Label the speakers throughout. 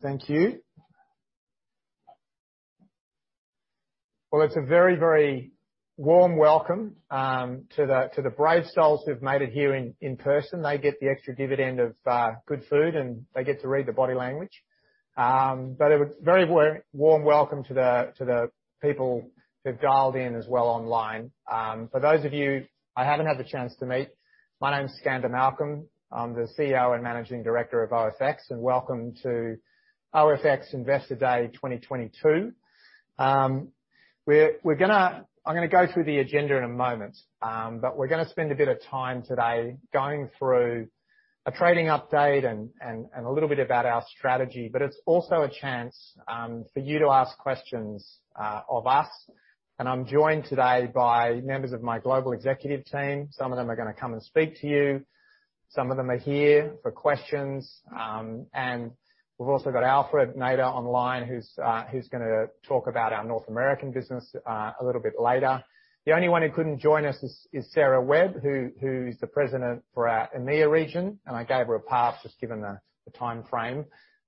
Speaker 1: Thank you. Well, it's a very warm welcome to the brave souls who've made it here in person. They get the extra dividend of good food, and they get to read the body language. A very warm welcome to the people who've dialed in as well online. For those of you I haven't had the chance to meet, my name is Skander Malcolm. I'm the CEO and Managing Director of OFX, and welcome to OFX Investor Day 2022. I'm gonna go through the agenda in a moment, but we're gonna spend a bit of time today going through a trading update and a little bit about our strategy. It's also a chance for you to ask questions of us. I'm joined today by members of my global executive team. Some of them are gonna come and speak to you. Some of them are here for questions. We've also got Alfred Nader online who's gonna talk about our North American business a little bit later. The only one who couldn't join us is Sarah Webb, who's the President for our EMEA region, and I gave her a pass just given the timeframe.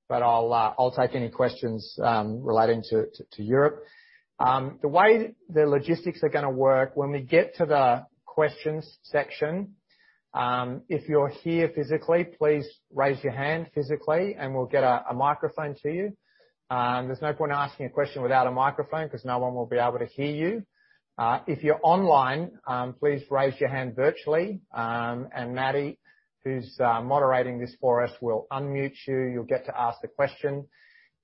Speaker 1: I'll take any questions relating to Europe. The way the logistics are gonna work when we get to the questions section, if you're here physically, please raise your hand physically, and we'll get a microphone to you. There's no point asking a question without a microphone 'cause no one will be able to hear you. If you're online, please raise your hand virtually, and Maddie, who's moderating this for us, will unmute you. You'll get to ask the question.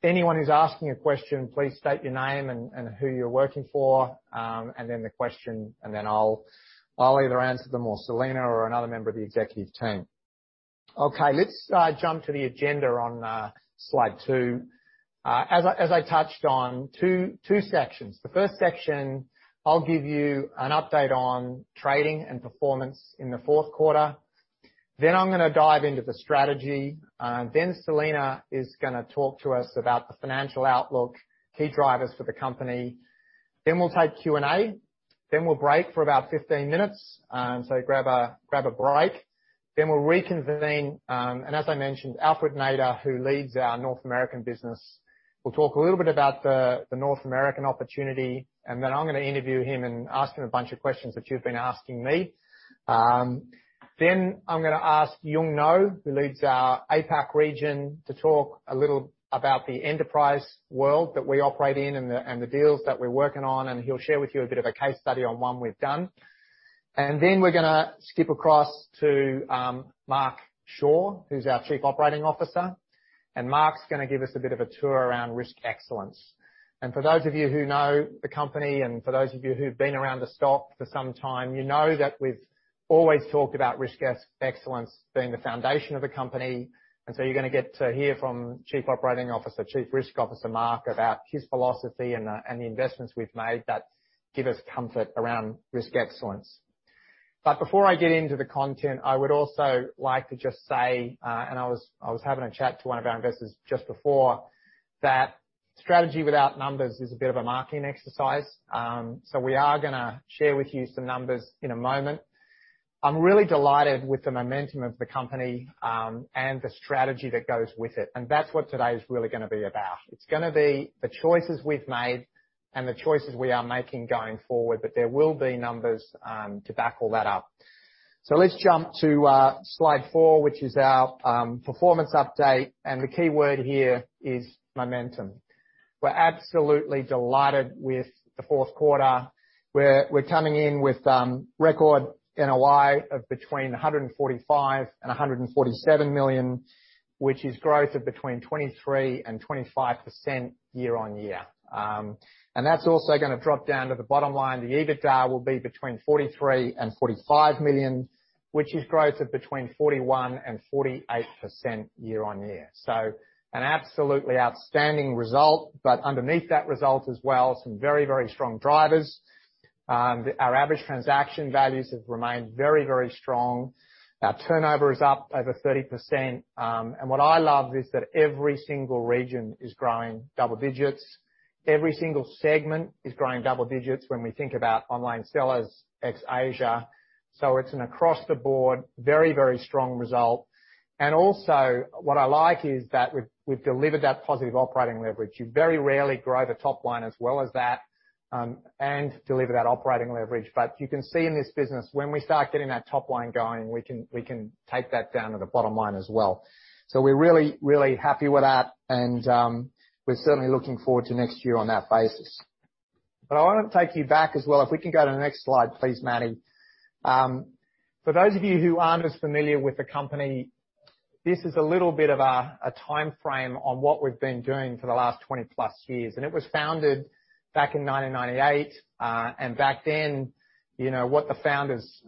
Speaker 1: Anyone who's asking a question, please state your name and who you're working for, and then the question. I'll either answer them or Selena or another member of the executive team. Okay. Let's jump to the agenda on slide two. As I touched on, two sections. The first section, I'll give you an update on trading and performance in the fourth quarter. I'm gonna dive into the strategy. Selena is gonna talk to us about the financial outlook, key drivers for the company. We'll take Q&A. We'll break for about 15 minutes, so grab a break. We'll reconvene. As I mentioned, Alfred Nader, who leads our North American business, will talk a little bit about the North American opportunity. I'm gonna interview him and ask him a bunch of questions that you've been asking me. I'm gonna ask Yung Ngo, who leads our APAC region, to talk a little about the enterprise world that we operate in and the deals that we're working on, and he'll share with you a bit of a case study on one we've done. We're gonna skip across to Mark Shaw, who's our Chief Operating Officer, and Mark's gonna give us a bit of a tour around risk excellence. For those of you who know the company, and for those of you who've been around the stock for some time, you know that we've always talked about risk excellence being the foundation of the company. You're gonna get to hear from Chief Operating Officer, Chief Risk Officer Mark about his philosophy and the investments we've made that give us comfort around risk excellence. Before I get into the content, I would also like to just say, and I was having a chat to one of our investors just before, that strategy without numbers is a bit of a marketing exercise. So we are gonna share with you some numbers in a moment. I'm really delighted with the momentum of the company, and the strategy that goes with it. That's what today is really gonna be about. It's gonna be the choices we've made and the choices we are making going forward. There will be numbers to back all that up. Let's jump to slide 4, which is our performance update. The key word here is momentum. We're absolutely delighted with the fourth quarter. We're coming in with record NOI of between 145 million and 147 million, which is growth of between 23% and 25% year-over-year. That's also gonna drop down to the bottom line. The EBITDA will be between 43 million and 45 million, which is growth of between 41% and 48% year-over-year. An absolutely outstanding result. Underneath that result as well, some very, very strong drivers. Our average transaction values have remained very, very strong. Our turnover is up over 30%. What I love is that every single region is growing double digits. Every single segment is growing double digits when we think about online sellers ex Asia. It's an across the board very, very strong result. Also, what I like is that we've delivered that positive operating leverage. You very rarely grow the top line as well as that and deliver that operating leverage. You can see in this business, when we start getting that top line going, we can take that down to the bottom line as well. We're really, really happy with that, and we're certainly looking forward to next year on that basis. I wanna take you back as well. If we can go to the next slide, please, Maddie. For those of you who aren't as familiar with the company, this is a little bit of a timeframe on what we've been doing for the last 20+ years. It was founded back in 1998. Back then, you know, what the founders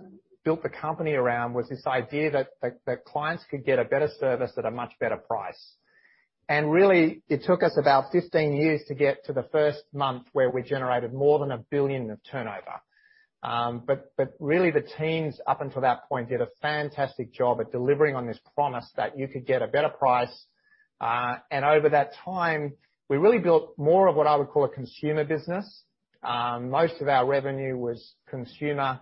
Speaker 1: built the company around was this idea that clients could get a better service at a much better price. Really, it took us about 15 years to get to the first month where we generated more than 1 billion of turnover. But really the teams up until that point did a fantastic job at delivering on this promise that you could get a better price. Over that time, we really built more of what I would call a consumer business. Most of our revenue was consumer,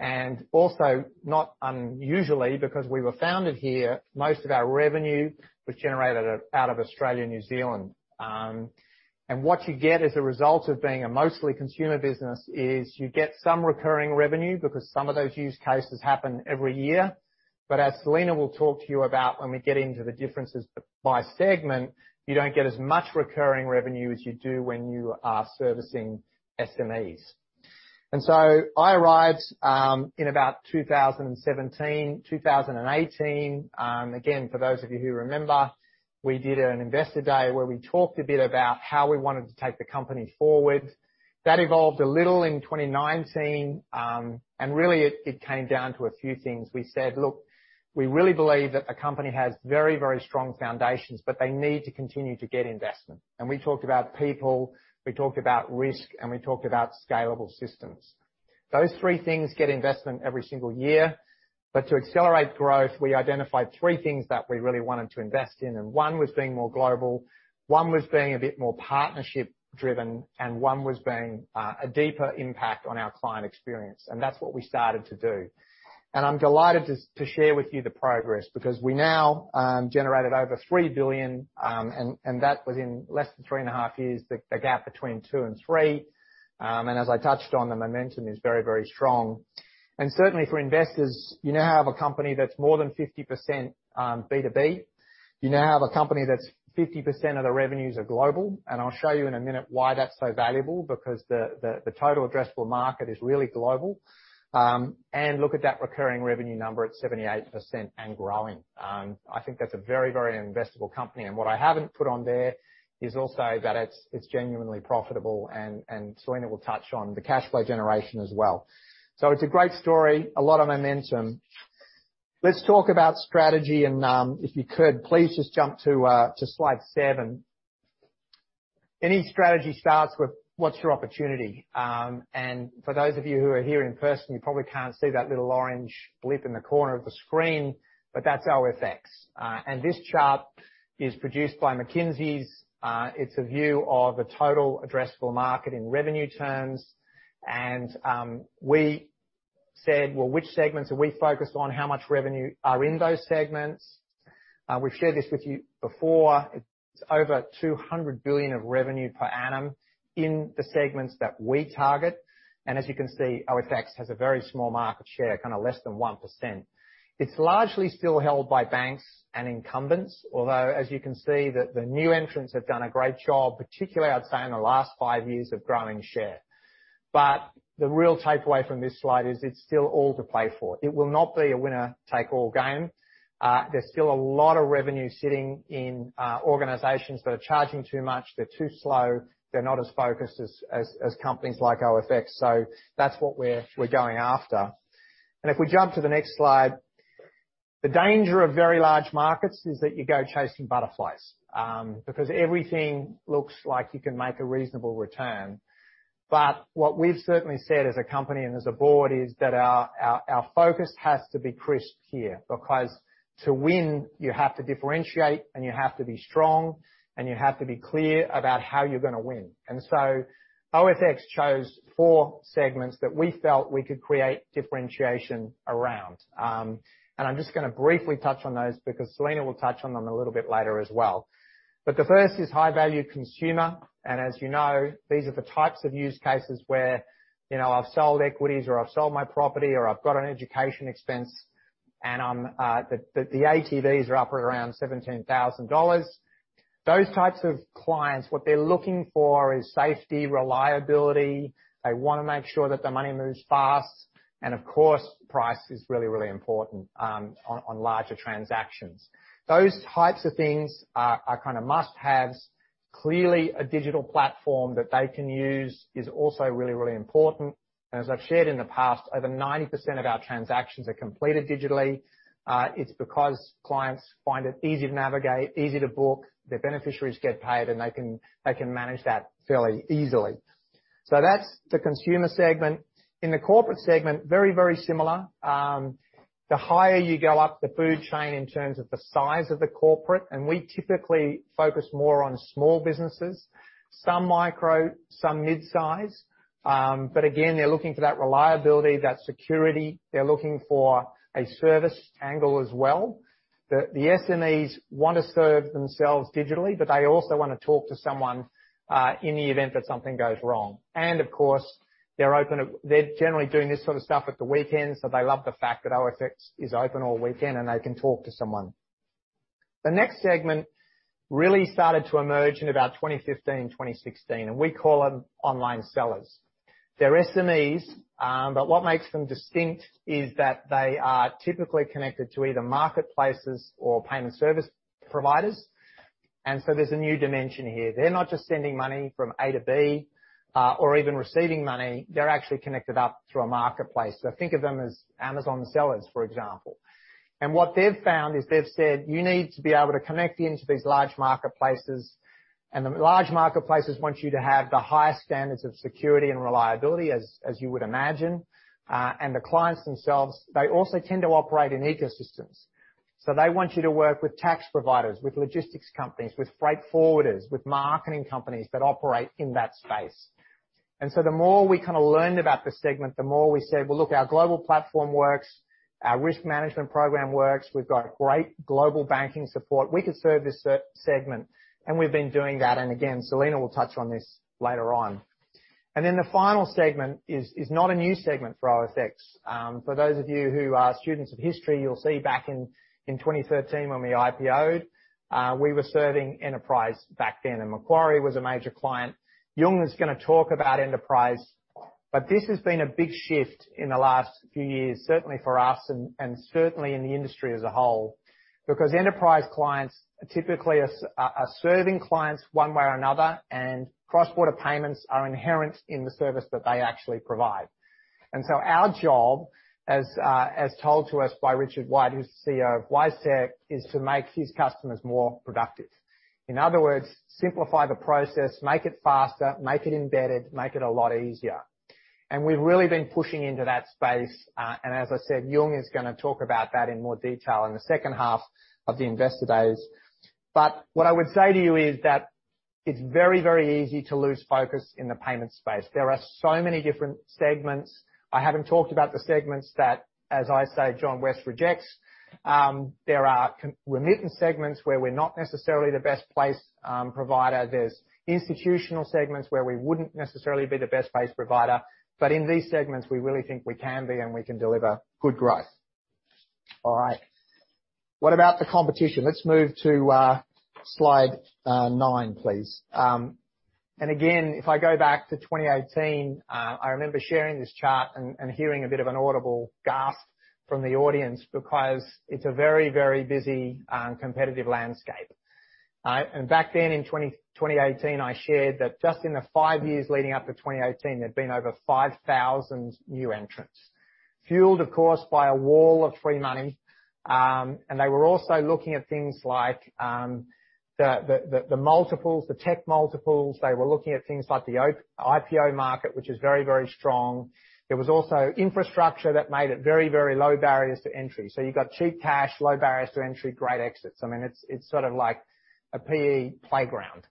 Speaker 1: and also not unusually because we were founded here, most of our revenue was generated out of Australia and New Zealand. What you get as a result of being a mostly consumer business is you get some recurring revenue because some of those use cases happen every year. But as Selena will talk to you about when we get into the differences by segment, you don't get as much recurring revenue as you do when you are servicing SMEs. I arrived in about 2017, 2018. Again, for those of you who remember, we did an investor day where we talked a bit about how we wanted to take the company forward. That evolved a little in 2019, and really it came down to a few things. We said, "Look, we really believe that the company has very, very strong foundations, but they need to continue to get investment." We talked about people, we talked about risk, and we talked about scalable systems. Those three things get investment every single year. To accelerate growth, we identified three things that we really wanted to invest in, and one was being more global, one was being a bit more partnership-driven, and one was being a deeper impact on our client experience. That's what we started to do. I'm delighted to share with you the progress, because we now generated over 3 billion, and that within less than 3.5 years, the gap between 2 billion and 3 billion. As I touched on, the momentum is very, very strong. Certainly for investors, you now have a company that's more than 50% B2B. You now have a company that's 50% of the revenues are global. I'll show you in a minute why that's so valuable, because the total addressable market is really global. Look at that recurring revenue number at 78% and growing. I think that's a very, very investable company. What I haven't put on there is also that it's genuinely profitable and Selena will touch on the cash flow generation as well. It's a great story, a lot of momentum. Let's talk about strategy and if you could, please just jump to slide 7. Any strategy starts with what's your opportunity. For those of you who are here in person, you probably can't see that little orange blip in the corner of the screen, but that's OFX. This chart is produced by McKinsey. It's a view of the total addressable market in revenue terms. We said, "Well, which segments are we focused on? How much revenue are in those segments?" We've shared this with you before. It's over 200 billion of revenue per annum in the segments that we target. As you can see, OFX has a very small market share, kind of less than 1%. It's largely still held by banks and incumbents. Although, as you can see that the new entrants have done a great job, particularly I'd say in the last five years of growing share. The real takeaway from this slide is it's still all to play for. It will not be a winner-take-all game. There's still a lot of revenue sitting in organizations that are charging too much, they're too slow, they're not as focused as companies like OFX. That's what we're going after. If we jump to the next slide. The danger of very large markets is that you go chasing butterflies, because everything looks like you can make a reasonable return. What we've certainly said as a company and as a board is that our focus has to be crisp here, because to win, you have to differentiate and you have to be strong, and you have to be clear about how you're gonna win. OFX chose four segments that we felt we could create differentiation around. I'm just gonna briefly touch on those because Selena will touch on them a little bit later as well. The first is high-value consumer. As you know, these are the types of use cases where, you know, I've sold equities or I've sold my property, or I've got an education expense, the ATVs are up around 17,000 dollars. Those types of clients, what they're looking for is safety, reliability. They wanna make sure that their money moves fast. Of course, price is really, really important on larger transactions. Those types of things are kinda must-haves. Clearly a digital platform that they can use is also really, really important. As I've shared in the past, over 90% of our transactions are completed digitally. It's because clients find it easy to navigate, easy to book, their beneficiaries get paid, and they can manage that fairly easily. That's the consumer segment. In the corporate segment, very, very similar. The higher you go up the food chain in terms of the size of the corporate, and we typically focus more on small businesses, some micro, some mid-size. But again, they're looking for that reliability, that security. They're looking for a service angle as well. The SMEs want to serve themselves digitally, but they also want to talk to someone in the event that something goes wrong. Of course, they're open, they're generally doing this sort of stuff at the weekend, so they love the fact that OFX is open all weekend and they can talk to someone. The next segment really started to emerge in about 2015, 2016, and we call them online sellers. They're SMEs, but what makes them distinct is that they are typically connected to either marketplaces or payment service providers. There's a new dimension here. They're not just sending money from A to B, or even receiving money. They're actually connected up through a marketplace. Think of them as Amazon sellers, for example. What they've found is they've said, "You need to be able to connect into these large marketplaces." The large marketplaces want you to have the highest standards of security and reliability, as you would imagine. The clients themselves, they also tend to operate in ecosystems. They want you to work with tax providers, with logistics companies, with freight forwarders, with marketing companies that operate in that space. The more we kind of learned about the segment, the more we said, "Well, look, our global platform works, our risk management program works. We've got great global banking support. We could serve this segment." We've been doing that. Again, Selena will touch on this later on. The final segment is not a new segment for OFX. For those of you who are students of history, you'll see back in 2013 when we IPO'd, we were serving Enterprise back then, and Macquarie was a major client. Yung is gonna talk about Enterprise. This has been a big shift in the last few years, certainly for us and certainly in the industry as a whole, because Enterprise clients typically are serving clients one way or another, and cross-border payments are inherent in the service that they actually provide. Our job, as told to us by Richard White, who's the CEO of WiseTech, is to make his customers more productive. In other words, simplify the process, make it faster, make it embedded, make it a lot easier. We've really been pushing into that space. As I said, Yung is gonna talk about that in more detail in the second half of the investor days. What I would say to you is that it's very, very easy to lose focus in the payments space. There are so many different segments. I haven't talked about the segments that, as I say, John West rejects. There are remitting segments where we're not necessarily the best-placed provider. There's institutional segments where we wouldn't necessarily be the best-placed provider. In these segments, we really think we can be, and we can deliver good growth. All right. What about the competition? Let's move to slide nine, please. Again, if I go back to 2018, I remember sharing this chart and hearing a bit of an audible gasp from the audience because it's a very, very busy competitive landscape. Back then in 2018, I shared that just in the five years leading up to 2018, there'd been over 5,000 new entrants. Fueled, of course, by a wall of free money. They were also looking at things like the multiples, the tech multiples. They were looking at things like the IPO market, which is very, very strong. There was also infrastructure that made it very, very low barriers to entry. So you got cheap cash, low barriers to entry, great exits. I mean, it's sort of like a PE playground.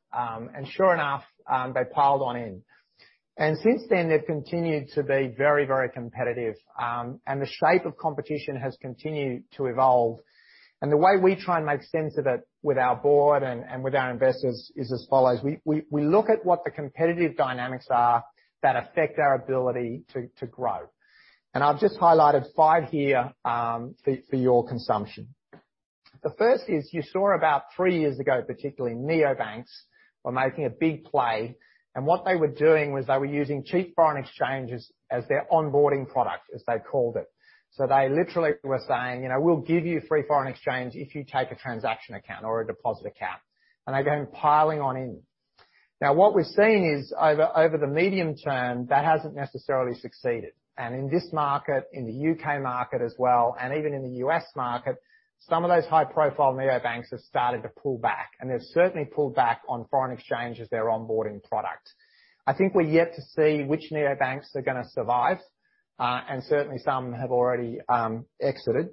Speaker 1: Sure enough, they piled on in. Since then, they've continued to be very, very competitive. The shape of competition has continued to evolve. The way we try and make sense of it with our board and with our investors is as follows: We look at what the competitive dynamics are that affect our ability to grow. I've just highlighted five here for your consumption. The first is you saw about three years ago, particularly neobanks were making a big play, and what they were doing was they were using cheap foreign exchanges as their onboarding product, as they called it. They literally were saying, "You know, we'll give you free foreign exchange if you take a transaction account or a deposit account." They went piling on in. Now, what we're seeing is over the medium term, that hasn't necessarily succeeded. In this market, in the U.K. market as well, and even in the U.S. market, some of those high-profile neobanks have started to pull back, and they've certainly pulled back on foreign exchange as their onboarding product. I think we're yet to see which neobanks are gonna survive, and certainly some have already exited,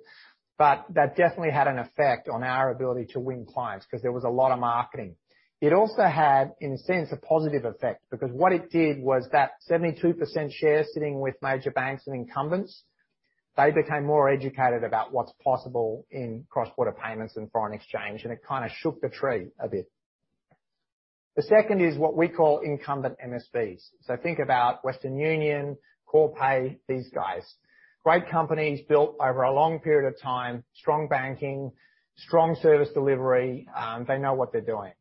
Speaker 1: but that definitely had an effect on our ability to win clients 'cause there was a lot of marketing. It also had, in a sense, a positive effect because what it did was that 72% share sitting with major banks and incumbents, they became more educated about what's possible in cross-border payments and foreign exchange, and it kinda shook the tree a bit. The second is what we call incumbent MSPs. So think about Western Union, Corpay, these guys. Great companies built over a long period of time, strong banking, strong service delivery. They know what they're doing.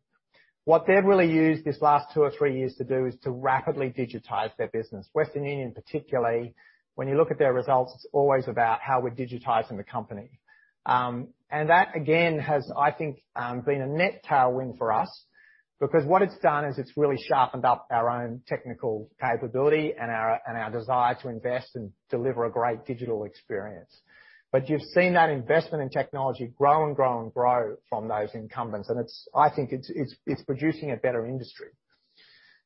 Speaker 1: What they've really used this last two or three years to do is to rapidly digitize their business. Western Union, particularly, when you look at their results, it's always about how we're digitizing the company. That again has, I think, been a net tailwind for us because what it's done is it's really sharpened up our own technical capability and our desire to invest and deliver a great digital experience. You've seen that investment in technology grow and grow and grow from those incumbents, and I think it's producing a better industry.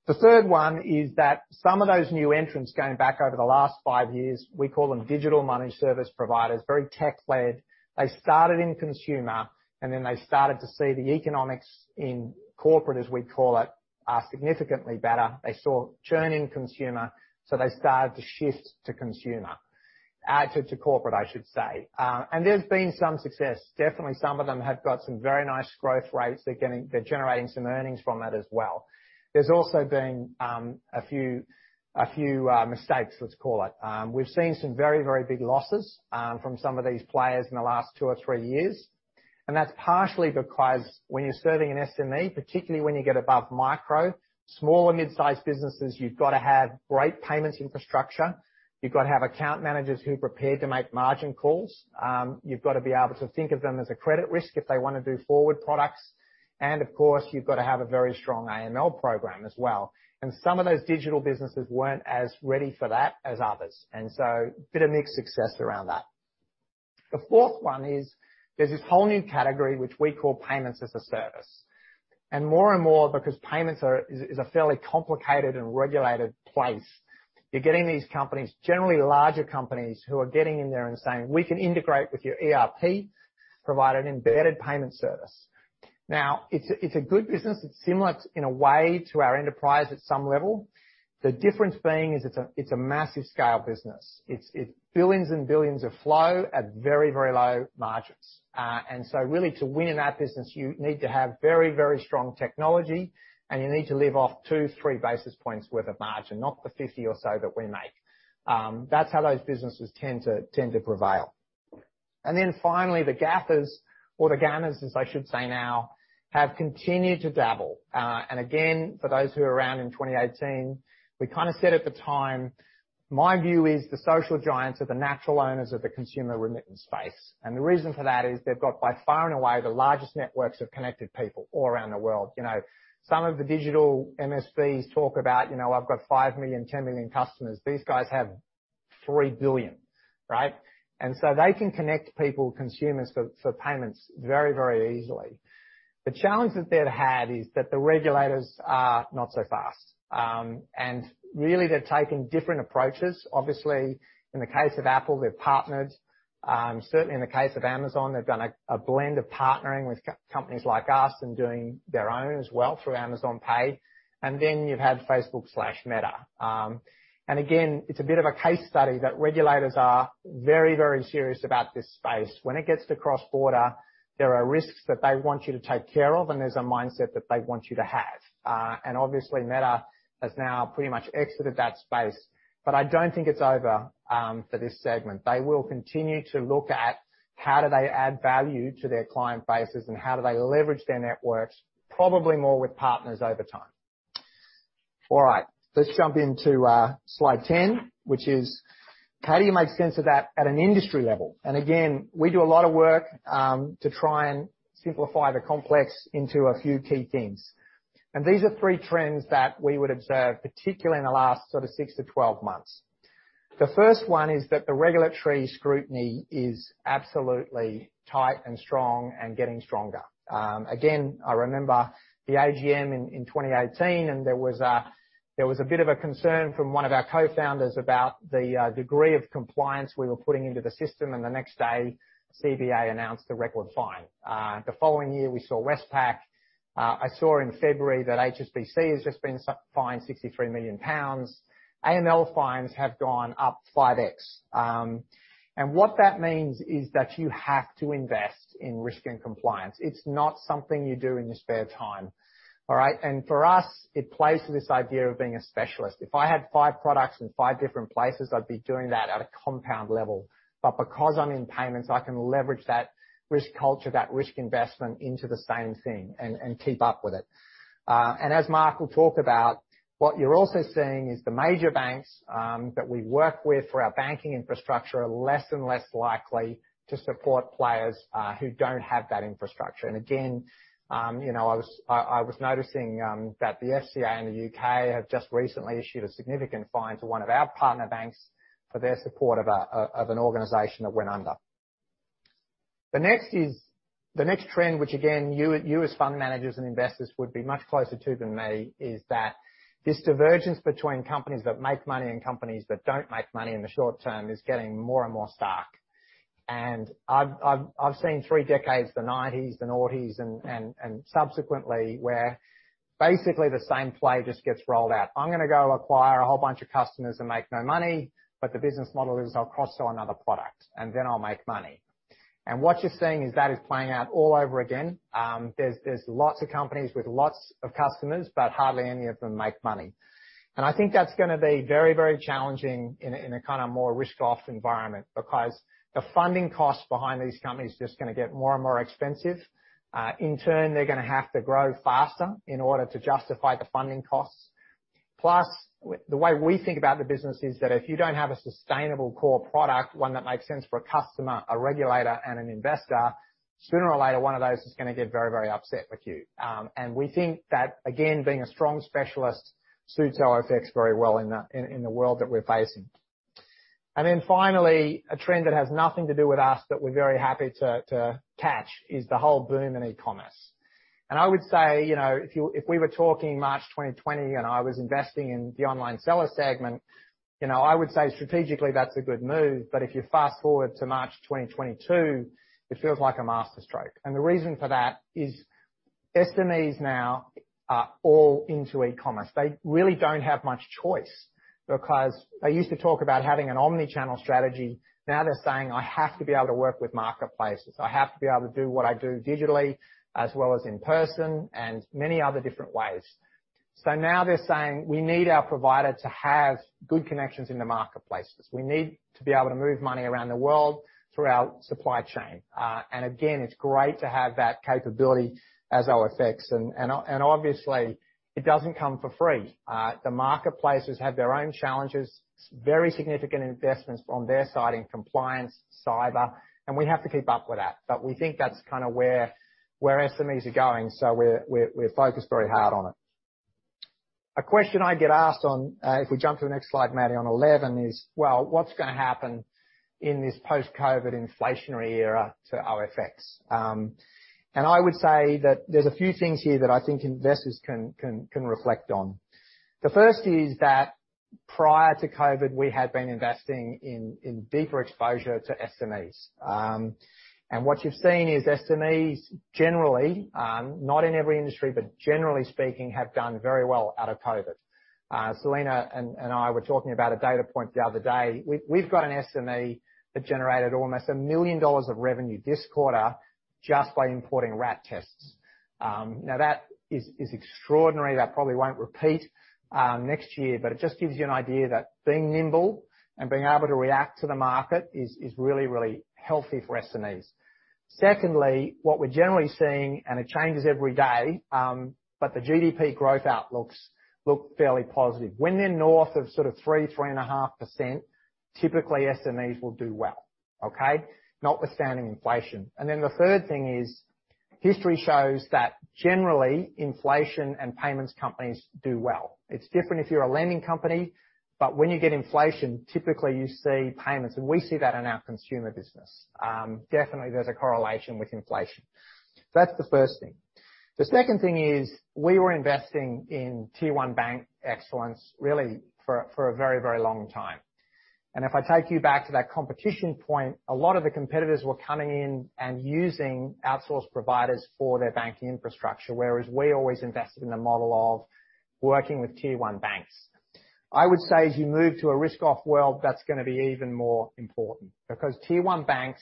Speaker 1: The third one is that some of those new entrants going back over the last five years, we call them digital money service providers, very tech-led. They started in consumer, and then they started to see the economics in corporate, as we call it, are significantly better. They saw consumer churn, so they started to shift to corporate, I should say. There's been some success. Definitely some of them have got some very nice growth rates. They're generating some earnings from that as well. There's also been a few mistakes, let's call it. We've seen some very big losses from some of these players in the last two or three years. That's partially because when you're serving an SME, particularly when you get above micro, small or mid-sized businesses, you've gotta have great payments infrastructure. You've gotta have account managers who are prepared to make margin calls. You've gotta be able to think of them as a credit risk if they wanna do forward products. Of course, you've gotta have a very strong AML program as well. Some of those digital businesses weren't as ready for that as others. Bit of mixed success around that. The fourth one is, there's this whole new category which we call payments as a service. More and more because payments are a fairly complicated and regulated place. You're getting these companies, generally larger companies, who are getting in there and saying, "We can integrate with your ERP, provide an embedded payment service." Now, it's a good business. It's similar to, in a way, to our enterprise at some level. The difference being it's a massive scale business. It's billions and billions of flow at very, very low margins. Really, to win in that business, you need to have very, very strong technology, and you need to live off 2, 3 basis points worth of margin, not the 50 or so that we make. That's how those businesses tend to prevail. Finally, the GAFA's or the GAMA's, as I should say now, have continued to dabble. Again, for those who were around in 2018, we kind of said at the time, my view is the social giants are the natural owners of the consumer remittance space. The reason for that is they've got, by far and away, the largest networks of connected people all around the world. You know, some of the digital MSPs talk about, you know, I've got 5 million, 10 million customers. These guys have 3 billion, right? They can connect people, consumers for payments very easily. The challenge that they've had is that the regulators are not so fast. Really, they're taking different approaches. Obviously, in the case of Apple, they've partnered. Certainly in the case of Amazon, they've done a blend of partnering with companies like us and doing their own as well through Amazon Pay. Then you've had Facebook/Meta. Again, it's a bit of a case study that regulators are very, very serious about this space. When it gets to cross-border, there are risks that they want you to take care of, and there's a mindset that they want you to have. Obviously, Meta has now pretty much exited that space. I don't think it's over for this segment. They will continue to look at how do they add value to their client bases and how do they leverage their networks, probably more with partners over time. All right, let's jump into slide 10, which is how do you make sense of that at an industry level? Again, we do a lot of work to try and simplify the complex into a few key things. These are three trends that we would observe, particularly in the last sort of 6 to 12 months. The first one is that the regulatory scrutiny is absolutely tight and strong and getting stronger. Again, I remember the AGM in 2018, and there was a bit of a concern from one of our co-founders about the degree of compliance we were putting into the system. The next day, CBA announced a record fine. The following year, we saw Westpac. I saw in February that HSBC has just been fined 63 million pounds. AML fines have gone up 5x. What that means is that you have to invest in risk and compliance. It's not something you do in your spare time. All right? For us, it plays to this idea of being a specialist. If I had five products in five different places, I'd be doing that at a compound level. Because I'm in payments, I can leverage that risk culture, that risk investment into the same thing and keep up with it. As Mark will talk about, what you're also seeing is the major banks that we work with for our banking infrastructure are less and less likely to support players who don't have that infrastructure. Again, you know, I was noticing that the FCA in the U.K. have just recently issued a significant fine to one of our partner banks for their support of an organization that went under. The next is... The next trend, which again, you as fund managers and investors would be much closer to than me, is that this divergence between companies that make money and companies that don't make money in the short term is getting more and more stark. I've seen three decades, the nineties, the noughties and subsequently, where basically the same play just gets rolled out. I'm gonna go acquire a whole bunch of customers and make no money, but the business model is I'll cross-sell another product, and then I'll make money. What you're seeing is that is playing out all over again. There's lots of companies with lots of customers, but hardly any of them make money. I think that's gonna be very, very challenging in a kind of more risk off environment, because the funding costs behind these companies are just gonna get more and more expensive. In turn, they're gonna have to grow faster in order to justify the funding costs. Plus, the way we think about the business is that if you don't have a sustainable core product, one that makes sense for a customer, a regulator, and an investor, sooner or later, one of those is gonna get very, very upset with you. We think that, again, being a strong specialist suits OFX very well in the world that we're facing. Then finally, a trend that has nothing to do with us, but we're very happy to catch is the whole boom in e-commerce. I would say, you know, if we were talking March 2020 and I was investing in the online seller segment, you know, I would say strategically, that's a good move. If you fast-forward to March 2022, it feels like a master stroke. The reason for that is SMEs now are all into e-commerce. They really don't have much choice because they used to talk about having an omni-channel strategy. Now they're saying, "I have to be able to work with marketplaces. I have to be able to do what I do digitally as well as in person and many other different ways." Now they're saying, "We need our provider to have good connections in the marketplaces. We need to be able to move money around the world through our supply chain." Again, it's great to have that capability as OFX. Obviously, it doesn't come for free. The marketplaces have their own challenges, very significant investments on their side in compliance, cyber, and we have to keep up with that. We think that's kinda where SMEs are going, so we're focused very hard on it. A question I get asked on, if we jump to the next slide, Maddie, on eleven is, well, what's gonna happen in this post-COVID inflationary era to OFX? I would say that there's a few things here that I think investors can reflect on. The first is that prior to COVID, we had been investing in deeper exposure to SMEs. What you've seen is SMEs generally, not in every industry, but generally speaking, have done very well out of COVID. Selena and I were talking about a data point the other day. We've got an SME that generated almost 1 million dollars of revenue this quarter just by importing RAT tests. Now that is extraordinary. That probably won't repeat next year, but it just gives you an idea that being nimble and being able to react to the market is really healthy for SMEs. Secondly, what we're generally seeing, and it changes every day, but the GDP growth outlooks look fairly positive. When they're north of sort of 3-3.5%, typically SMEs will do well, okay? Notwithstanding inflation. The third thing is history shows that generally, inflation and payments companies do well. It's different if you're a lending company, but when you get inflation, typically you see payments. We see that in our consumer business. Definitely there's a correlation with inflation. That's the first thing. The second thing is we were investing in tier one bank excellence really for a very, very long time. If I take you back to that competition point, a lot of the competitors were coming in and using outsourced providers for their banking infrastructure, whereas we always invested in the model of working with tier one banks. I would say as you move to a risk off world, that's gonna be even more important. Because tier one banks,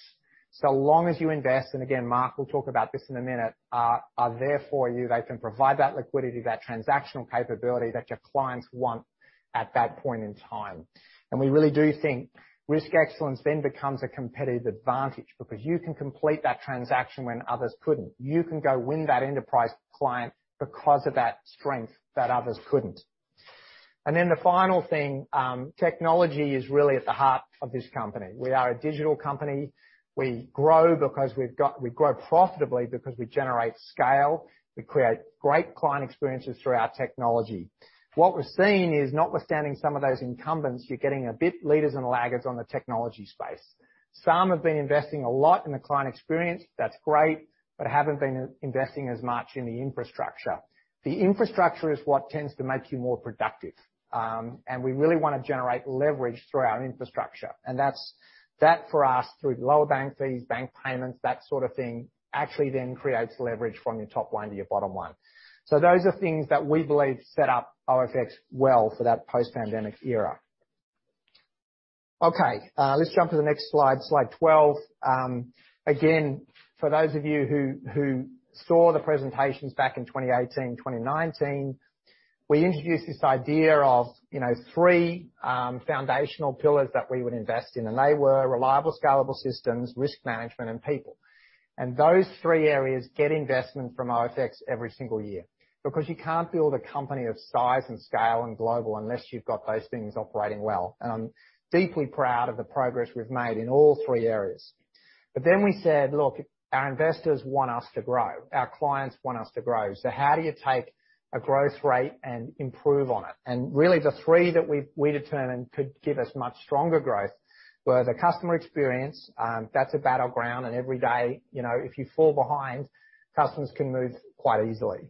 Speaker 1: so long as you invest, and again, Mark will talk about this in a minute, are there for you. They can provide that liquidity, that transactional capability that your clients want at that point in time. We really do think risk excellence then becomes a competitive advantage because you can complete that transaction when others couldn't. You can go win that enterprise client because of that strength that others couldn't. The final thing, technology is really at the heart of this company. We are a digital company. We grow profitably because we generate scale, we create great client experiences through our technology. What we're seeing is, notwithstanding some of those incumbents, you're getting a bit leaders and laggards on the technology space. Some have been investing a lot in the client experience, that's great, but haven't been investing as much in the infrastructure. The infrastructure is what tends to make you more productive. We really wanna generate leverage through our infrastructure. That's for us, through lower bank fees, bank payments, that sort of thing, actually then creates leverage from your top line to your bottom line. Those are things that we believe set up OFX well for that post-pandemic era. Okay, let's jump to the next slide. Slide 12. Again, for those of you who saw the presentations back in 2018, 2019, we introduced this idea of, you know, three foundational pillars that we would invest in, and they were reliable, scalable systems, risk management, and people. Those three areas get investment from OFX every single year. Because you can't build a company of size and scale and global unless you've got those things operating well. I'm deeply proud of the progress we've made in all three areas. Then we said, "Look, our investors want us to grow. Our clients want us to grow." How do you take a growth rate and improve on it? Really, the three that we determined could give us much stronger growth were the customer experience. That's a battleground. Every day, you know, if you fall behind, customers can move quite easily.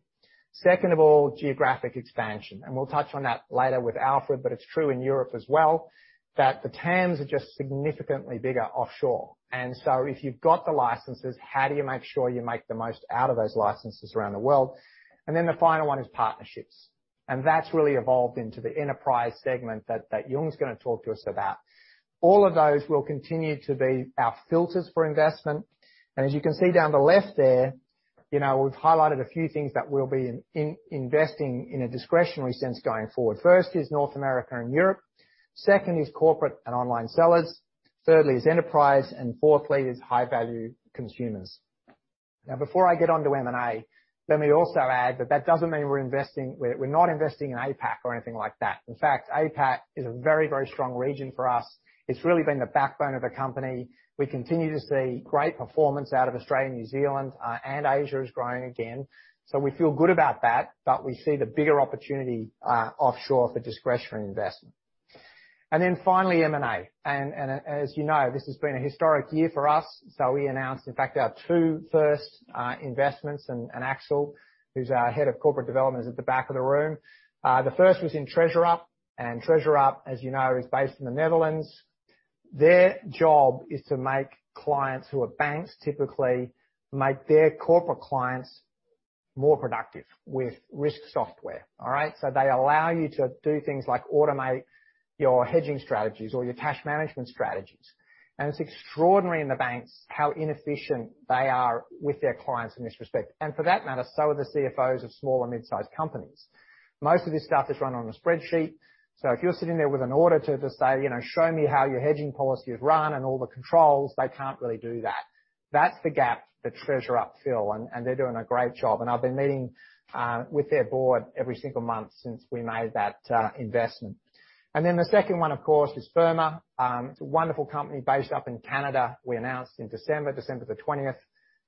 Speaker 1: Second of all, geographic expansion. We'll touch on that later with Alfred, but it's true in Europe as well, that the TAMs are just significantly bigger offshore. So if you've got the licenses, how do you make sure you make the most out of those licenses around the world? Then the final one is partnerships. That's really evolved into the enterprise segment that Yung's gonna talk to us about. All of those will continue to be our filters for investment. As you can see down the left there, you know, we've highlighted a few things that we'll be investing in a discretionary sense going forward. First is North America and Europe. Second is corporate and online sellers. Thirdly is enterprise. Fourthly is high-value consumers. Now, before I get onto M&A, let me also add that doesn't mean we're investing. We're not investing in APAC or anything like that. In fact, APAC is a very, very strong region for us. It's really been the backbone of the company. We continue to see great performance out of Australia and New Zealand, and Asia is growing again. We feel good about that. We see the bigger opportunity offshore for discretionary investment. Then finally, M&A. As you know, this has been a historic year for us. We announced, in fact, our two first investments. Axel, who's our head of corporate development, is at the back of the room. The first was in TreasurUp. TreasurUp, as you know, is based in the Netherlands. Their job is to make clients who are banks, typically, make their corporate clients more productive with risk software. All right? They allow you to do things like automate your hedging strategies or your cash management strategies. It's extraordinary in the banks how inefficient they are with their clients in this respect. For that matter, so are the CFOs of small and mid-sized companies. Most of this stuff is run on a spreadsheet. If you're sitting there with an auditor to say, "You know, show me how your hedging policy is run and all the controls," they can't really do that. That's the gap that TreasurUp fill, and they're doing a great job. I've been meeting with their board every single month since we made that investment. The second one, of course, is Firma. It's a wonderful company based up in Canada. We announced in December 20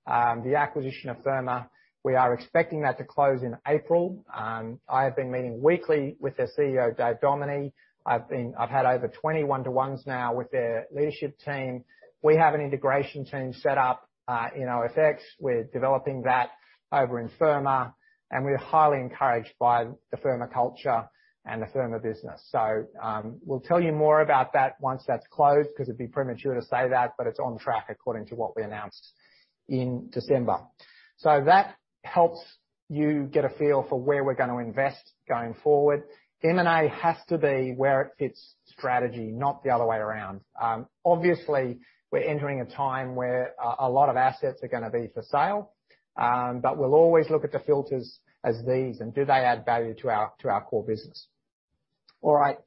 Speaker 1: the acquisition of Firma. We are expecting that to close in April. I have been meeting weekly with their CEO, Dave Dominy. I've had over 20 one-to-ones now with their leadership team. We have an integration team set up in OFX. We're developing that over in Firma, and we're highly encouraged by the Firma culture and the Firma business. We'll tell you more about that once that's closed, 'cause it'd be premature to say that, but it's on track according to what we announced in December. That helps you get a feel for where we're gonna invest going forward. M&A has to be where it fits strategy, not the other way around. Obviously, we're entering a time where a lot of assets are gonna be for sale, but we'll always look at the filters as these, and do they add value to our core business. All right,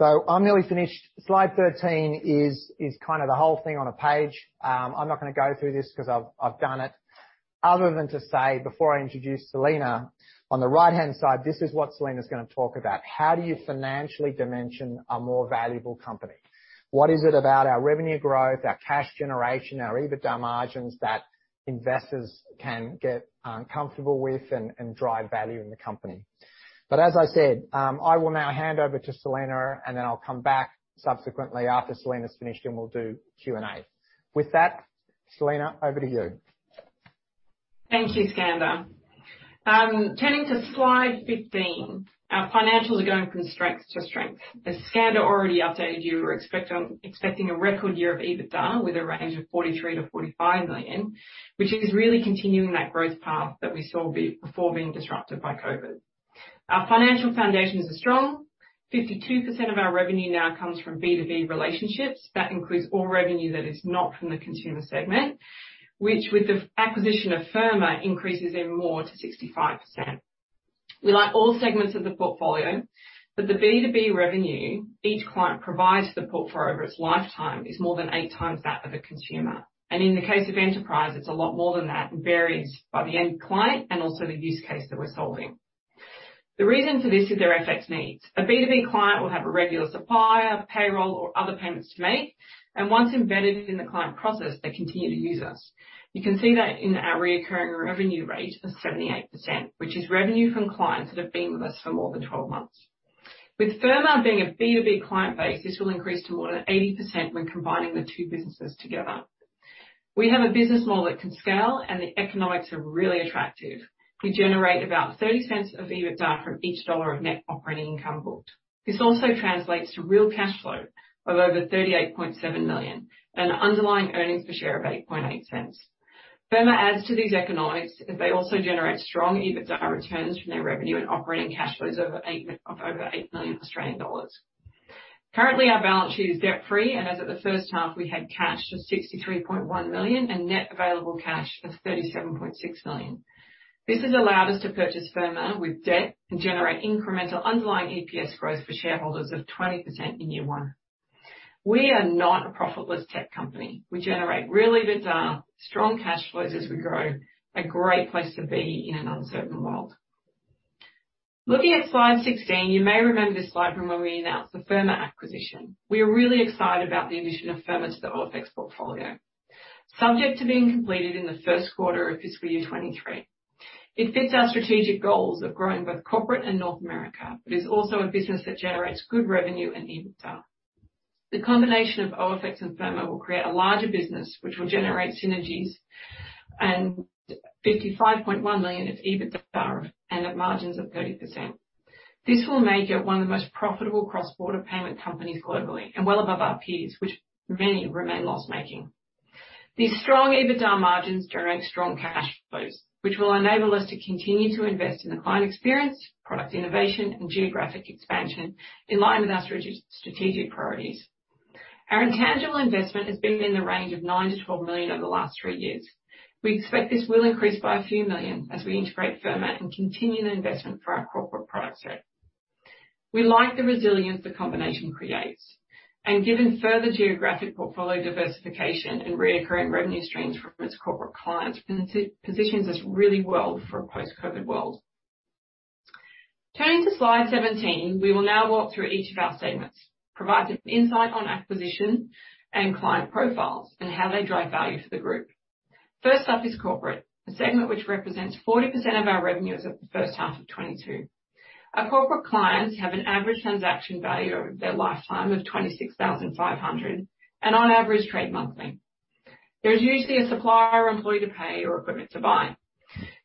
Speaker 1: I'm nearly finished. Slide 13 is kind of the whole thing on a page. I'm not gonna go through this 'cause I've done it, other than to say, before I introduce Selena, on the right-hand side, this is what Selena's gonna talk about. How do you financially dimension a more valuable company? What is it about our revenue growth, our cash generation, our EBITDA margins that investors can get comfortable with and drive value in the company? As I said, I will now hand over to Selena, and then I'll come back subsequently after Selena's finished, and we'll do Q&A. With that, Selena, over to you.
Speaker 2: Thank you, Skander. Turning to slide 15. Our financials are going from strength to strength. As Skander already updated you, we're expecting a record year of EBITDA with a range of 43 million-45 million, which is really continuing that growth path that we saw before being disrupted by COVID. Our financial foundations are strong. 52% of our revenue now comes from B2B relationships. That includes all revenue that is not from the consumer segment, which with the acquisition of Firma increases even more to 65%. We like all segments of the portfolio, but the B2B revenue each client provides support for over its lifetime is more than 8x that of a consumer. In the case of enterprise, it's a lot more than that and varies by the end client and also the use case that we're solving. The reason for this is their FX needs. A B2B client will have a regular supplier, payroll, or other payments to make, and once embedded in the client process, they continue to use us. You can see that in our recurring revenue rate of 78%, which is revenue from clients that have been with us for more than 12 months. With Firma being a B2B client base, this will increase to more than 80% when combining the two businesses together. We have a business model that can scale, and the economics are really attractive. We generate about 0.30 of EBITDA from each AUD 1 of net operating income booked. This also translates to real cash flow of over 38.7 million and underlying earnings per share of 0.088. Firma adds to these economics, as they also generate strong EBITDA returns from their revenue and operating cash flows of over 8 million Australian dollars. Currently, our balance sheet is debt-free, and as of the first half, we had cash of 63.1 million and net available cash of 37.6 million. This has allowed us to purchase Firma without debt and generate incremental underlying EPS growth for shareholders of 20% in year one. We are not a profitless tech company. We generate really good strong cash flows as we grow, a great place to be in an uncertain world. Looking at slide 16, you may remember this slide from when we announced the Firma acquisition. We are really excited about the addition of Firma to the OFX portfolio, subject to being completed in the first quarter of fiscal year 2023. It fits our strategic goals of growing both corporate and North America, but is also a business that generates good revenue and EBITDA. The combination of OFX and Firma will create a larger business, which will generate synergies and 55.1 million of EBITDA and at margins of 30%. This will make it one of the most profitable cross-border payment companies globally and well above our peers, which many remain loss-making. These strong EBITDA margins generate strong cash flows, which will enable us to continue to invest in the client experience, product innovation, and geographic expansion in line with our strategic priorities. Our intangible investment has been within the range of 9-12 million over the last three years. We expect this will increase by a few million as we integrate Firma and continue the investment for our corporate product set. We like the resilience the combination creates, and given further geographic portfolio diversification and recurring revenue streams from its corporate clients, positions us really well for a post-COVID world. Turning to slide 17, we will now walk through each of our segments, providing insight on acquisition and client profiles and how they drive value for the group. First up is corporate, a segment which represents 40% of our revenues at the first half of 2022. Our corporate clients have an average transaction value over their lifetime of 26,500 and on average trade monthly. There is usually a supplier or employee to pay or equipment to buy.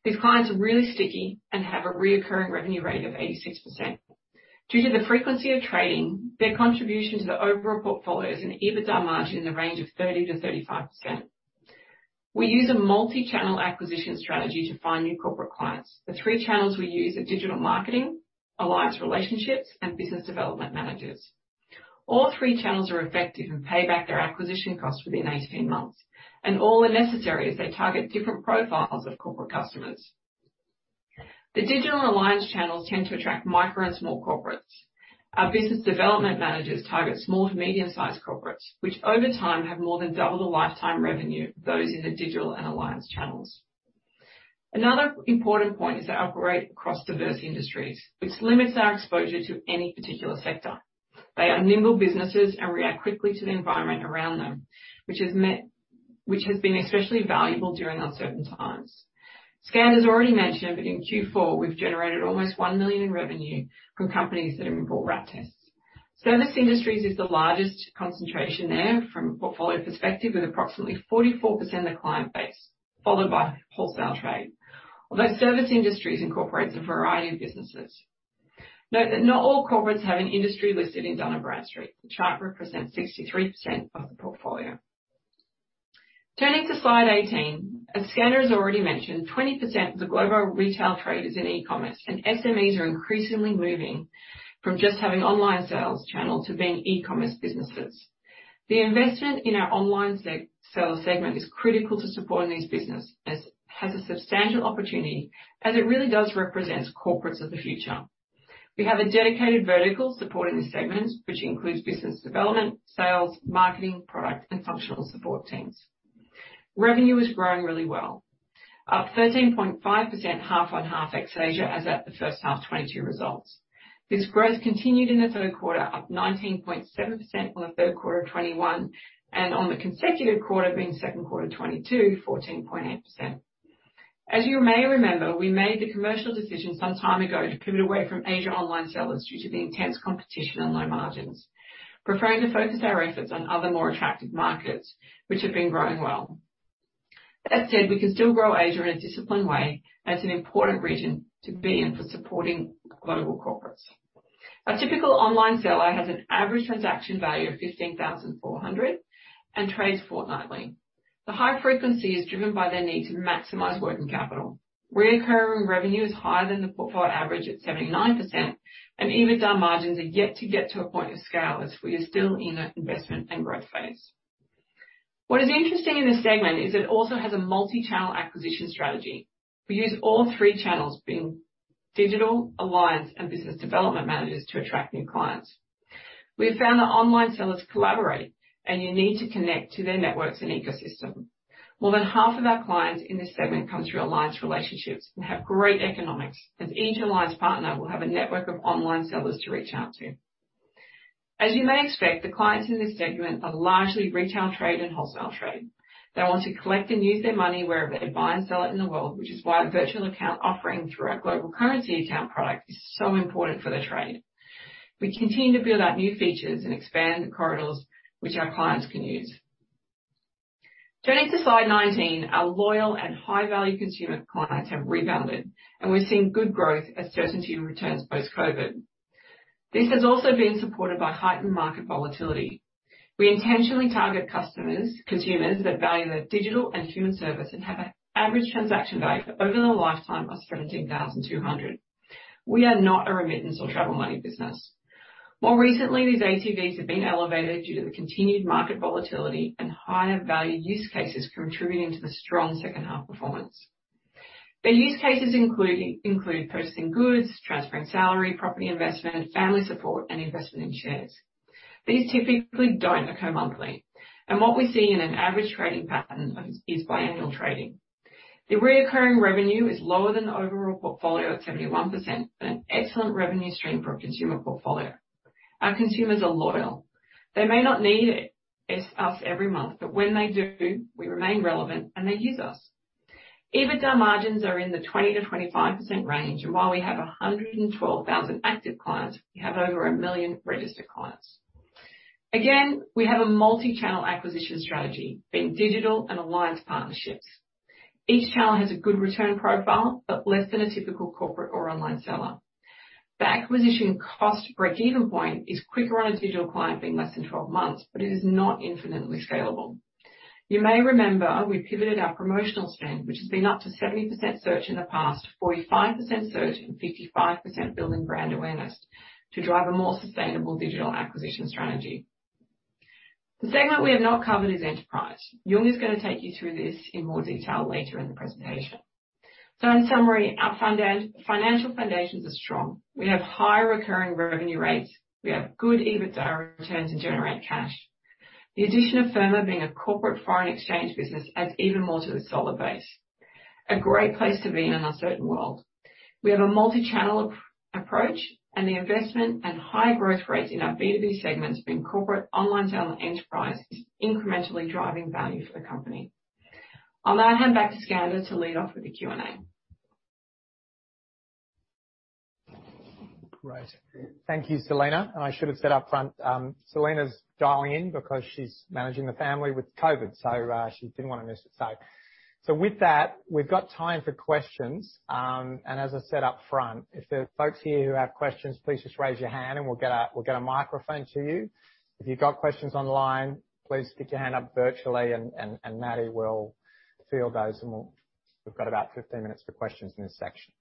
Speaker 2: These clients are really sticky and have a recurring revenue rate of 86%. Due to the frequency of trading, their contribution to the overall portfolio is an EBITDA margin in the range of 30%-35%. We use a multi-channel acquisition strategy to find new corporate clients. The three channels we use are digital marketing, alliance relationships, and business development managers. All three channels are effective and pay back their acquisition costs within 18 months, and all are necessary as they target different profiles of corporate customers. The digital alliance channels tend to attract micro and small corporates. Our business development managers target small to medium-sized corporates, which over time have more than doubled the lifetime revenue of those in the digital and alliance channels. Another important point is to operate across diverse industries, which limits our exposure to any particular sector. They are nimble businesses and react quickly to the environment around them, which has been especially valuable during uncertain times. Skander's already mentioned that in Q4, we've generated almost 1 million in revenue from companies that have involved RAT tests. Service industries is the largest concentration there from a portfolio perspective, with approximately 44% of the client base, followed by wholesale trade. Although service industries incorporates a variety of businesses. Note that not all corporates have an industry listed in Dun & Bradstreet. The chart represents 63% of the portfolio. Turning to slide 18. As Skander has already mentioned, 20% of the global retail trade is in e-commerce, and SMEs are increasingly moving from just having online sales channel to being e-commerce businesses. The investment in our online e-sellers segment is critical to supporting these businesses, as it has a substantial opportunity as it really does represent corporates of the future. We have a dedicated vertical supporting this segment, which includes business development, sales, marketing, product and functional support teams. Revenue is growing really well, up 13.5% half-on-half ex-Asia, as at the first half 2022 results. This growth continued in the third quarter, up 19.7% on the third quarter of 2021, and on the consecutive quarter, being second quarter 2022, 14.8%. As you may remember, we made the commercial decision some time ago to pivot away from Asia online sellers due to the intense competition and low margins, preferring to focus our efforts on other more attractive markets which have been growing well. That said, we can still grow Asia in a disciplined way, as an important region to be in for supporting global corporates. Our typical online seller has an average transaction value of 15,400 and trades fortnightly. The high frequency is driven by their need to maximize working capital. Recurring revenue is higher than the portfolio average at 79%, and EBITDA margins are yet to get to a point of scale as we are still in an investment and growth phase. What is interesting in this segment is it also has a multi-channel acquisition strategy. We use all three channels, being digital, alliance, and business development managers to attract new clients. We have found that online sellers collaborate and you need to connect to their networks and ecosystem. More than half of our clients in this segment come through alliance relationships and have great economics, as each alliance partner will have a network of online sellers to reach out to. As you may expect, the clients in this segment are largely retail trade and wholesale trade. They want to collect and use their money wherever they buy and sell it in the world, which is why the virtual account offering through our Global Currency Account product is so important for their trade. We continue to build out new features and expand the corridors which our clients can use. Turning to slide 19. Our loyal and high-value consumer clients have rebounded, and we're seeing good growth as certainty returns post-COVID. This has also been supported by heightened market volatility. We intentionally target customers, consumers that value their digital and human service and have an average transaction value over the lifetime of 17,200. We are not a remittance or travel money business. More recently, these ATVs have been elevated due to the continued market volatility and higher value use cases contributing to the strong second half performance. Their use cases include purchasing goods, transferring salary, property investment, family support, and investment in shares. These typically don't occur monthly. What we see in an average trading pattern is biannual trading. The recurring revenue is lower than the overall portfolio at 71%, but an excellent revenue stream for a consumer portfolio. Our consumers are loyal. They may not need us every month, but when they do, we remain relevant and they use us. EBITDA margins are in the 20%-25% range. While we have 112,000 active clients, we have over 1 million registered clients. Again, we have a multi-channel acquisition strategy, being digital and alliance partnerships. Each channel has a good return profile, but less than a typical corporate or online seller. The acquisition cost break-even point is quicker on a digital client being less than 12 months, but it is not infinitely scalable. You may remember we pivoted our promotional spend, which has been up to 70% search in the past 45% search and 55% building brand awareness to drive a more sustainable digital acquisition strategy. The segment we have not covered is enterprise. Yung is gonna take you through this in more detail later in the presentation. In summary, our financial foundations are strong. We have high recurring revenue rates. We have good EBITDA returns and generate cash. The addition of Firma being a corporate foreign exchange business adds even more to the solid base. A great place to be in an uncertain world. We have a multi-channel approach, and the investment and high growth rates in our B2B segments, being corporate, online seller, and enterprise, is incrementally driving value for the company. I'll now hand back to Skander to lead off with the Q&A.
Speaker 1: Great. Thank you, Selena. I should have said up front, Selena's dialing in because she's managing the family with COVID. She didn't want to miss it. With that, we've got time for questions. As I said up front, if there are folks here who have questions, please just raise your hand and we'll get a microphone to you. If you've got questions online, please put your hand up virtually and Maddie will field those and we've got about 15 minutes for questions in this section.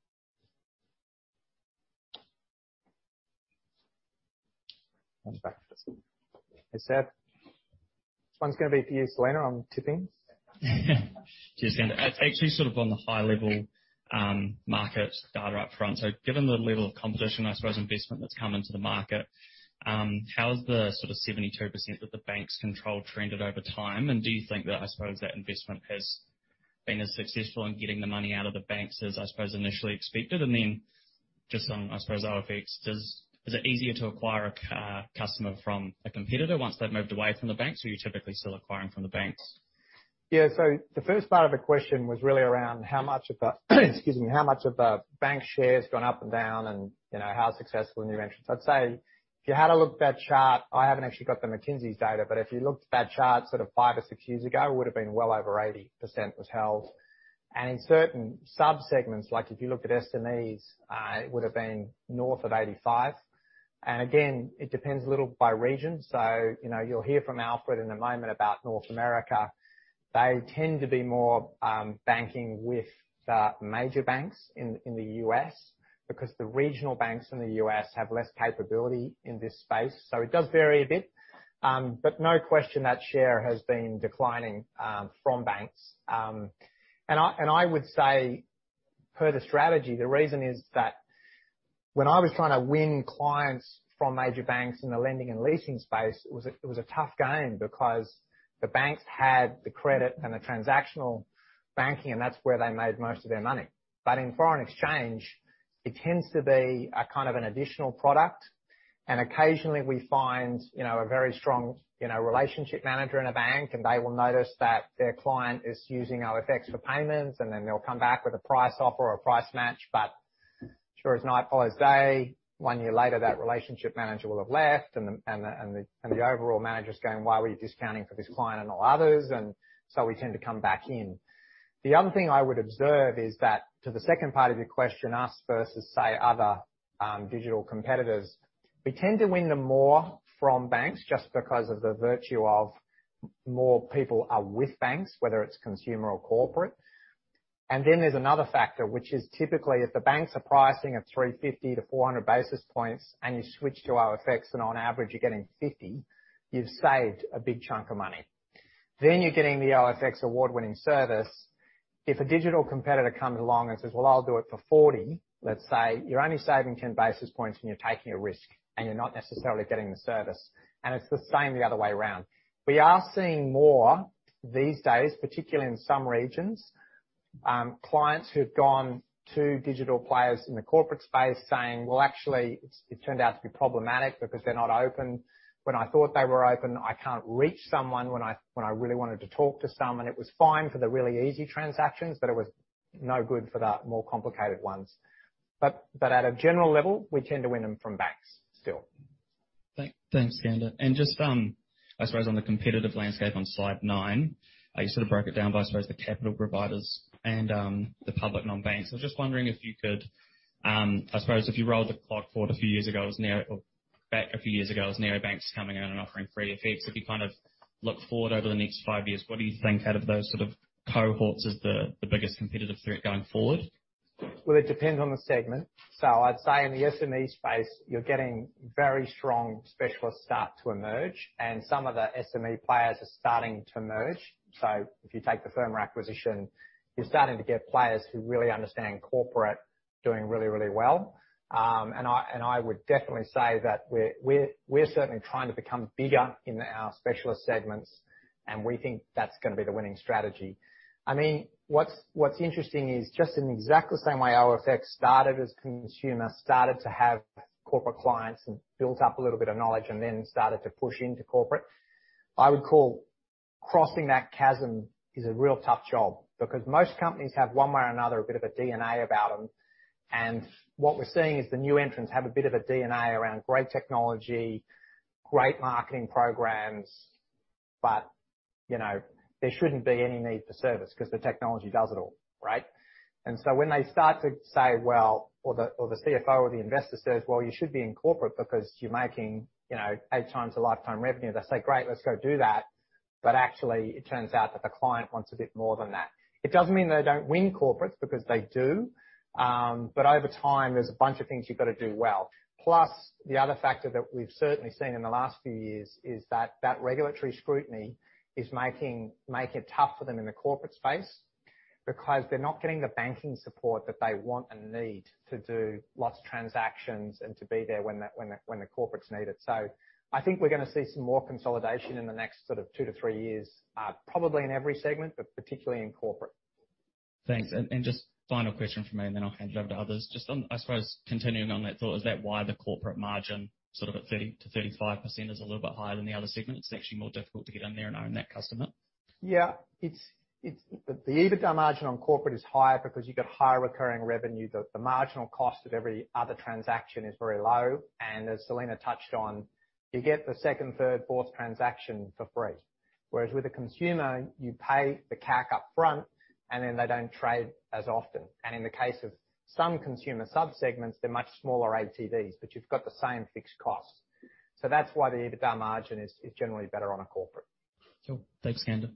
Speaker 1: Back to Selena.
Speaker 3: This one's gonna be for you, Selena, I'm tipping. Just kinda, actually sort of on the high level, market data up front. Given the level of competition, I suppose, investment that's come into the market, how's the sort of 72% that the banks control trended over time? Do you think that, I suppose that investment has being as successful in getting the money out of the banks as, I suppose, initially expected. Then just on, I suppose, OFX, is it easier to acquire a customer from a competitor once they've moved away from the banks, or are you typically still acquiring from the banks?
Speaker 1: The first part of the question was really around how much of the bank share has gone up and down and, you know, how successful the new entrants. I'd say if you had to look at that chart, I haven't actually got the McKinsey's data, but if you looked at that chart sort of five or six years ago, it would've been well over 80% was held. In certain sub-segments, like if you looked at SMEs, it would've been north of 85%. Again, it depends a little by region. You know, you'll hear from Alfred in a moment about North America. They tend to be more banking with the major banks in the U.S. because the regional banks in the U.S. have less capability in this space. It does vary a bit. No question that share has been declining from banks. I would say, per the strategy, the reason is that when I was trying to win clients from major banks in the lending and leasing space, it was a tough game because the banks had the credit and the transactional banking, and that's where they made most of their money. In foreign exchange, it tends to be a kind of an additional product. Occasionally we find, you know, a very strong, you know, relationship manager in a bank, and they will notice that their client is using OFX for payments, and then they'll come back with a price offer or a price match. Sure as night follows day, one year later, that relationship manager will have left and the overall manager's going, "Why were you discounting for this client and all others?" We tend to come back in. The other thing I would observe is that to the second part of your question, us versus, say, other digital competitors, we tend to win them more from banks just because of the virtue of more people are with banks, whether it's consumer or corporate. There's another factor, which is typically if the banks are pricing at 350-400 basis points and you switch to OFX, and on average, you're getting 50, you've saved a big chunk of money. You're getting the OFX award-winning service. If a digital competitor comes along and says, "Well, I'll do it for 40," let's say, you're only saving 10 basis points, and you're taking a risk, and you're not necessarily getting the service. It's the same the other way around. We are seeing more these days, particularly in some regions, clients who've gone to digital players in the corporate space saying, "Well, actually it's turned out to be problematic because they're not open when I thought they were open. I can't reach someone when I really wanted to talk to someone. It was fine for the really easy transactions, but it was no good for the more complicated ones." But at a general level, we tend to win them from banks still.
Speaker 3: Thanks, Skander. Just, I suppose on the competitive landscape on slide nine, you sort of broke it down by, I suppose, the capital providers and the public non-banks. I was just wondering if you could, I suppose if you rolled the clock back a few years ago, it was neobanks coming in and offering free FX. If you kind of look forward over the next five years, what do you think out of those sort of cohorts is the biggest competitive threat going forward?
Speaker 1: Well, it depends on the segment. I'd say in the SME space, you're getting very strong specialists start to emerge and some of the SME players are starting to merge. If you take the FIRMA acquisition, you're starting to get players who really understand corporate doing really, really well. I would definitely say that we're certainly trying to become bigger in our specialist segments, and we think that's gonna be the winning strategy. I mean, what's interesting is just in exactly the same way OFX started as consumer, started to have corporate clients and built up a little bit of knowledge and then started to push into corporate. I would call crossing that chasm a real tough job because most companies have, one way or another, a bit of a DNA about them. What we're seeing is the new entrants have a bit of a DNA around great technology, great marketing programs, but, you know, there shouldn't be any need for service because the technology does it all, right? When they start to say, well, the CFO or the investor says, "Well, you should be in corporate because you're making, you know, 8x the lifetime revenue," they say, "Great, let's go do that." Actually, it turns out that the client wants a bit more than that. It doesn't mean they don't win corporates, because they do. Over time, there's a bunch of things you've got to do well. Plus, the other factor that we've certainly seen in the last few years is that regulatory scrutiny is making it tough for them in the corporate space because they're not getting the banking support that they want and need to do lots of transactions and to be there when the corporates need it. I think we're gonna see some more consolidation in the next sort of two to three years, probably in every segment, but particularly in corporate.
Speaker 3: Thanks. Just final question from me, and then I'll hand you over to others. Just on, I suppose continuing on that thought, is that why the corporate margin sort of at 30%-35% is a little bit higher than the other segments? It's actually more difficult to get in there and own that customer.
Speaker 1: Yeah. It's the EBITDA margin on corporate is higher because you've got higher recurring revenue. The marginal cost of every other transaction is very low. As Selena touched on, you get the second, third, fourth transaction for free. Whereas with a consumer, you pay the CAC up front, and then they don't trade as often. In the case of some consumer sub-segments, they're much smaller ATVs, but you've got the same fixed costs. That's why the EBITDA margin is generally better on a corporate.
Speaker 3: Cool. Thanks, Skander.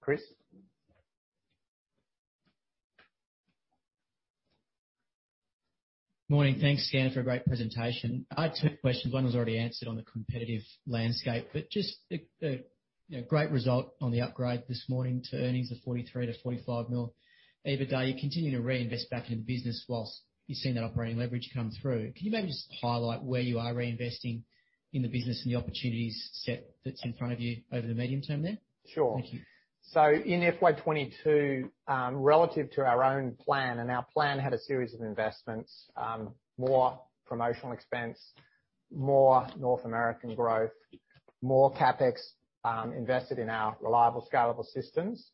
Speaker 1: Chris?
Speaker 3: Morning. Thanks, Skander, for a great presentation. I had two questions. One was already answered on the competitive landscape, but just the you know great result on the upgrade this morning to earnings of 43 million-45 million EBITDA. You're continuing to reinvest back in the business while you've seen that operating leverage come through. Can you maybe just highlight where you are reinvesting in the business and the opportunity set that's in front of you over the medium term there?
Speaker 1: Sure.
Speaker 3: Thank you.
Speaker 1: In FY 2022, relative to our own plan, our plan had a series of investments, more promotional expense, more North American growth, more CapEx, invested in our reliable scalable systems.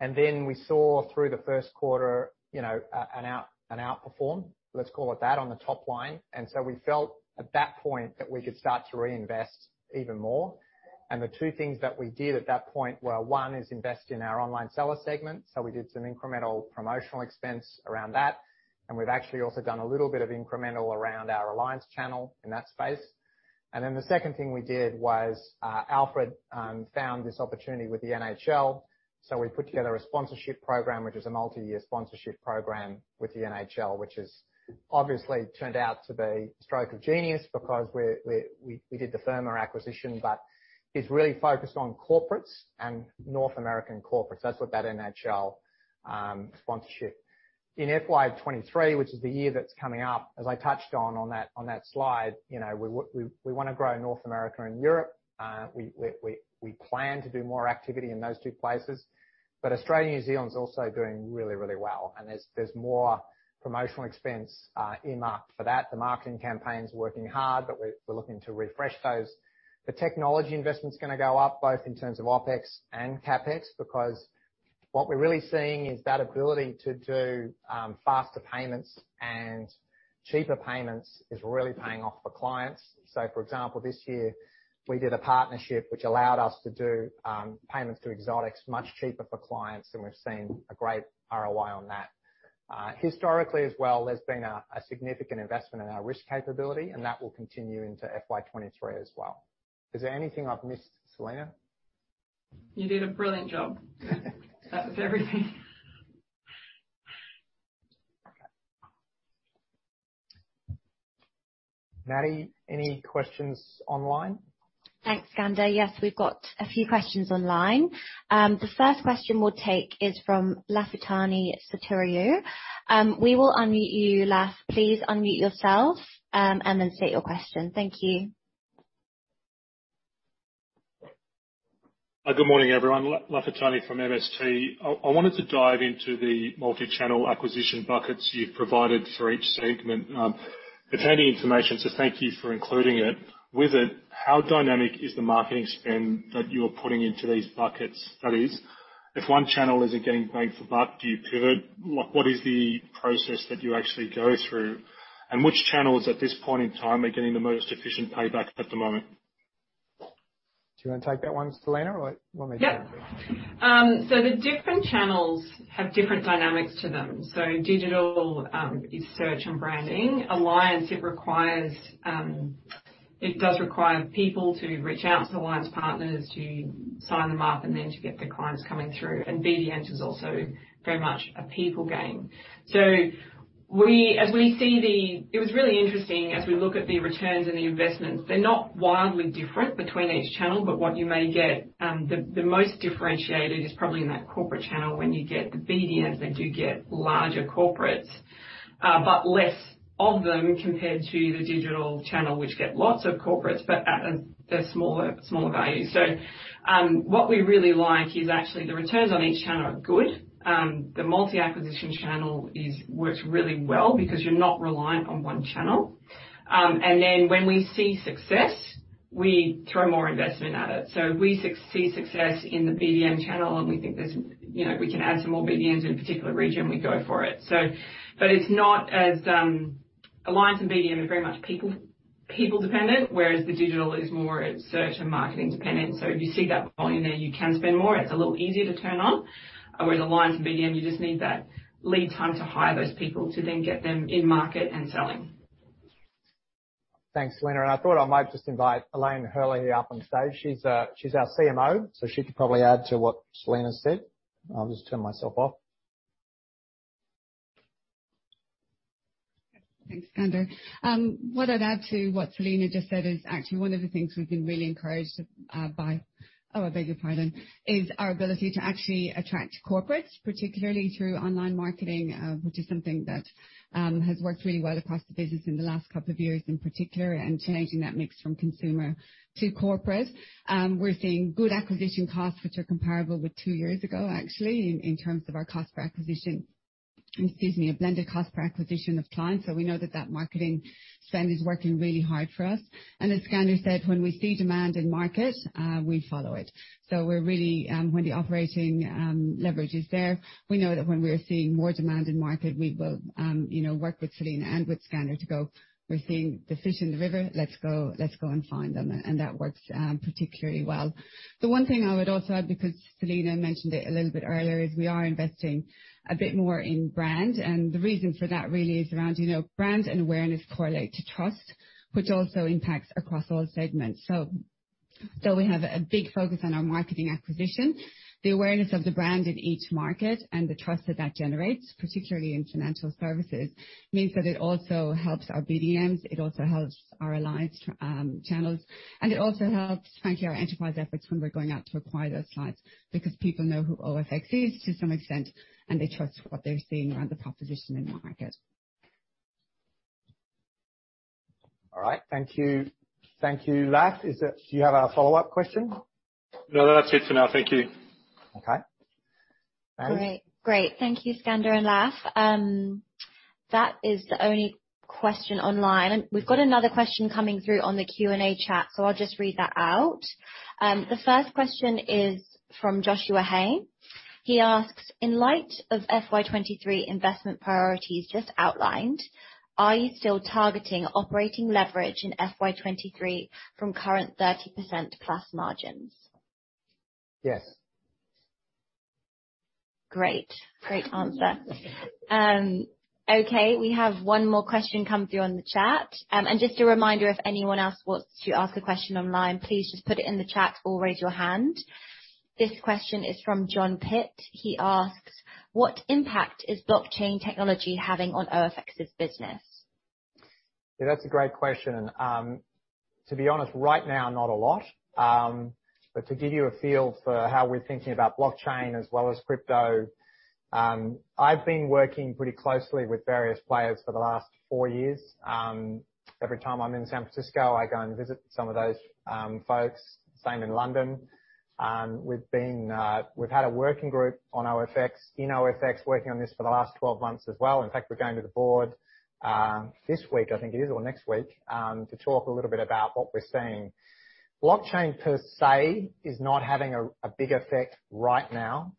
Speaker 1: Then we saw through the first quarter, you know, an outperform, let's call it that, on the top line. We felt at that point that we could start to reinvest even more. The two things that we did at that point were, one is invest in our online seller segment. We did some incremental promotional expense around that, and we've actually also done a little bit of incremental around our alliance channel in that space. The second thing we did was, Alfred found this opportunity with the NHL. We put together a sponsorship program, which is a multi-year sponsorship program with the NHL, which has obviously turned out to be a stroke of genius because we did the Firma acquisition, but it's really focused on corporates and North American corporates. That's what that NHL sponsorship. In FY 2023, which is the year that's coming up, as I touched on that slide, you know, we wanna grow in North America and Europe. We plan to do more activity in those two places. Australia/New Zealand is also doing really well, and there's more promotional expense earmarked for that. The marketing campaign's working hard, but we're looking to refresh those. The technology investment's gonna go up, both in terms of OpEx and CapEx, because what we're really seeing is that ability to do faster payments and cheaper payments is really paying off for clients. For example, this year we did a partnership which allowed us to do payments through Exotics much cheaper for clients, and we've seen a great ROI on that. Historically as well, there's been a significant investment in our risk capability, and that will continue into FY 2023 as well. Is there anything I've missed, Selena?
Speaker 2: You did a brilliant job. That was everything.
Speaker 1: Okay. Maddie, any questions online?
Speaker 4: Thanks, Skander. Yes, we've got a few questions online. The first question we'll take is from Lafitani Sotiriou. We will unmute you, Laf. Please unmute yourself, and then state your question. Thank you.
Speaker 5: Good morning, everyone. Lafitani from MST. I wanted to dive into the multi-channel acquisition buckets you've provided for each segment. It's handy information, so thank you for including it. With it, how dynamic is the marketing spend that you're putting into these buckets? That is, if one channel isn't getting bang for buck, do you pivot? Like, what is the process that you actually go through? Which channels at this point in time are getting the most efficient payback at the moment?
Speaker 1: Do you wanna take that one, Selena? Or want me to?
Speaker 2: Yeah. The different channels have different dynamics to them. Digital is search and branding. Alliance requires people to reach out to alliance partners to sign them up and then to get the clients coming through. BDM is also very much a people game. It was really interesting as we look at the returns and the investments. They're not wildly different between each channel, but what you may get, the most differentiated is probably in that corporate channel. When you get the BDMs, they do get larger corporates, but less of them compared to the digital channel, which get lots of corporates, but at a smaller value. What we really like is actually the returns on each channel are good. The multi-acquisition channel works really well because you're not reliant on one channel. Then when we see success, we throw more investment at it. We see success in the BDM channel, and we think there's, you know, we can add some more BDMs in a particular region, we go for it. Alliance and BDM are very much people dependent, whereas the digital is more search and marketing dependent. If you see that volume there, you can spend more. It's a little easier to turn on. Whereas Alliance and BDM, you just need that lead time to hire those people to then get them in market and selling.
Speaker 1: Thanks, Selena. I thought I might just invite Elaine Herlihy up on stage. She's our CMO, so she could probably add to what Selena said. I'll just turn myself off.
Speaker 6: Thanks, Skander. What I'd add to what Selena just said is actually one of the things we've been really encouraged by is our ability to actually attract corporates, particularly through online marketing, which is something that has worked really well across the business in the last couple of years, in particular, and changing that mix from consumer to corporate. We're seeing good acquisition costs, which are comparable with two years ago, actually, in terms of our cost per acquisition, a blended cost per acquisition of clients. Excuse me. So we know that that marketing spend is working really hard for us. As Skander said, when we see demand in market, we follow it. We're really when the operating leverage is there, we know that when we're seeing more demand in market, we will you know work with Selena and with Skander to go, "We're seeing the fish in the river. Let's go, let's go and find them." And that works particularly well. The one thing I would also add, because Selena mentioned it a little bit earlier, is we are investing a bit more in brand, and the reason for that really is around you know brand and awareness correlate to trust, which also impacts across all segments. We have a big focus on our marketing acquisition. The awareness of the brand in each market and the trust that that generates, particularly in financial services, means that it also helps our BDMs, it also helps our alliance channels, and it also helps, frankly, our enterprise efforts when we're going out to acquire those clients because people know who OFX is to some extent, and they trust what they're seeing around the proposition in the market.
Speaker 1: All right. Thank you. Thank you, Laf. Do you have a follow-up question?
Speaker 5: No, that's it for now. Thank you.
Speaker 1: Okay.
Speaker 4: Great. Thank you, Skander and Laf. That is the only question online. We've got another question coming through on the Q&A chat, so I'll just read that out. The first question is from Joshua Hain. He asks, "In light of FY 2023 investment priorities just outlined, are you still targeting operating leverage in FY 2023 from current 30%+ margins?
Speaker 1: Yes.
Speaker 4: Great. Great answer. Okay. We have one more question come through on the chat. Just a reminder, if anyone else wants to ask a question online, please just put it in the chat or raise your hand. This question is from John Pitt. He asks, "What impact is blockchain technology having on OFX's business?
Speaker 1: Yeah, that's a great question. To be honest, right now, not a lot. To give you a feel for how we're thinking about blockchain as well as crypto, I've been working pretty closely with various players for the last four years. Every time I'm in San Francisco, I go and visit some of those folks. Same in London. We've had a working group on OFX, in OFX, working on this for the last 12 months as well. In fact, we're going to the board this week, I think it is, or next week, to talk a little bit about what we're seeing. Blockchain per se is not having a big effect right now.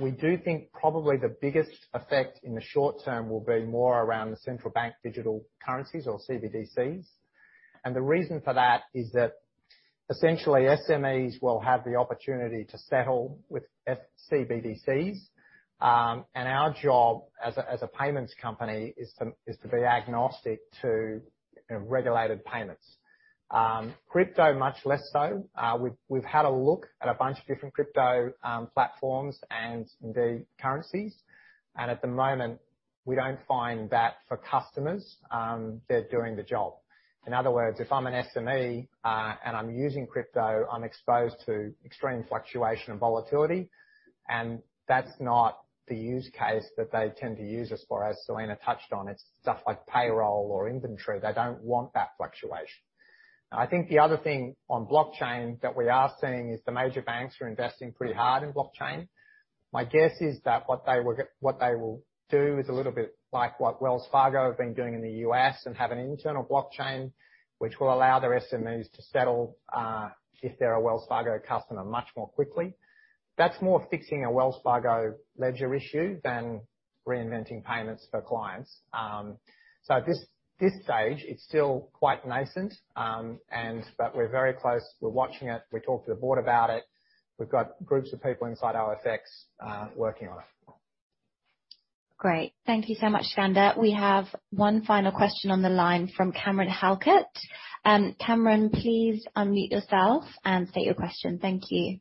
Speaker 1: We do think probably the biggest effect in the short term will be more around the central bank digital currencies or CBDCs. The reason for that is that essentially, SMEs will have the opportunity to settle with F-CBDCs. Our job as a payments company is to be agnostic to regulated payments. Crypto, much less so. We've had a look at a bunch of different crypto platforms and the currencies, and at the moment, we don't find that for customers, they're doing the job. In other words, if I'm an SME, and I'm using crypto, I'm exposed to extreme fluctuation and volatility, and that's not the use case that they tend to use us for, as Selena touched on. It's stuff like payroll or inventory. They don't want that fluctuation. Now, I think the other thing on blockchain that we are seeing is the major banks are investing pretty hard in blockchain. My guess is that what they will do is a little bit like what Wells Fargo have been doing in the U.S. and have an internal blockchain which will allow their SMEs to settle, if they're a Wells Fargo customer, much more quickly. That's more fixing a Wells Fargo ledger issue than reinventing payments for clients. At this stage, it's still quite nascent, but we're very close. We're watching it. We talk to the board about it. We've got groups of people inside OFX, working on it.
Speaker 4: Great. Thank you so much, Skander. We have one final question on the line from Cameron Halkett. Cameron, please unmute yourself and state your question. Thank you.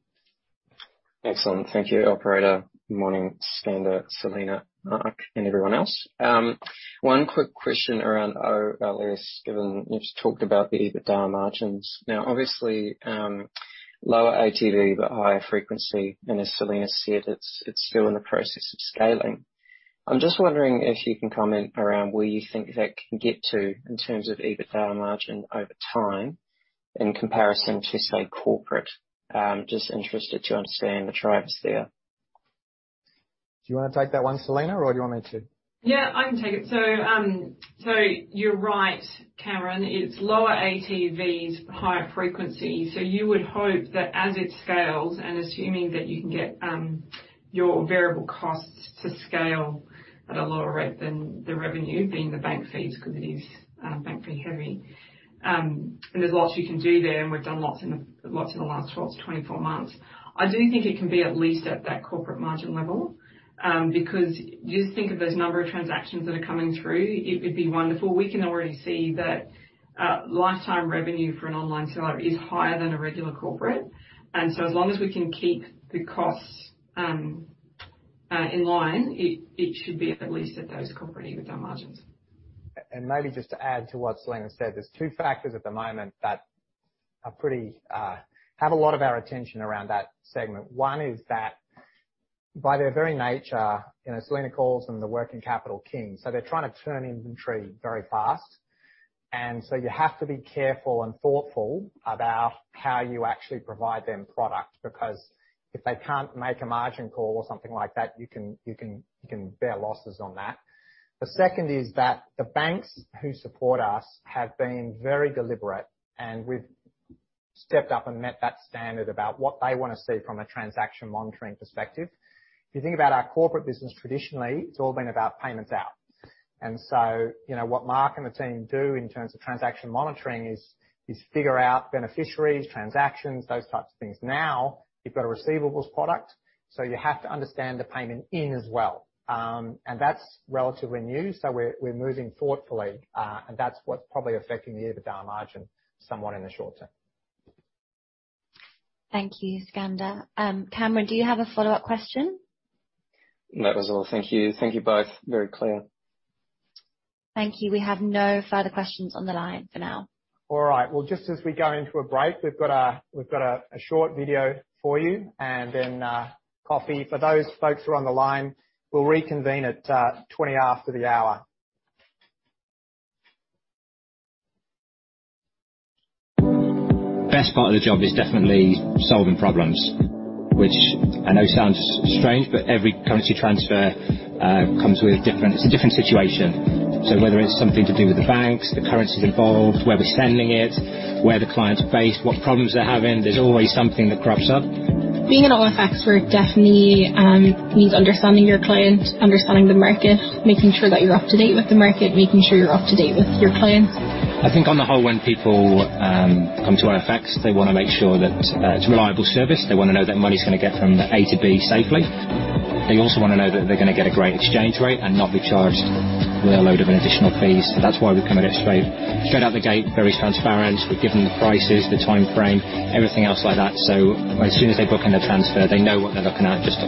Speaker 7: Excellent. Thank you, operator. Morning, Skander, Selena, Mark, and everyone else. One quick question around OLS, given you've talked about the EBITDA margins. Now, obviously, lower ATV, but higher frequency, and as Selena said, it's still in the process of scaling. I'm just wondering if you can comment around where you think that can get to in terms of EBITDA margin over time in comparison to, say, corporate. Just interested to understand the drivers there.
Speaker 1: Do you wanna take that one, Selena? Or do you want me to?
Speaker 2: Yeah, I can take it. You're right, Cameron. It's lower ATVs, higher frequency. You would hope that as it scales and assuming that you can get your variable costs to scale at a lower rate than the revenue, being the bank fees, because it is bank fee heavy, and there's lots you can do there, and we've done lots in the last 12-24 months. I do think it can be at least at that corporate margin level, because just think of those number of transactions that are coming through. It would be wonderful. We can already see that lifetime revenue for an online seller is higher than a regular corporate. As long as we can keep the costs in line, it should be at least at those corporate EBITDA margins.
Speaker 1: Maybe just to add to what Selena said, there's two factors at the moment that pretty much have a lot of our attention around that segment. One is that by their very nature, you know, Selena calls them the working capital kings, so they're trying to turn inventory very fast. You have to be careful and thoughtful about how you actually provide them product. Because if they can't make a margin call or something like that, you can bear losses on that. The second is that the banks who support us have been very deliberate, and we've stepped up and met that standard about what they want to see from a transaction monitoring perspective. If you think about our corporate business, traditionally, it's all been about payments out. You know, what Mark and the team do in terms of transaction monitoring is figure out beneficiaries, transactions, those types of things. Now, you've got a receivables product, so you have to understand the payment in as well. That's relatively new. We're moving thoughtfully, and that's what's probably affecting the EBITDA margin somewhat in the short term.
Speaker 4: Thank you, Skander. Cameron, do you have a follow-up question?
Speaker 7: That was all. Thank you. Thank you both. Very clear.
Speaker 4: Thank you. We have no further questions on the line for now.
Speaker 1: All right. Well, just as we go into a break, we've got a short video for you and then coffee. For those folks who are on the line, we'll reconvene at 20 after the hour.
Speaker 8: Best part of the job is definitely solving problems, which I know sounds strange, but every currency transfer is a different situation. Whether it's something to do with the banks, the currencies involved, where we're sending it, where the client's based, what problems they're having, there's always something that crops up. Being at OFX, where it definitely needs understanding your client, understanding the market, making sure that you're up to date with the market, making sure you're up to date with your client. I think on the whole, when people come to OFX, they wanna make sure that it's a reliable service. They wanna know their money's gonna get from A to B safely. They also wanna know that they're gonna get a great exchange rate and not be charged with a load of additional fees. That's why we come at it straight out the gate, very transparent. We give them the prices, the timeframe, everything else like that. As soon as they book in a transfer, they know what they're looking at just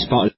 Speaker 8: from square one.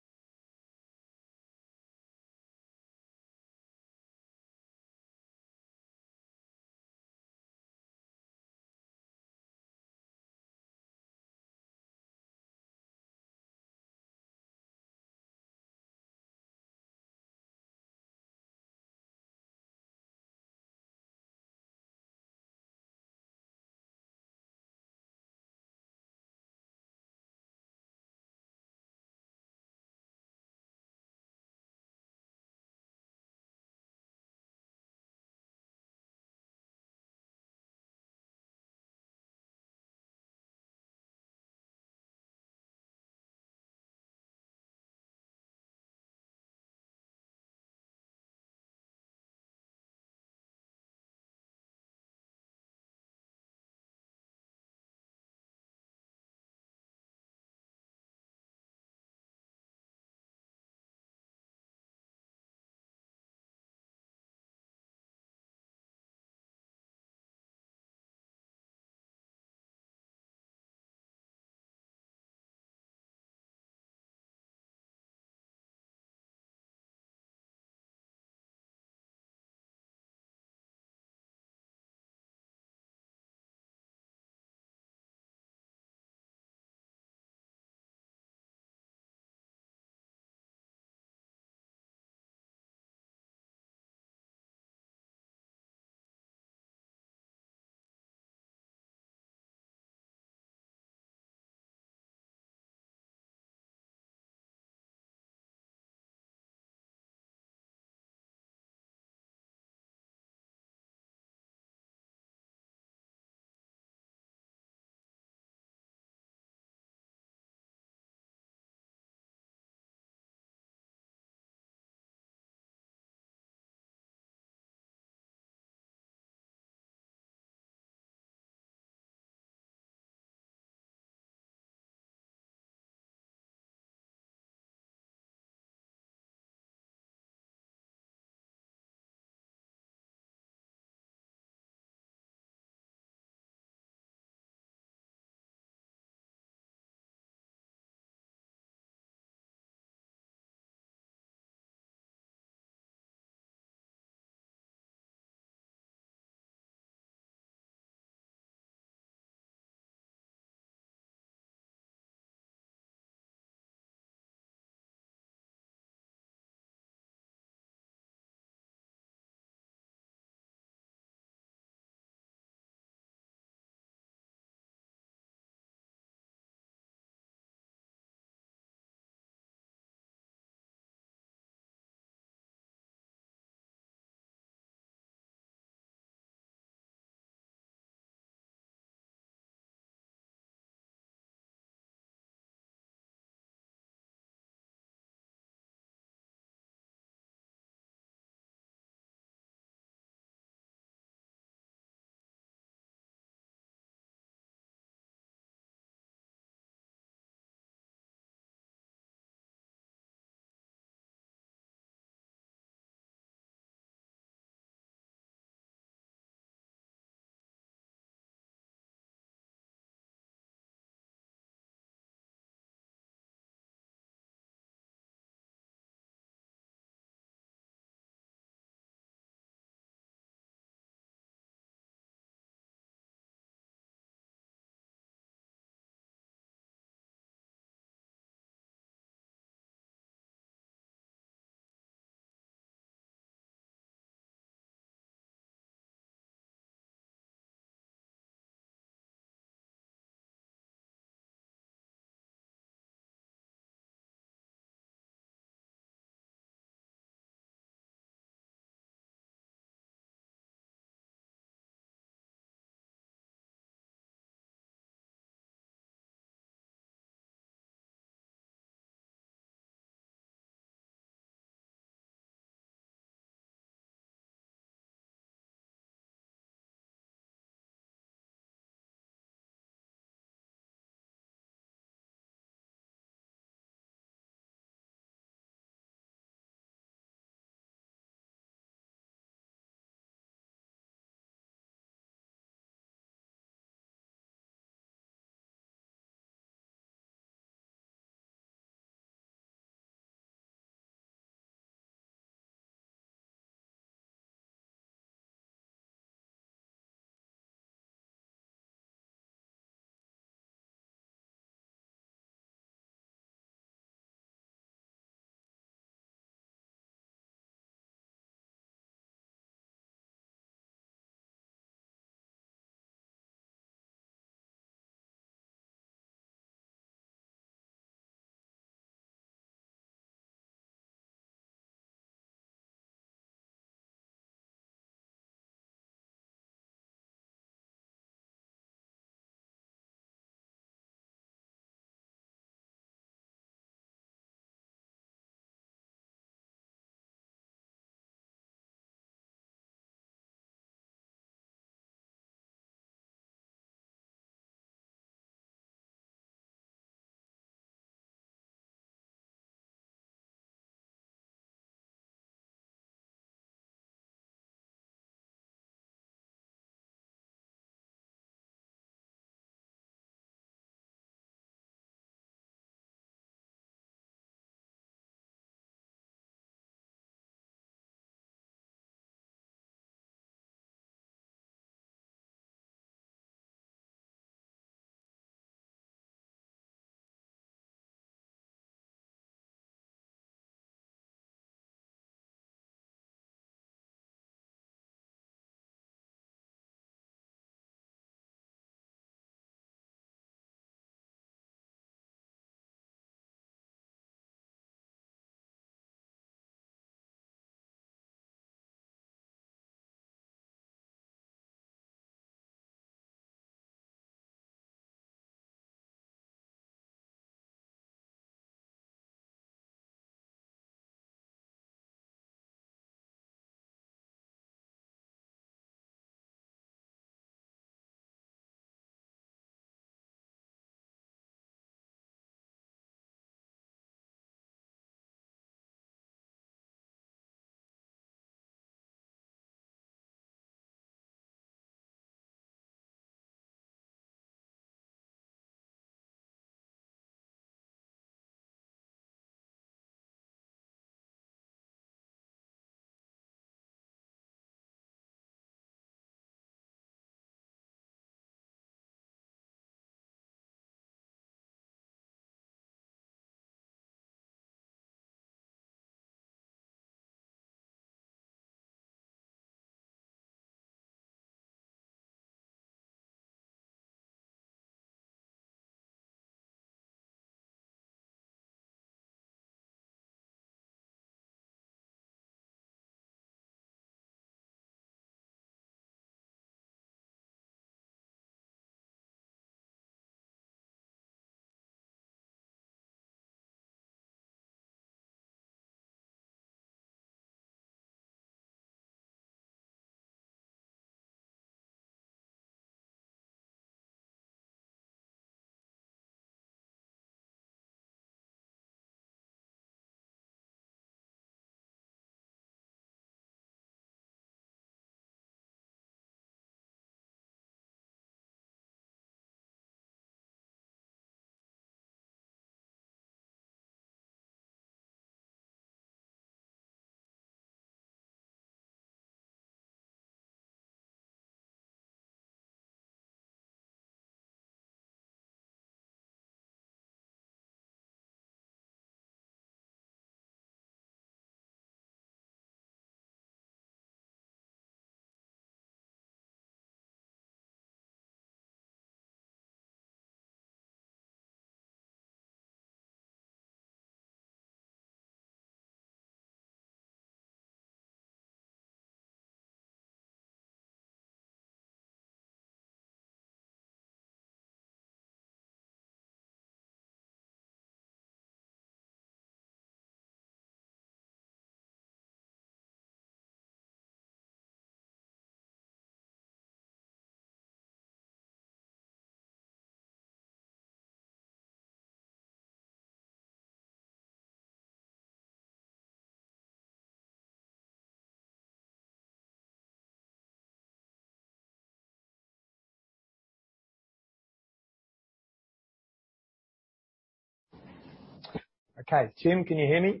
Speaker 1: Okay, Tim, can you hear me?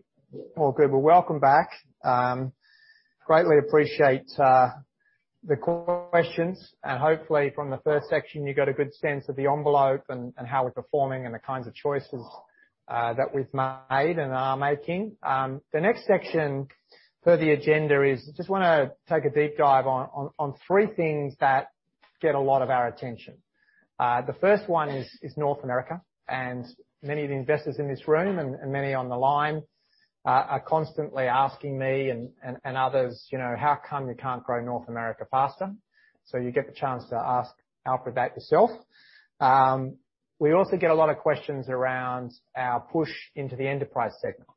Speaker 1: All good. Well, welcome back. Greatly appreciate the questions. Hopefully from the first section, you got a good sense of the envelope and how we're performing and the kinds of choices that we've made and are making. The next section per the agenda is just wanna take a deep dive on three things that get a lot of our attention. The first one is North America, and many of the investors in this room and many on the line are constantly asking me and others, you know, "How come you can't grow North America faster?" You get the chance to ask Alfred that yourself. We also get a lot of questions around our push into the enterprise segment.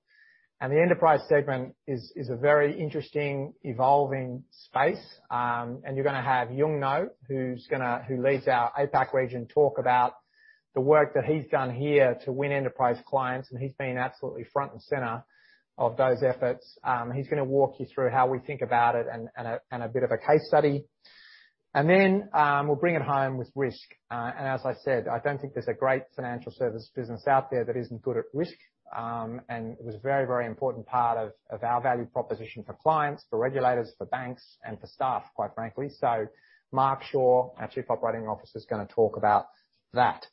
Speaker 1: The enterprise segment is a very interesting evolving space. You're gonna have Yung Ngo, who leads our APAC region, talk about the work that he's done here to win enterprise clients, and he's been absolutely front and center of those efforts. He's gonna walk you through how we think about it and a bit of a case study. We'll bring it home with risk. As I said, I don't think there's a great financial service business out there that isn't good at risk. It was a very important part of our value proposition for clients, for regulators, for banks, and for staff, quite frankly. Mark Shaw, our Chief Operating Officer, is gonna talk about that.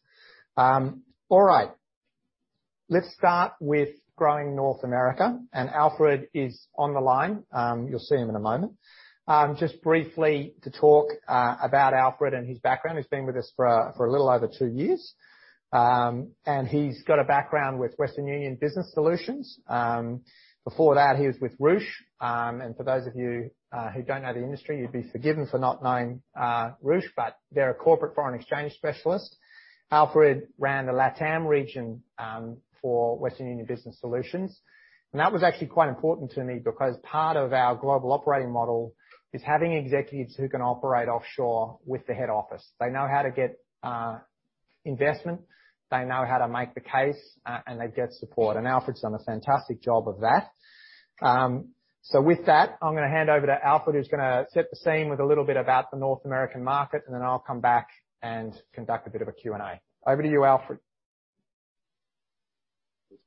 Speaker 1: Let's start with growing North America. Alfred Nader is on the line. You'll see him in a moment. Just briefly to talk about Alfred and his background. He's been with us for a little over two years. He's got a background with Western Union Business Solutions. Before that, he was with Ruesch. For those of you who don't know the industry, you'd be forgiven for not knowing Ruesch, but they're a corporate foreign exchange specialist. Alfred ran the LATAM region for Western Union Business Solutions. That was actually quite important to me because part of our global operating model is having executives who can operate offshore with the head office. They know how to get investment, they know how to make the case, and they get support. Alfred's done a fantastic job of that. With that, I'm gonna hand over to Alfred, who's gonna set the scene with a little bit about the North American market, and then I'll come back and conduct a bit of a Q&A. Over to you, Alfred.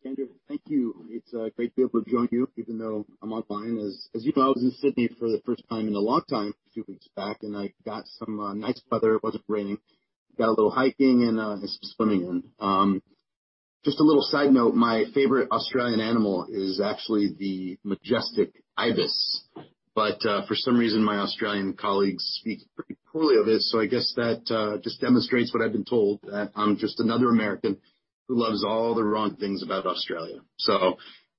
Speaker 9: Skander, thank you. It's great to be able to join you even though I'm online. As you know, I was in Sydney for the first time in a long time a few weeks back, and I got some nice weather. It wasn't raining. Got a little hiking and did some swimming in. Just a little side note, my favorite Australian animal is actually the majestic ibis. For some reason, my Australian colleagues speak pretty poorly of it, so I guess that just demonstrates what I've been told, that I'm just another American who loves all the wrong things about Australia.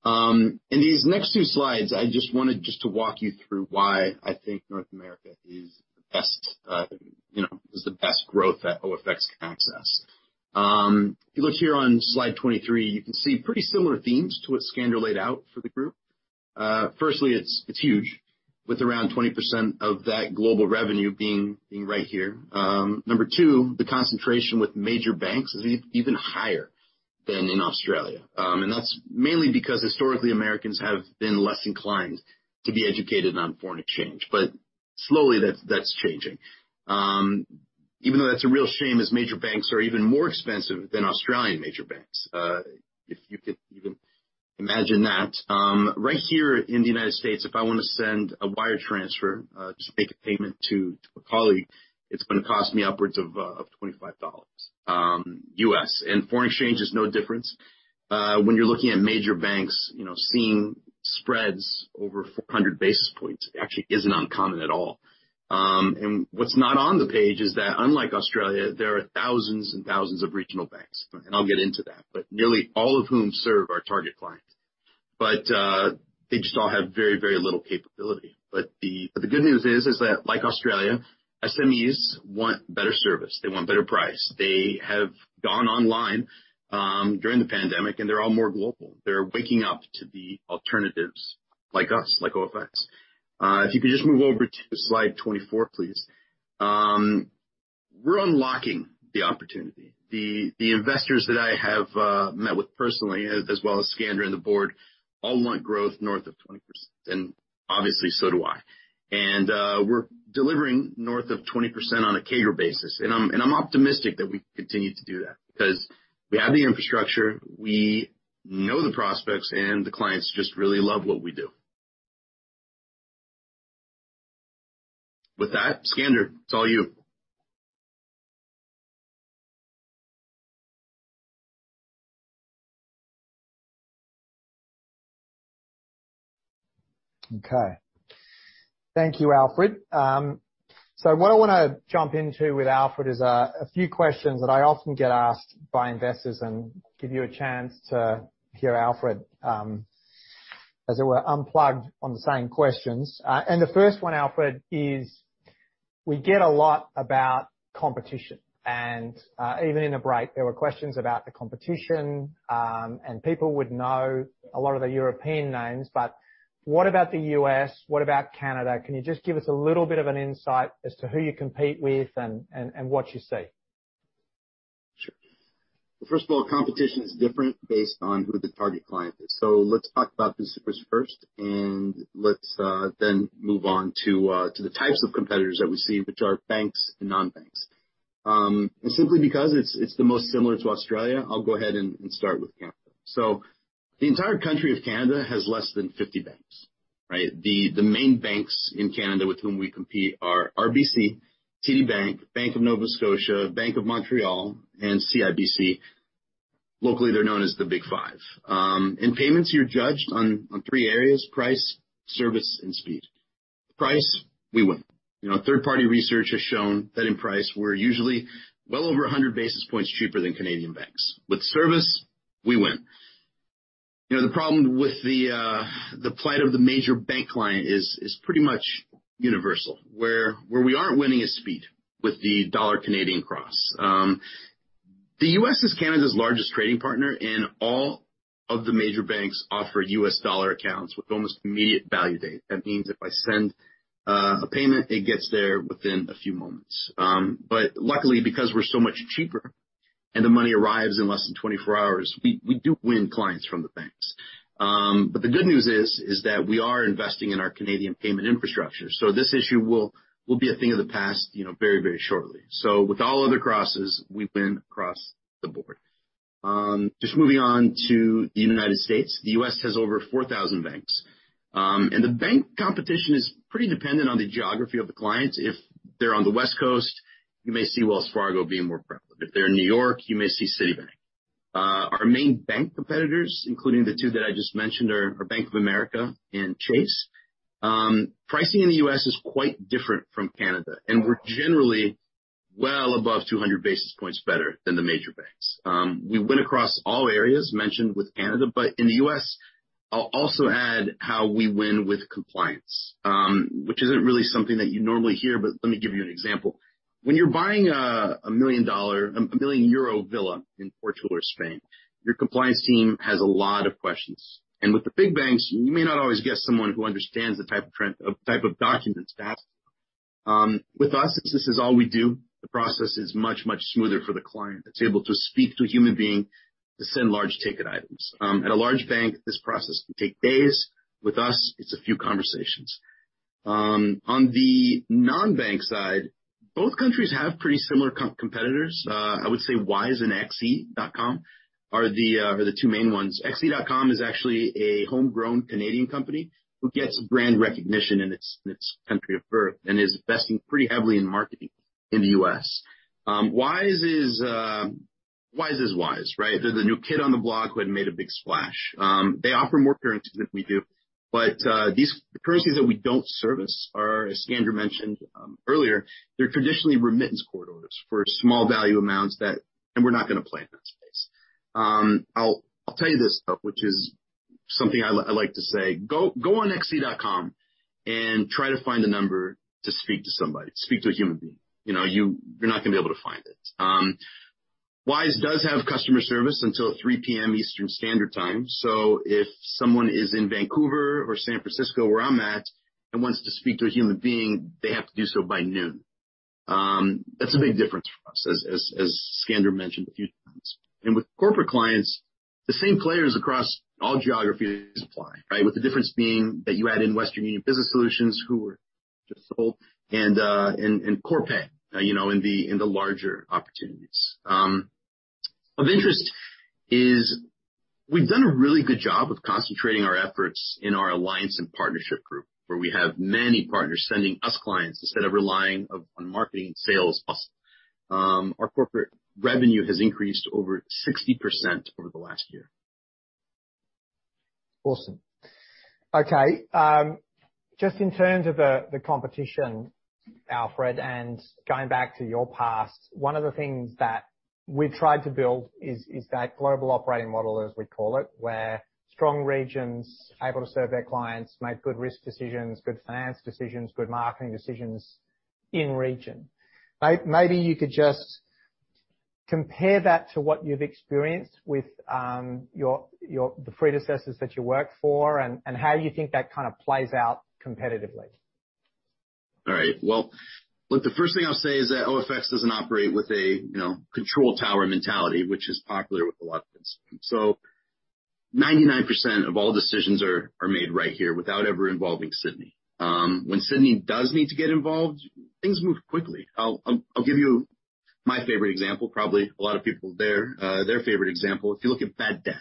Speaker 9: In these next two slides, I just wanted to walk you through why I think North America is the best, you know, is the best growth that OFX can access. If you look here on slide 23, you can see pretty similar themes to what Skander laid out for the group. Firstly, it's huge, with around 20% of that global revenue being right here. Number two, the concentration with major banks is even higher than in Australia. That's mainly because historically, Americans have been less inclined to be educated on foreign exchange. But slowly, that's changing. Even though that's a real shame, as major banks are even more expensive than Australian major banks, if you could even imagine that. Right here in the United States, if I wanna send a wire transfer, just make a payment to a colleague, it's gonna cost me upwards of $25. Foreign exchange is no different. When you're looking at major banks, you know, seeing spreads over 400 basis points actually isn't uncommon at all. What's not on the page is that, unlike Australia, there are thousands and thousands of regional banks. I'll get into that. Nearly all of whom serve our target clients. They just all have very, very little capability. The good news is that like Australia, SMEs want better service. They want better price. They have gone online during the pandemic, and they're all more global. They're waking up to the alternatives like us, like OFX. If you could just move over to slide 24, please. We're unlocking the opportunity. The investors that I have met with personally, as well as Skander and the board, all want growth north of 20%, and obviously, so do I. We're delivering north of 20% on a CAGR basis. I'm optimistic that we continue to do that because we have the infrastructure, we know the prospects, and the clients just really love what we do. With that, Skander, it's all you.
Speaker 1: Okay. Thank you, Alfred. So what I wanna jump into with Alfred is a few questions that I often get asked by investors and give you a chance to hear Alfred, as it were, unplugged on the same questions. The first one, Alfred, is we get a lot about competition. Even in the break, there were questions about the competition. People would know a lot of the European names, but what about the U.S.? What about Canada? Can you just give us a little bit of an insight as to who you compete with and what you see?
Speaker 9: Sure. First of all, competition is different based on who the target client is. Let's talk about the supers first, and let's then move on to the types of competitors that we see, which are banks and non-banks. Simply because it's the most similar to Australia, I'll go ahead and start with Canada. The entire country of Canada has less than 50 banks, right? The main banks in Canada with whom we compete are RBC, TD Bank, Bank of Nova Scotia, Bank of Montreal, and CIBC. Locally, they're known as the Big Five. In payments, you're judged on three areas. Price, service, and speed. Price, we win. You know, third-party research has shown that in price we're usually well over 100 basis points cheaper than Canadian banks. With service, we win. You know, the problem with the plight of the major bank client is pretty much universal. Where we aren't winning is speed with the dollar Canadian cross. The U.S. is Canada's largest trading partner, and all of the major banks offer U.S. dollar accounts with almost immediate value date. That means if I send a payment, it gets there within a few moments. But luckily, because we're so much cheaper, and the money arrives in less than 24 hours. We do win clients from the banks. But the good news is that we are investing in our Canadian payment infrastructure. This issue will be a thing of the past, you know, very shortly. With all other crosses, we win across the board. Just moving on to the United States. The U.S. has over 4,000 banks. The bank competition is pretty dependent on the geography of the clients. If they're on the West Coast, you may see Wells Fargo being more prevalent. If they're in New York, you may see Citibank. Our main bank competitors, including the two that I just mentioned, are Bank of America and Chase. Pricing in the U.S. is quite different from Canada, and we're generally well above 200 basis points better than the major banks. We win across all areas mentioned with Canada, but in the U.S., I'll also add how we win with compliance, which isn't really something that you normally hear, but let me give you an example. When you're buying a EUR 1 billion villa in Portugal or Spain, your compliance team has a lot of questions. With the big banks, you may not always get someone who understands the type of documents to ask for. With us, since this is all we do, the process is much smoother for the client that's able to speak to a human being to send large ticket items. At a large bank, this process can take days. With us, it's a few conversations. On the non-bank side, both countries have pretty similar competitors. I would say Wise and Xe.com are the two main ones. Xe.com is actually a homegrown Canadian company who gets brand recognition in its country of birth and is investing pretty heavily in marketing in the U.S. Wise is Wise, right? They're the new kid on the block who had made a big splash. They offer more currencies than we do, but the currencies that we don't service are, as Skander mentioned earlier, they're traditionally remittance corridors for small value amounts and we're not gonna play in that space. I'll tell you this, though, which is something I like to say. Go on Xe.com and try to find a number to speak to somebody, speak to a human being. You know, you're not gonna be able to find it. Wise does have customer service until 3 P.M. Eastern Standard Time, so if someone is in Vancouver or San Francisco, where I'm at, and wants to speak to a human being, they have to do so by noon. That's a big difference for us, as Skander mentioned a few times. With corporate clients, the same players across all geographies apply, right? With the difference being that you add in Western Union Business Solutions, who were just sold, and Corpay, you know, in the larger opportunities. Of interest is we've done a really good job with concentrating our efforts in our alliance and partnership group, where we have many partners sending us clients instead of relying on marketing and sales to us. Our corporate revenue has increased over 60% over the last year.
Speaker 1: Awesome. Okay. Just in terms of the competition, Alfred, and going back to your past, one of the things that we've tried to build is that global operating model, as we call it, where strong regions able to serve their clients, make good risk decisions, good finance decisions, good marketing decisions in region. Maybe you could just compare that to what you've experienced with your predecessors that you worked for, and how you think that kind of plays out competitively.
Speaker 9: All right. Well, look, the first thing I'll say is that OFX doesn't operate with a, you know, control tower mentality, which is popular with a lot of consumers. Ninety-nine percent of all decisions are made right here without ever involving Sydney. When Sydney does need to get involved, things move quickly. I'll give you my favorite example, probably a lot of people their favorite example, if you look at bad debt.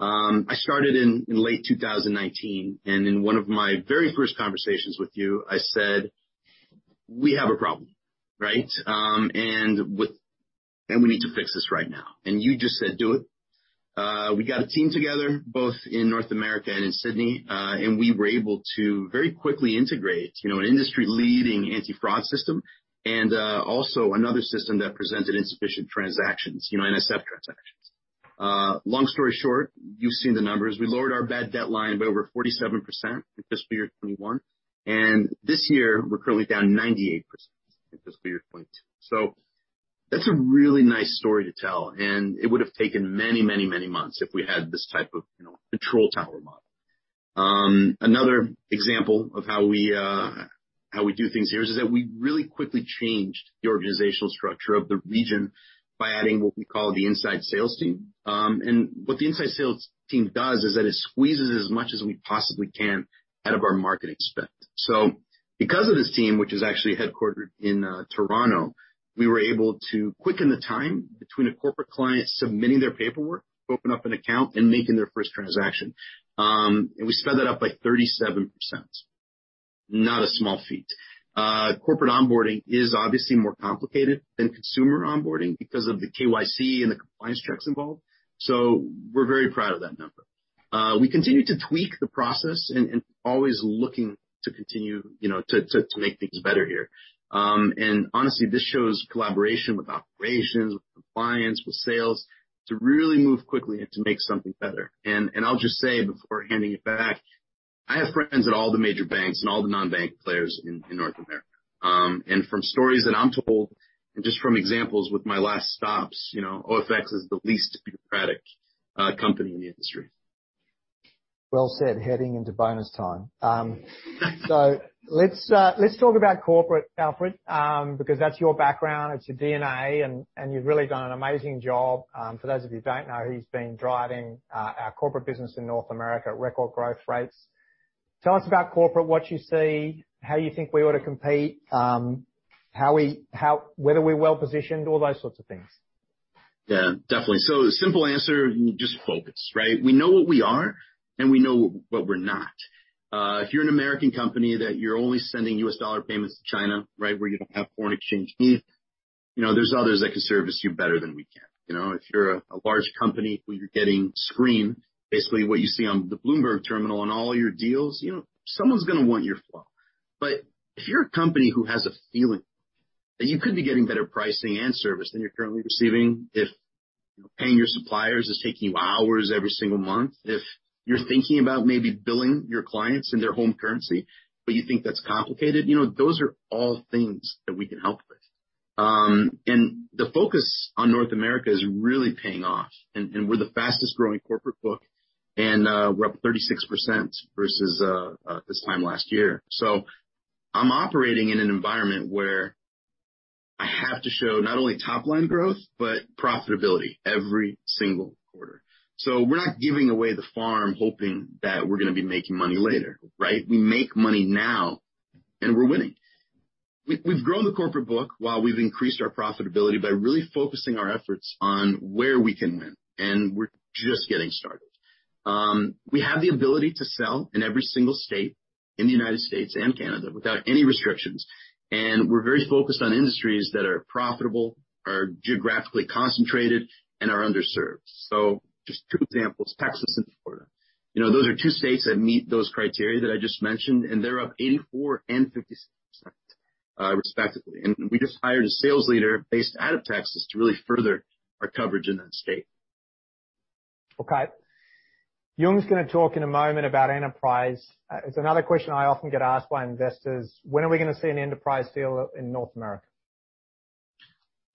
Speaker 9: I started in late 2019, and in one of my very first conversations with you, I said, "We have a problem," right? And with. We need to fix this right now." You just said, "Do it." We got a team together, both in North America and in Sydney, and we were able to very quickly integrate, you know, an industry-leading anti-fraud system and also another system that prevented insufficient transactions, you know, NSF transactions. Long story short, you've seen the numbers. We lowered our bad debt line by over 47% in FY 2021, and this year we're currently down 98% in FY 2022. That's a really nice story to tell, and it would have taken many, many, many months if we had this type of, you know, control tower model. Another example of how we do things here is that we really quickly changed the organizational structure of the region by adding what we call the inside sales team. What the inside sales team does is that it squeezes as much as we possibly can out of our marketing spend. Because of this team, which is actually headquartered in Toronto, we were able to quicken the time between a corporate client submitting their paperwork to open up an account and making their first transaction. We sped that up by 37%. Not a small feat. Corporate onboarding is obviously more complicated than consumer onboarding because of the KYC and the compliance checks involved. We're very proud of that number. We continue to tweak the process and always looking to continue, you know, to make things better here. Honestly, this shows collaboration with operations, with compliance, with sales to really move quickly and to make something better. I'll just say before handing it back, I have friends at all the major banks and all the non-bank players in North America. From stories that I'm told, and just from examples with my last stops, you know, OFX is the least bureaucratic company in the industry.
Speaker 1: Well said. Heading into bonus time. Let's talk about corporate, Alfred, because that's your background, it's your DNA, and you've really done an amazing job. For those of you who don't know, he's been driving our corporate business in North America at record growth rates. Tell us about corporate, what you see, how you think we ought to compete, how, whether we're well-positioned, all those sorts of things.
Speaker 9: Yeah, definitely. The simple answer, just focus, right? We know what we are, and we know what we're not. If you're an American company that's only sending U.S. dollar payments to China, right? Where you don't have foreign exchange needs, you know, there's others that can service you better than we can. You know, if you're a large company, you're getting screen, basically what you see on the Bloomberg terminal and all your deals, you know, someone's gonna want your flow. If you're a company who has a feeling that you could be getting better pricing and service than you're currently receiving, if paying your suppliers is taking you hours every single month, if you're thinking about maybe billing your clients in their home currency, but you think that's complicated, you know, those are all things that we can help with. The focus on North America is really paying off, and we're the fastest growing corporate book, and we're up 36% versus this time last year. I'm operating in an environment where I have to show not only top line growth, but profitability every single quarter. We're not giving away the farm hoping that we're gonna be making money later, right? We make money now, and we're winning. We've grown the corporate book while we've increased our profitability by really focusing our efforts on where we can win, and we're just getting started. We have the ability to sell in every single state in the United States and Canada without any restrictions. We're very focused on industries that are profitable, are geographically concentrated and are underserved. Just two examples, Texas and Florida. You know, those are two states that meet those criteria that I just mentioned, and they're up 84% and 56%, respectively. We just hired a sales leader based out of Texas to really further our coverage in that state.
Speaker 1: Okay. Yung is gonna talk in a moment about enterprise. It's another question I often get asked by investors, "When are we gonna see an enterprise deal in North America?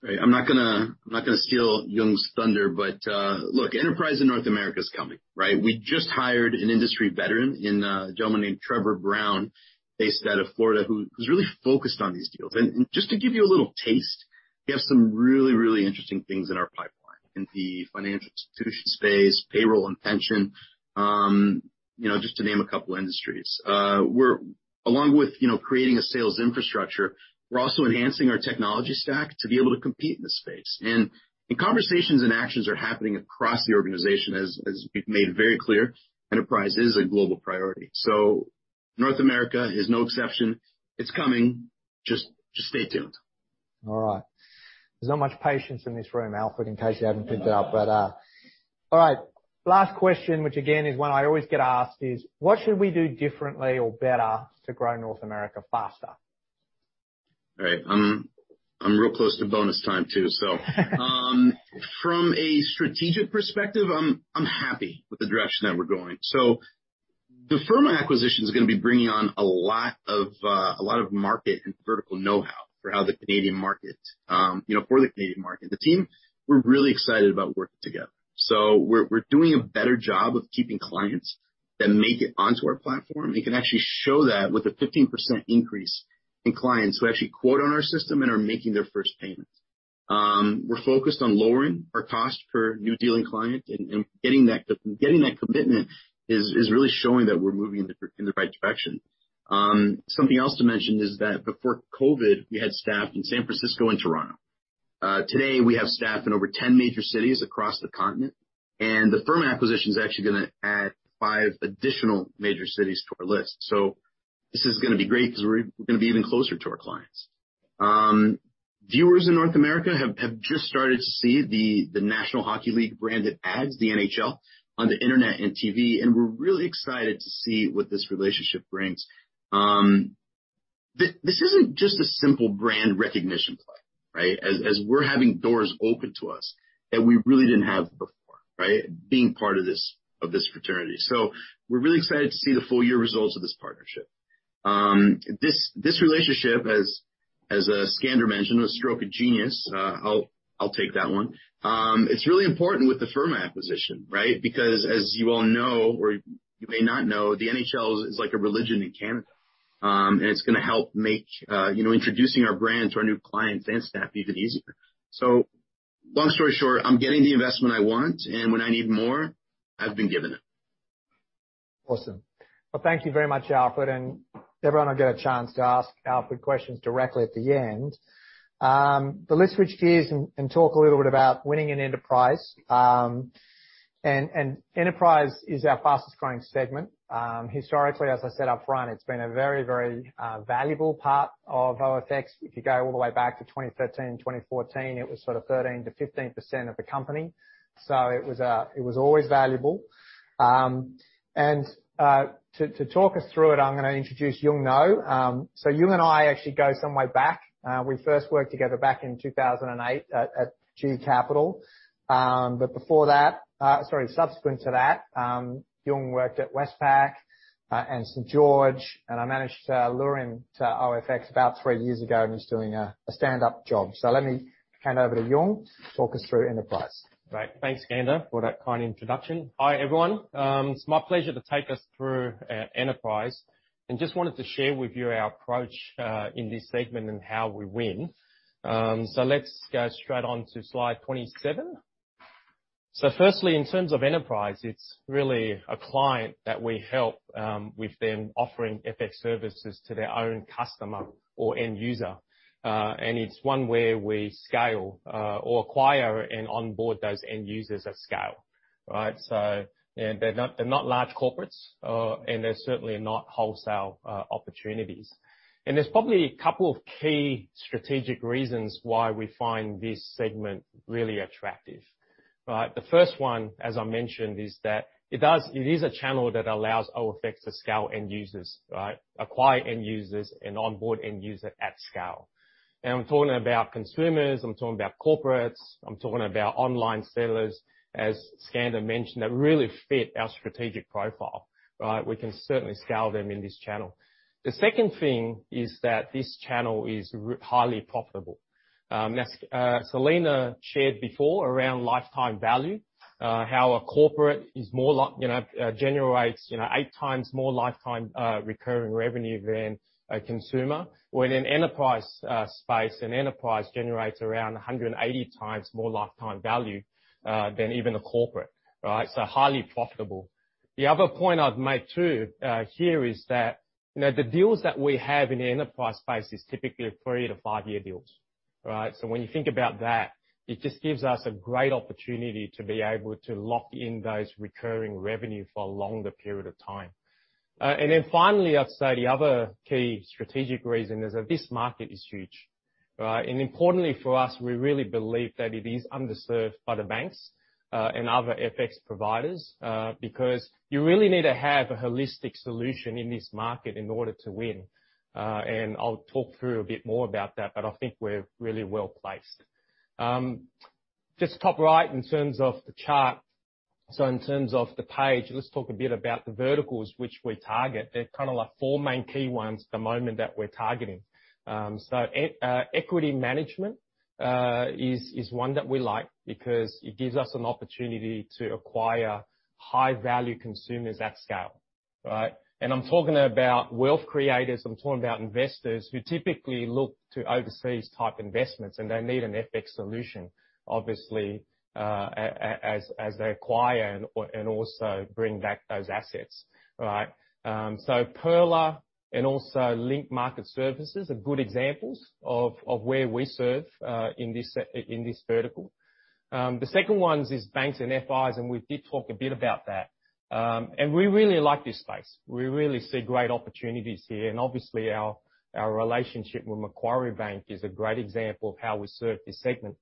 Speaker 9: Right. I'm not gonna steal Yung's thunder, but look, enterprise in North America is coming, right? We just hired an industry veteran, a gentleman named Trevor Brown, based out of Florida, who's really focused on these deals. Just to give you a little taste, we have some really interesting things in our pipeline, in the financial institution space, payroll, and pension, you know, just to name a couple industries. We're, along with you know, creating a sales infrastructure, we're also enhancing our technology stack to be able to compete in the space. Conversations and actions are happening across the organization. As we've made very clear, enterprise is a global priority. North America is no exception. It's coming. Just stay tuned.
Speaker 1: All right. There's not much patience in this room, Alfred, in case you haven't picked up. All right. Last question, which again is one I always get asked is, what should we do differently or better to grow North America faster?
Speaker 9: All right. I'm real close to bonus time, too. From a strategic perspective, I'm happy with the direction that we're going. The Firma acquisition is gonna be bringing on a lot of market and vertical know-how for the Canadian market. You know, the team, we're really excited about working together. We're doing a better job of keeping clients that make it onto our platform, and can actually show that with a 15% increase in clients who actually quote on our system and are making their first payments. We're focused on lowering our cost per new dealing client, and getting that commitment is really showing that we're moving in the right direction. Something else to mention is that before COVID, we had staff in San Francisco and Toronto. Today we have staff in over 10 major cities across the continent, and the Firma acquisition is actually gonna add 5 additional major cities to our list. This is gonna be great because we're gonna be even closer to our clients. Viewers in North America have just started to see the National Hockey League branded ads, the NHL, on the internet and TV, and we're really excited to see what this relationship brings. This isn't just a simple brand recognition play, right? As we're having doors opened to us that we really didn't have before, right? Being part of this fraternity. We're really excited to see the full year results of this partnership. This relationship, as Skander mentioned, a stroke of genius. I'll take that one. It's really important with the Firma acquisition, right? Because as you all know, or you may not know, the NHL is like a religion in Canada. It's gonna help make, you know, introducing our brand to our new clients and staff even easier. So long story short, I'm getting the investment I want, and when I need more, I've been given it.
Speaker 1: Awesome. Well, thank you very much, Alfred. Everyone will get a chance to ask Alfred questions directly at the end. Let's switch gears and talk a little bit about winning in enterprise. Enterprise is our fastest growing segment. Historically, as I said up front, it's been a very valuable part of OFX. If you go all the way back to 2013, 2014, it was sort of 13%-15% of the company. It was always valuable. To talk us through it, I'm gonna introduce Yung Ngo. Yung and I actually go some way back. We first worked together back in 2008 at GE Capital. Before that, sorry, subsequent to that, Yung worked at Westpac and St. George Bank, and I managed to lure him to OFX about three years ago, and he's doing a stand-up job. Let me hand over to Yung to talk us through Enterprise.
Speaker 10: Great. Thanks, Skander, for that kind introduction. Hi, everyone. It's my pleasure to take us through enterprise, and just wanted to share with you our approach in this segment and how we win. Let's go straight on to slide 27. First, in terms of enterprise, it's really a client that we help with them offering FX services to their own customer or end user. It's one where we scale or acquire and onboard those end users at scale, right? They're not large corporates, and they're certainly not wholesale opportunities. There's probably a couple of key strategic reasons why we find this segment really attractive, right? The first one, as I mentioned, is that it is a channel that allows OFX to scale end users, right? Acquire end users and onboard end user at scale. Now I'm talking about consumers, I'm talking about corporates, I'm talking about online sellers, as Skander mentioned, that really fit our strategic profile, right? We can certainly scale them in this channel. The second thing is that this channel is highly profitable. As Selena shared before around lifetime value, how a corporate is more like, you know, generates, you know, 8x more lifetime recurring revenue than a consumer. Well, in an enterprise space, an enterprise generates around 180x more lifetime value than even a corporate, right? So highly profitable. The other point I'd make too here is that, you know, the deals that we have in the enterprise space is typically 3-5-year deals, right? When you think about that, it just gives us a great opportunity to be able to lock in those recurring revenue for a longer period of time. Finally, I'd say the other key strategic reason is that this market is huge, right? Importantly for us, we really believe that it is underserved by the banks and other FX providers because you really need to have a holistic solution in this market in order to win. I'll talk through a bit more about that, but I think we're really well-placed. Just top right in terms of the chart. In terms of the page, let's talk a bit about the verticals which we target. There's kinda like four main key ones at the moment that we're targeting. Equity management is one that we like because it gives us an opportunity to acquire high-value consumers at scale, right? I'm talking about wealth creators. I'm talking about investors who typically look to overseas type investments, and they need an FX solution, obviously, as they acquire and also bring back those assets, right? Pearler and also Link Market Services are good examples of where we serve in this vertical. The second one is banks and FIs, and we did talk a bit about that. We really like this space. We really see great opportunities here, and obviously our relationship with Macquarie Bank is a great example of how we serve this segment.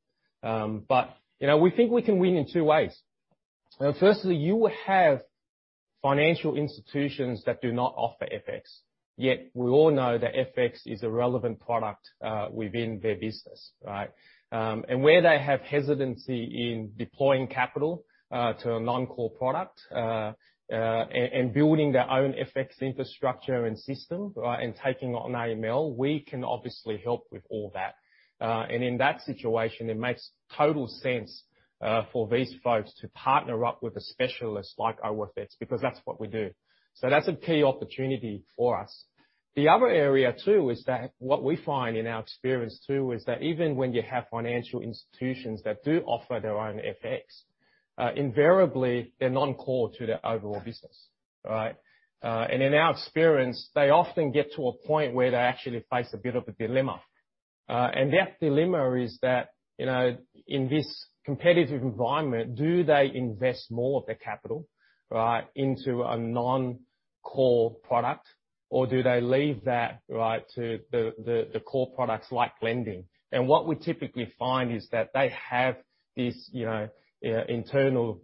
Speaker 10: You know, we think we can win in two ways. Firstly, you have financial institutions that do not offer FX, yet we all know that FX is a relevant product within their business, right? Where they have hesitancy in deploying capital to a non-core product and building their own FX infrastructure and system, right, and taking on AML, we can obviously help with all that. In that situation, it makes total sense for these folks to partner up with a specialist like OFX, because that's what we do. That's a key opportunity for us. The other area too is that what we find in our experience too is that even when you have financial institutions that do offer their own FX, invariably they're non-core to their overall business, right? In our experience, they often get to a point where they actually face a bit of a dilemma. That dilemma is that, you know, in this competitive environment, do they invest more of their capital, right, into a non-core product? Or do they leave that, right, to the core products like lending? What we typically find is that they have this, you know, internal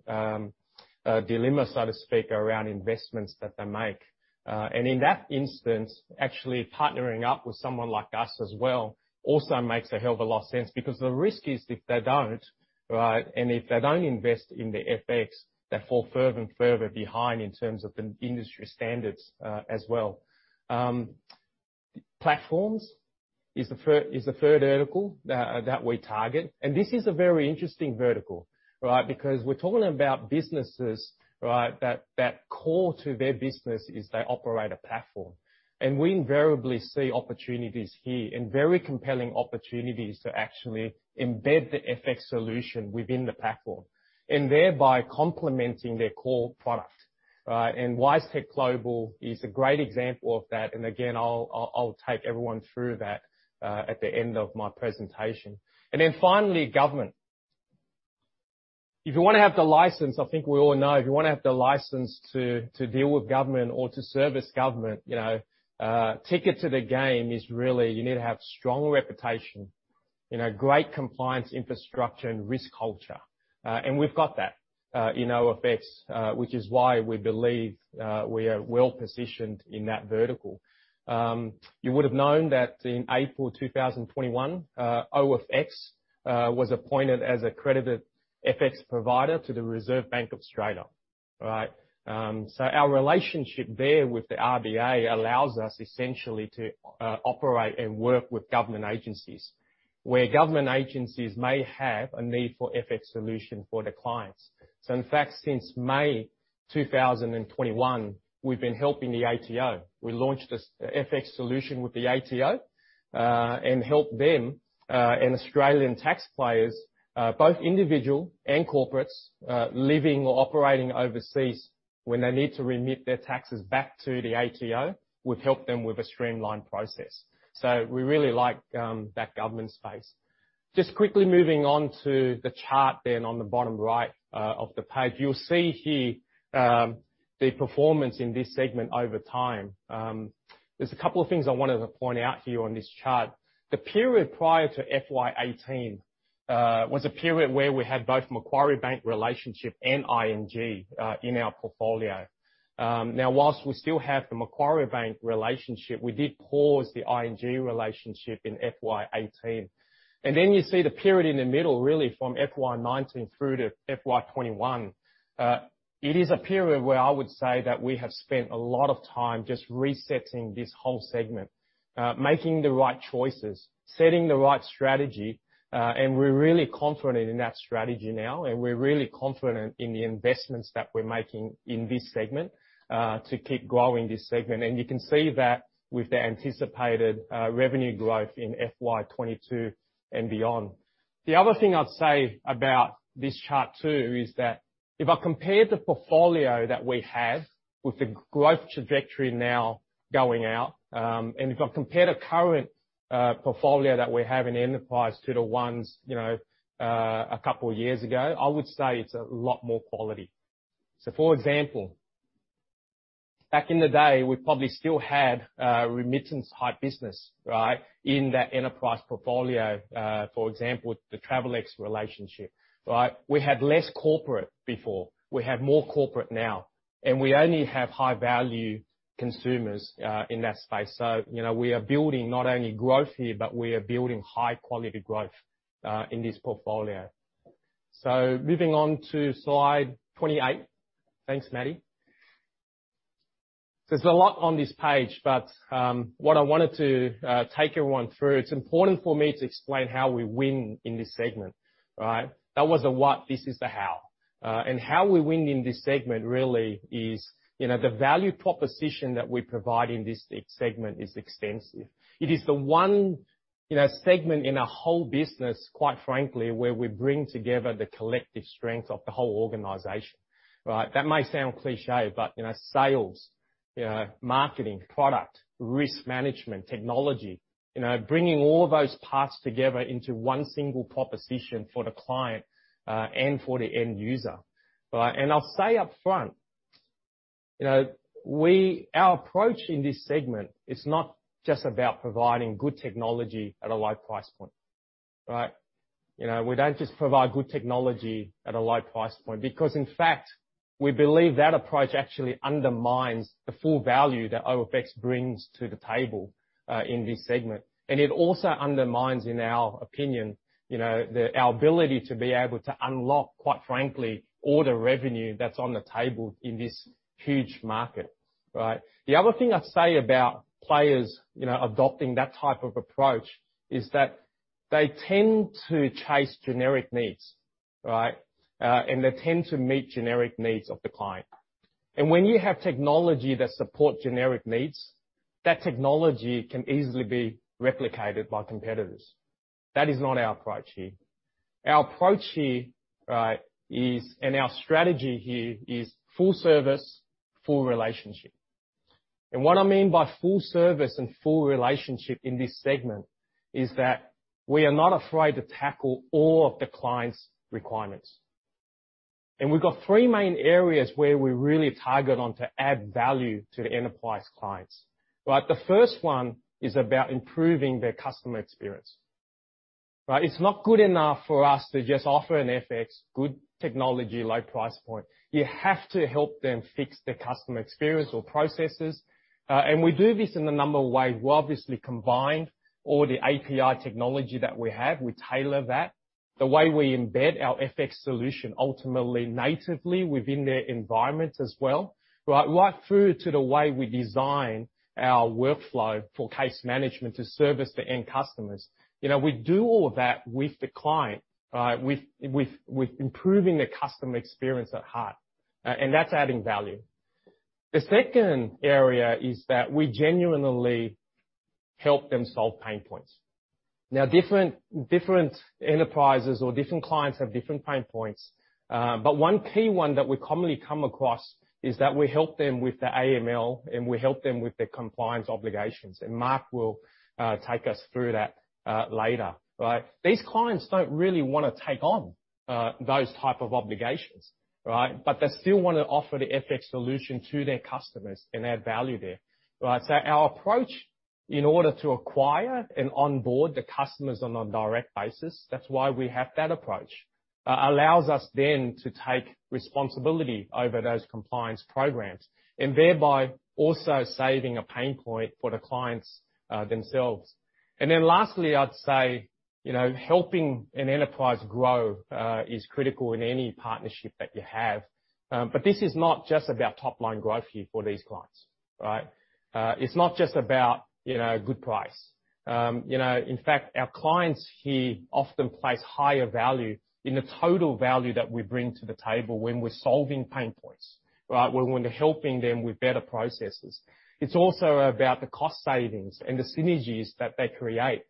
Speaker 10: dilemma, so to speak, around investments that they make. In that instance, actually partnering up with someone like us as well also makes a hell of a lot of sense because the risk is if they don't, right, and if they don't invest in the FX, they fall further and further behind in terms of the industry standards, as well. Platforms is the third vertical that we target. This is a very interesting vertical, right? Because we're talking about businesses, right, that core to their business is they operate a platform. We invariably see opportunities here, and very compelling opportunities to actually embed the FX solution within the platform, and thereby complementing their core product, right? WiseTech Global is a great example of that. Again, I'll take everyone through that at the end of my presentation. Then finally, government. If you wanna have the license, I think we all know, if you wanna have the license to deal with government or to service government, you know, ticket to the game is really you need to have strong reputation, you know, great compliance, infrastructure, and risk culture. We've got that in OFX, which is why we believe we are well positioned in that vertical. You would have known that in April 2021, OFX was appointed as an accredited FX provider to the Reserve Bank of Australia. Right. Our relationship there with the RBA allows us essentially to operate and work with government agencies, where government agencies may have a need for FX solution for their clients. In fact, since May 2021, we've been helping the ATO. We launched the FX solution with the ATO and helped them and Australian taxpayers, both individual and corporates, living or operating overseas, when they need to remit their taxes back to the ATO. We've helped them with a streamlined process. We really like that government space. Just quickly moving on to the chart then on the bottom right of the page. You'll see here, the performance in this segment over time. There's a couple of things I wanted to point out to you on this chart. The period prior to FY 2018 was a period where we had both Macquarie Bank relationship and ING in our portfolio. Now, while we still have the Macquarie Bank relationship, we did pause the ING relationship in FY 2018. You see the period in the middle, really from FY 2019 through to FY 2021. It is a period where I would say that we have spent a lot of time just resetting this whole segment, making the right choices, setting the right strategy. We're really confident in that strategy now, and we're really confident in the investments that we're making in this segment to keep growing this segment. You can see that with the anticipated revenue growth in FY 2022 and beyond. The other thing I'd say about this chart too is that if I compare the portfolio that we have with the growth trajectory now going out, and if I compare the current portfolio that we have in enterprise to the ones you know a couple of years ago, I would say it's a lot more quality. For example, back in the day, we probably still had remittance type business right in that enterprise portfolio. For example, the Travelex relationship right? We had less corporate before. We have more corporate now. We only have high-value consumers in that space. You know, we are building not only growth here, but we are building high-quality growth in this portfolio. Moving on to slide 28. Thanks, Maddie. There's a lot on this page, but what I wanted to take everyone through, it's important for me to explain how we win in this segment, right? That was the what, this is the how. How we win in this segment really is, you know, the value proposition that we provide in this segment is extensive. It is the one, you know, segment in our whole business, quite frankly, where we bring together the collective strength of the whole organization, right? That may sound cliché, but you know, sales, you know, marketing, product, risk management, technology, you know, bringing all those parts together into one single proposition for the client and for the end user, right? I'll say upfront, you know, our approach in this segment is not just about providing good technology at a low price point, right? You know, we don't just provide good technology at a low price point because, in fact, we believe that approach actually undermines the full value that OFX brings to the table in this segment. It also undermines, in our opinion, you know, the, our ability to be able to unlock, quite frankly, all the revenue that's on the table in this huge market, right? The other thing I'd say about players, you know, adopting that type of approach is that they tend to chase generic needs, right? They tend to meet generic needs of the client. When you have technology that support generic needs, that technology can easily be replicated by competitors. That is not our approach here. Our approach here, right, is and our strategy here is full service, full relationship. What I mean by full service and full relationship in this segment is that we are not afraid to tackle all of the client's requirements. We've got three main areas where we really target on to add value to the enterprise clients, right? The first one is about improving their customer experience. Right, it's not good enough for us to just offer an FX, good technology, low price point. You have to help them fix their customer experience or processes. We do this in a number of ways. We obviously combine all the API technology that we have. We tailor that. The way we embed our FX solution, ultimately, natively within their environments as well, right? Right through to the way we design our workflow for case management to service the end customers. You know, we do all of that with the client, right, with improving the customer experience at heart. That's adding value. The second area is that we genuinely help them solve pain points. Now, different enterprises or different clients have different pain points. One key one that we commonly come across is that we help them with their AML, and we help them with their compliance obligations. Mark will take us through that later, right? These clients don't really wanna take on those type of obligations, right? They still wanna offer the FX solution to their customers and add value there, right? Our approach, in order to acquire and onboard the customers on a direct basis, that's why we have that approach. Allows us then to take responsibility over those compliance programs and thereby also saving a pain point for the clients, themselves. Lastly, I'd say. You know, helping an enterprise grow is critical in any partnership that you have. This is not just about top-line growth here for these clients, right? It's not just about, you know, good price. You know, in fact, our clients here often place higher value in the total value that we bring to the table when we're solving pain points, right? When we're helping them with better processes. It's also about the cost savings and the synergies that they create,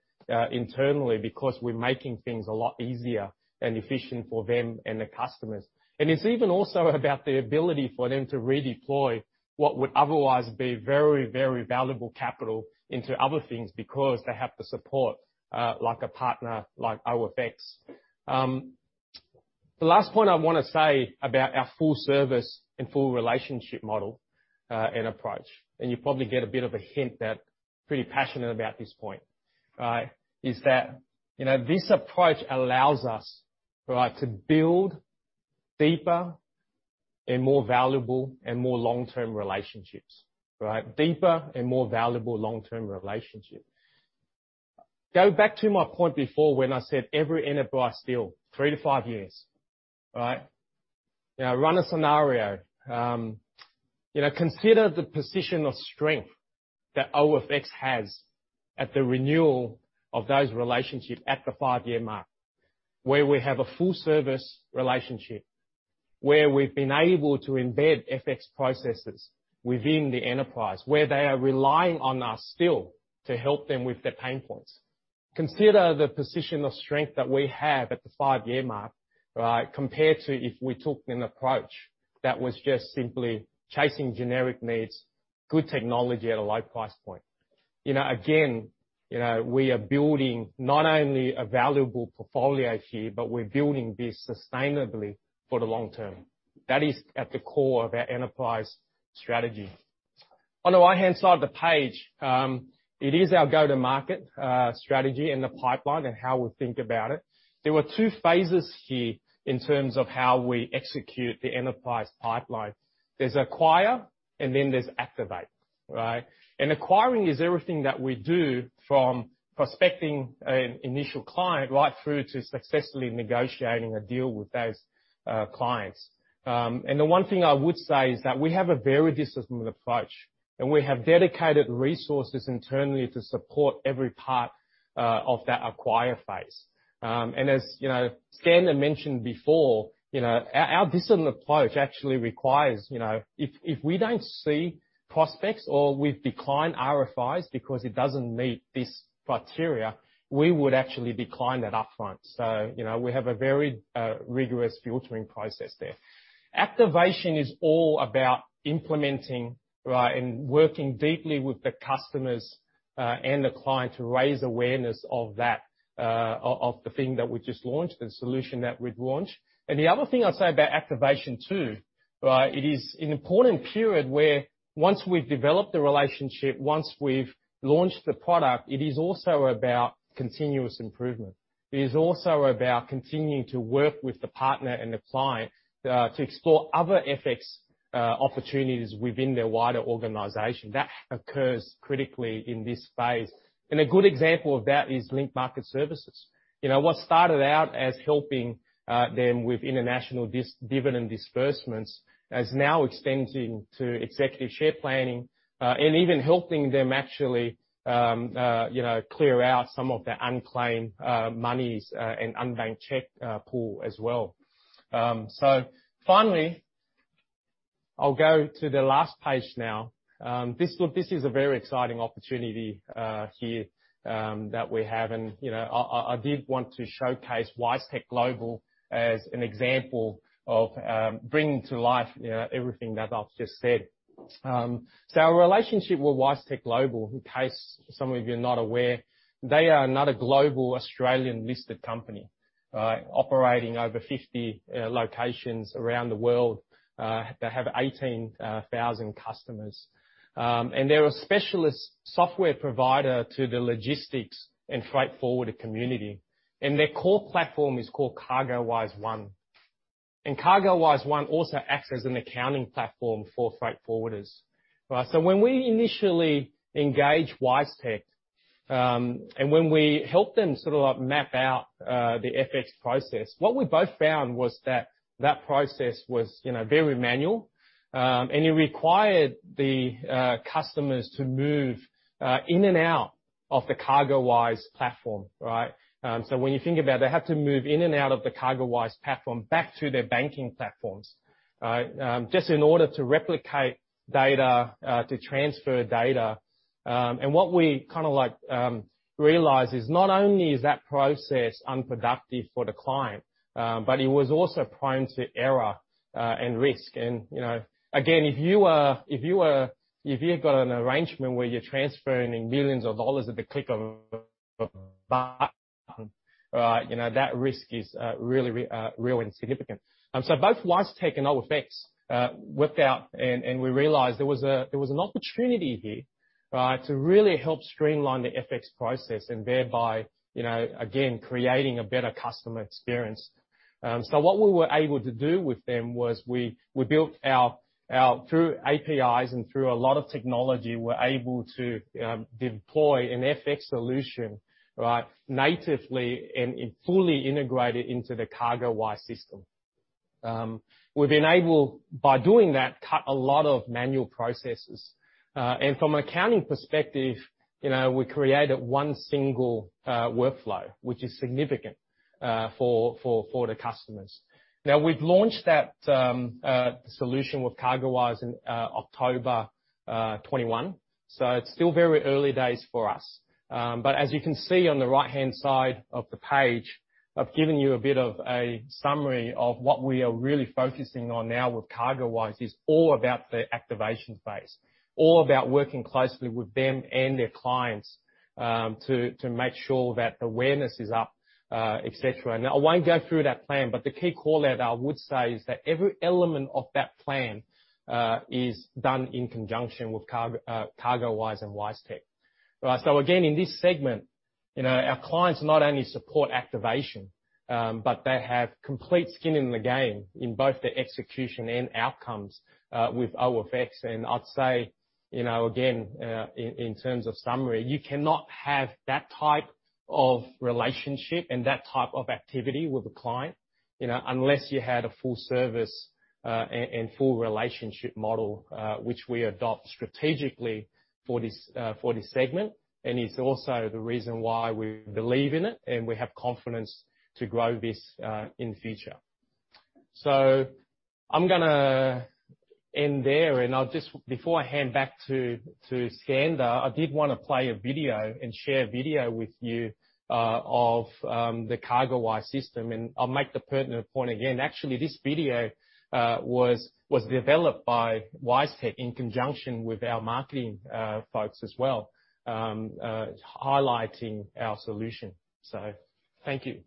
Speaker 10: internally because we're making things a lot easier and efficient for them and the customers. It's even also about the ability for them to redeploy what would otherwise be very, very valuable capital into other things because they have the support, like a partner, like OFX. The last point I wanna say about our full service and full relationship model, and approach, and you probably get a bit of a hint that I'm pretty passionate about this point, right, is that, you know, this approach allows us, right, to build deeper and more valuable and more long-term relationships, right? Deeper and more valuable long-term relationships. Go back to my point before when I said every enterprise deal, 3-5 years, right? Now, run a scenario. You know, consider the position of strength that OFX has at the renewal of those relationships at the five-year mark. Where we have a full service relationship, where we've been able to embed FX processes within the enterprise, where they are relying on us still to help them with their pain points. Consider the position of strength that we have at the five-year mark, right, compared to if we took an approach that was just simply chasing generic needs, good technology at a low price point. You know, again, you know, we are building not only a valuable portfolio here, but we're building this sustainably for the long term. That is at the core of our enterprise strategy. On the right-hand side of the page, it is our go-to-market strategy and the pipeline and how we think about it. There were two phases here in terms of how we execute the enterprise pipeline. There's acquire and then there's activate, right? Acquiring is everything that we do from prospecting an initial client right through to successfully negotiating a deal with those clients. The one thing I would say is that we have a very disciplined approach, and we have dedicated resources internally to support every part of that acquire phase. As you know, Skan had mentioned before, you know, our disciplined approach actually requires, you know, if we don't see prospects or we've declined RFIs because it doesn't meet this criteria, we would actually decline that upfront. You know, we have a very rigorous filtering process there. Activation is all about implementing, right, and working deeply with the customers and the client to raise awareness of that of the thing that we just launched, the solution that we'd launched. The other thing I'd say about activation too, right, it is an important period where once we've developed the relationship, once we've launched the product, it is also about continuous improvement. It is also about continuing to work with the partner and the client, to explore other FX opportunities within their wider organization. That occurs critically in this phase. A good example of that is Link Market Services. You know, what started out as helping them with international dividend disbursements is now extending to executive share planning, and even helping them actually, you know, clear out some of their unclaimed monies, and unbanked check pool as well. Finally, I'll go to the last page now. This is a very exciting opportunity here that we have and, you know, I did want to showcase WiseTech Global as an example of bringing to life, you know, everything that I've just said. Our relationship with WiseTech Global, in case some of you are not aware, they are another global Australian-listed company operating over 50 locations around the world. They have 18,000 customers. They're a specialist software provider to the logistics and freight forwarder community. Their core platform is called CargoWise One. CargoWise One also acts as an accounting platform for freight forwarders. Right, so when we initially engaged WiseTech, and when we helped them sort of like map out the FX process, what we both found was that that process was, you know, very manual. It required the customers to move in and out of the CargoWise platform, right? When you think about it, they have to move in and out of the CargoWise platform back to their banking platforms, right, just in order to replicate data to transfer data. What we kinda like realized is not only is that process unproductive for the client, but it was also prone to error and risk. You know, again, if you've got an arrangement where you're transferring millions at the click of a button, right, you know, that risk is really real and significant. Both WiseTech and OFX worked out and we realized there was an opportunity here, right, to really help streamline the FX process and thereby, you know, again, creating a better customer experience. What we were able to do with them was through APIs and through a lot of technology, we're able to deploy an FX solution, right, natively and fully integrated into the CargoWise system. We've enabled, by doing that, cut a lot of manual processes. From an accounting perspective, you know, we created one single workflow, which is significant for the customers. Now, we've launched that solution with CargoWise in October 2021, so it's still very early days for us. As you can see on the right-hand side of the page, I've given you a bit of a summary of what we are really focusing on now with CargoWise is all about the activation phase, all about working closely with them and their clients, to make sure that awareness is up, et cetera. Now, I won't go through that plan, but the key callout, I would say, is that every element of that plan is done in conjunction with CargoWise and WiseTech. Again, in this segment, you know, our clients not only support activation, but they have complete skin in the game in both the execution and outcomes, with OFX. I'd say, you know, again, in terms of summary, you cannot have that type of relationship and that type of activity with a client, you know, unless you had a full service, and full relationship model, which we adopt strategically for this segment. It's also the reason why we believe in it, and we have confidence to grow this in the future. I'm gonna end there, and I'll just before I hand back to Skander, I did wanna play a video and share a video with you of the CargoWise system. I'll make the pertinent point again. Actually, this video was developed by WiseTech in conjunction with our marketing folks as well, highlighting our solution. Thank you.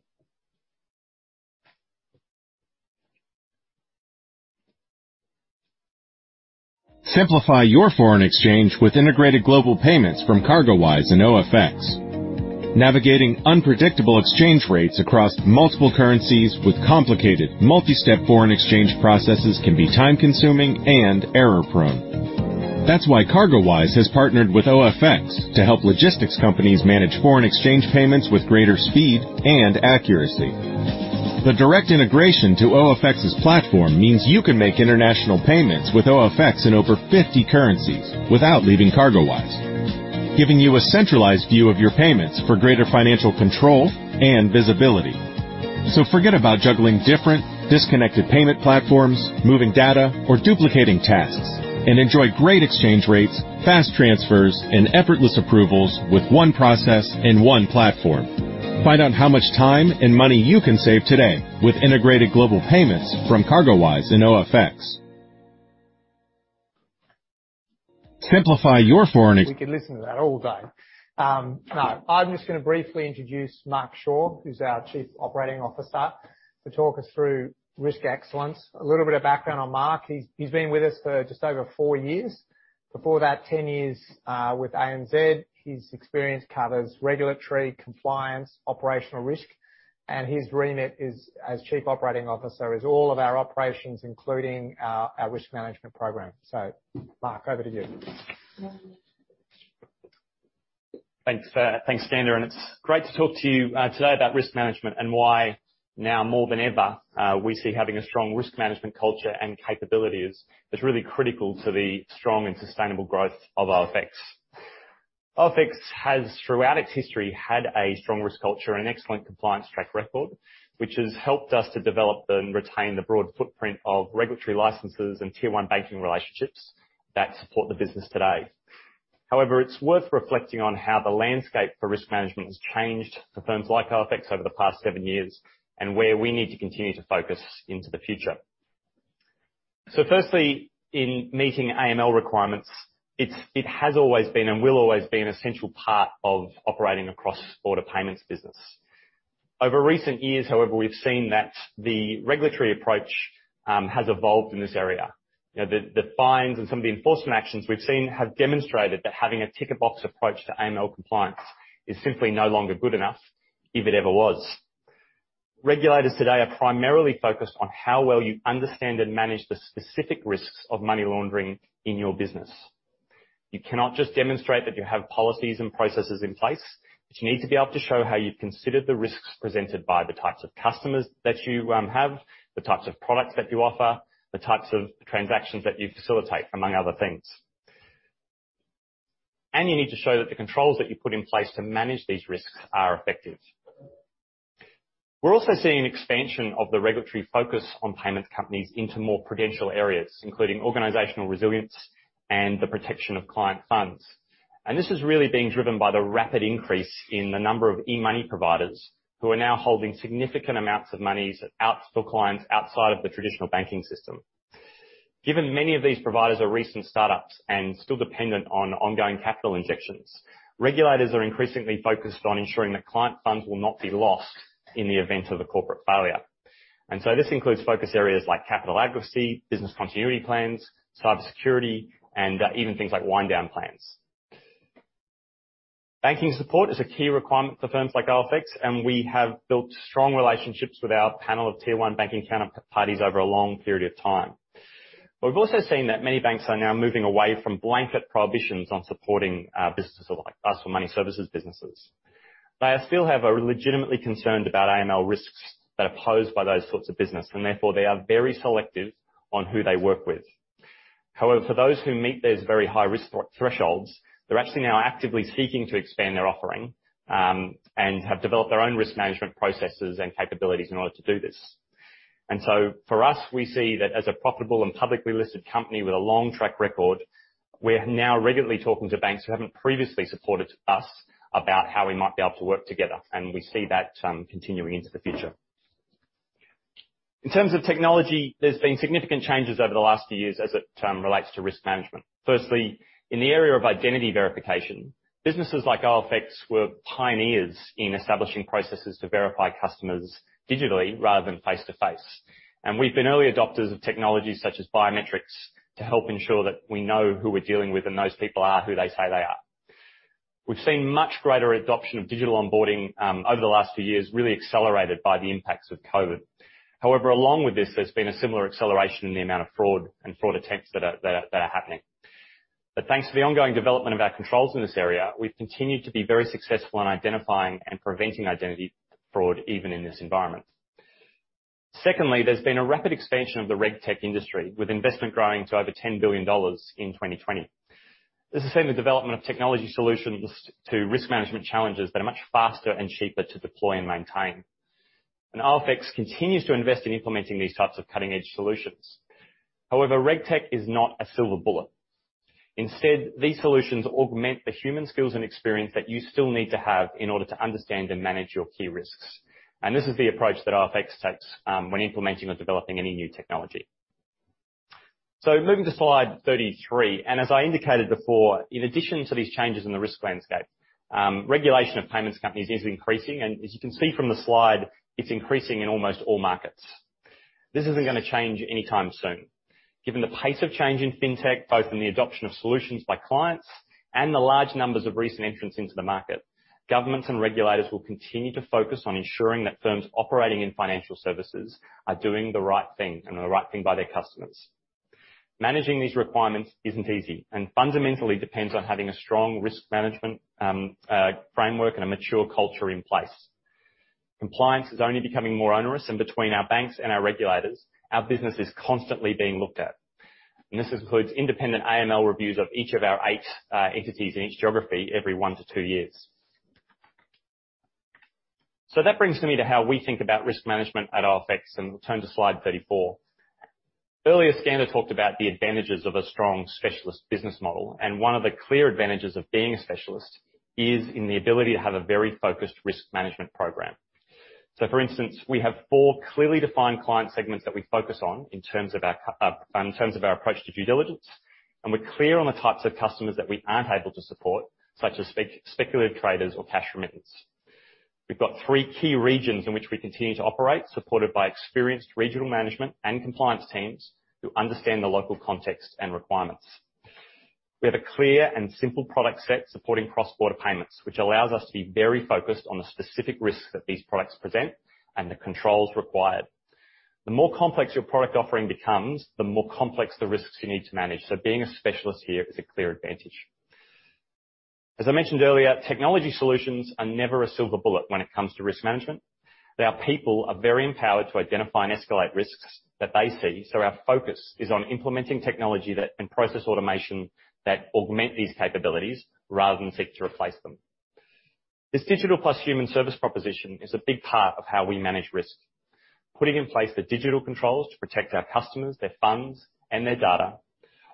Speaker 8: Simplify your foreign exchange with integrated global payments from CargoWise and OFX. Navigating unpredictable exchange rates across multiple currencies with complicated multi-step foreign exchange processes can be time-consuming and error-prone. That's why CargoWise has partnered with OFX to help logistics companies manage foreign exchange payments with greater speed and accuracy. The direct integration to OFX's platform means you can make international payments with OFX in over 50 currencies without leaving CargoWise, giving you a centralized view of your payments for greater financial control and visibility. Forget about juggling different disconnected payment platforms, moving data or duplicating tasks, and enjoy great exchange rates, fast transfers, and effortless approvals with one process and one platform. Find out how much time and money you can save today with integrated global payments from CargoWise and OFX. Simplify your foreign ex-
Speaker 10: We could listen to that all day. No. I'm just gonna briefly introduce Mark Shaw, who's our Chief Operating Officer, to talk us through risk excellence. A little bit of background on Mark. He's been with us for just over four years. Before that, 10 years with ANZ. His experience covers regulatory compliance, operational risk, and his remit is, as Chief Operating Officer, all of our operations, including our risk management program. Mark, over to you.
Speaker 11: Thanks for that. Thanks, Skander, and it's great to talk to you today about risk management and why, now more than ever, we see having a strong risk management culture and capabilities is really critical to the strong and sustainable growth of OFX. OFX has, throughout its history, had a strong risk culture and excellent compliance track record, which has helped us to develop and retain the broad footprint of regulatory licenses and tier one banking relationships that support the business today. However, it's worth reflecting on how the landscape for risk management has changed for firms like OFX over the past seven years and where we need to continue to focus into the future. Firstly, in meeting AML requirements, it has always been and will always be an essential part of operating cross-border payments business. Over recent years, however, we've seen that the regulatory approach has evolved in this area. You know, the fines and some of the enforcement actions we've seen have demonstrated that having a tick-the-box approach to AML compliance is simply no longer good enough, if it ever was. Regulators today are primarily focused on how well you understand and manage the specific risks of money laundering in your business. You cannot just demonstrate that you have policies and processes in place, but you need to be able to show how you've considered the risks presented by the types of customers that you have, the types of products that you offer, the types of transactions that you facilitate, among other things. You need to show that the controls that you put in place to manage these risks are effective. We're also seeing an expansion of the regulatory focus on payments companies into more prudential areas, including organizational resilience and the protection of client funds. This is really being driven by the rapid increase in the number of e-money providers who are now holding significant amounts of monies out for clients outside of the traditional banking system. Given many of these providers are recent startups and still dependent on ongoing capital injections, regulators are increasingly focused on ensuring that client funds will not be lost in the event of a corporate failure. This includes focus areas like capital adequacy, business continuity plans, cybersecurity, and even things like wind down plans. Banking support is a key requirement for firms like OFX, and we have built strong relationships with our panel of tier one banking counterparties over a long period of time. We've also seen that many banks are now moving away from blanket prohibitions on supporting businesses like us or money services businesses. They still have legitimate concerns about AML risks that are posed by those sorts of businesses, and therefore, they are very selective on who they work with. However, for those who meet these very high risk thresholds, they're actually now actively seeking to expand their offering and have developed their own risk management processes and capabilities in order to do this. For us, we see that as a profitable and publicly listed company with a long track record, we're now regularly talking to banks who haven't previously supported us about how we might be able to work together, and we see that continuing into the future. In terms of technology, there's been significant changes over the last few years as it relates to risk management. Firstly, in the area of identity verification, businesses like OFX were pioneers in establishing processes to verify customers digitally rather than face-to-face. We've been early adopters of technologies such as biometrics to help ensure that we know who we're dealing with, and those people are who they say they are. We've seen much greater adoption of digital onboarding over the last few years, really accelerated by the impacts of COVID. However, along with this, there's been a similar acceleration in the amount of fraud and fraud attempts that are happening. Thanks to the ongoing development of our controls in this area, we've continued to be very successful in identifying and preventing identity fraud, even in this environment. Secondly, there's been a rapid expansion of the RegTech industry, with investment growing to over $10 billion in 2020. This has seen the development of technology solutions to risk management challenges that are much faster and cheaper to deploy and maintain. OFX continues to invest in implementing these types of cutting-edge solutions. However, RegTech is not a silver bullet. Instead, these solutions augment the human skills and experience that you still need to have in order to understand and manage your key risks. This is the approach that OFX takes when implementing or developing any new technology. Moving to slide 33, as I indicated before, in addition to these changes in the risk landscape, regulation of payments companies is increasing, and as you can see from the slide, it's increasing in almost all markets. This isn't gonna change anytime soon. Given the pace of change in fintech, both in the adoption of solutions by clients and the large numbers of recent entrants into the market, governments and regulators will continue to focus on ensuring that firms operating in financial services are doing the right thing and the right thing by their customers. Managing these requirements isn't easy and fundamentally depends on having a strong risk management framework and a mature culture in place. Compliance is only becoming more onerous, and between our banks and our regulators, our business is constantly being looked at. This includes independent AML reviews of each of our eight entities in each geography every one to two years. That brings me to how we think about risk management at OFX, and we'll turn to slide 34. Earlier, Skander talked about the advantages of a strong specialist business model, and one of the clear advantages of being a specialist is in the ability to have a very focused risk management program. For instance, we have four clearly defined client segments that we focus on in terms of our approach to due diligence, and we're clear on the types of customers that we aren't able to support, such as speculative traders or cash remittance. We've got three key regions in which we continue to operate, supported by experienced regional management and compliance teams who understand the local context and requirements. We have a clear and simple product set supporting cross-border payments, which allows us to be very focused on the specific risks that these products present and the controls required. The more complex your product offering becomes, the more complex the risks you need to manage. Being a specialist here is a clear advantage. As I mentioned earlier, technology solutions are never a silver bullet when it comes to risk management. Our people are very empowered to identify and escalate risks that they see, so our focus is on implementing technology that, and process automation that augment these capabilities rather than seek to replace them. This digital plus human service proposition is a big part of how we manage risk. Putting in place the digital controls to protect our customers, their funds, and their data,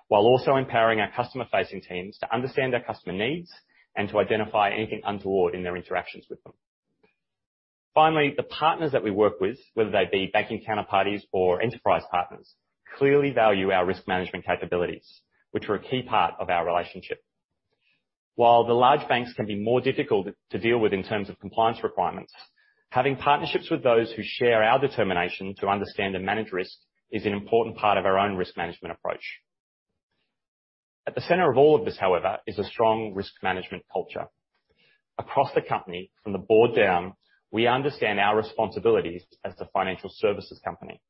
Speaker 11: while also empowering our customer-facing teams to understand their customer needs and to identify anything untoward in their interactions with them. Finally, the partners that we work with, whether they be banking counterparties or enterprise partners, clearly value our risk management capabilities, which are a key part of our relationship. While the large banks can be more difficult to deal with in terms of compliance requirements, having partnerships with those who share our determination to understand and manage risk is an important part of our own risk management approach. At the center of all of this, however, is a strong risk management culture. Across the company, from the board down, we understand our responsibilities as the financial services company.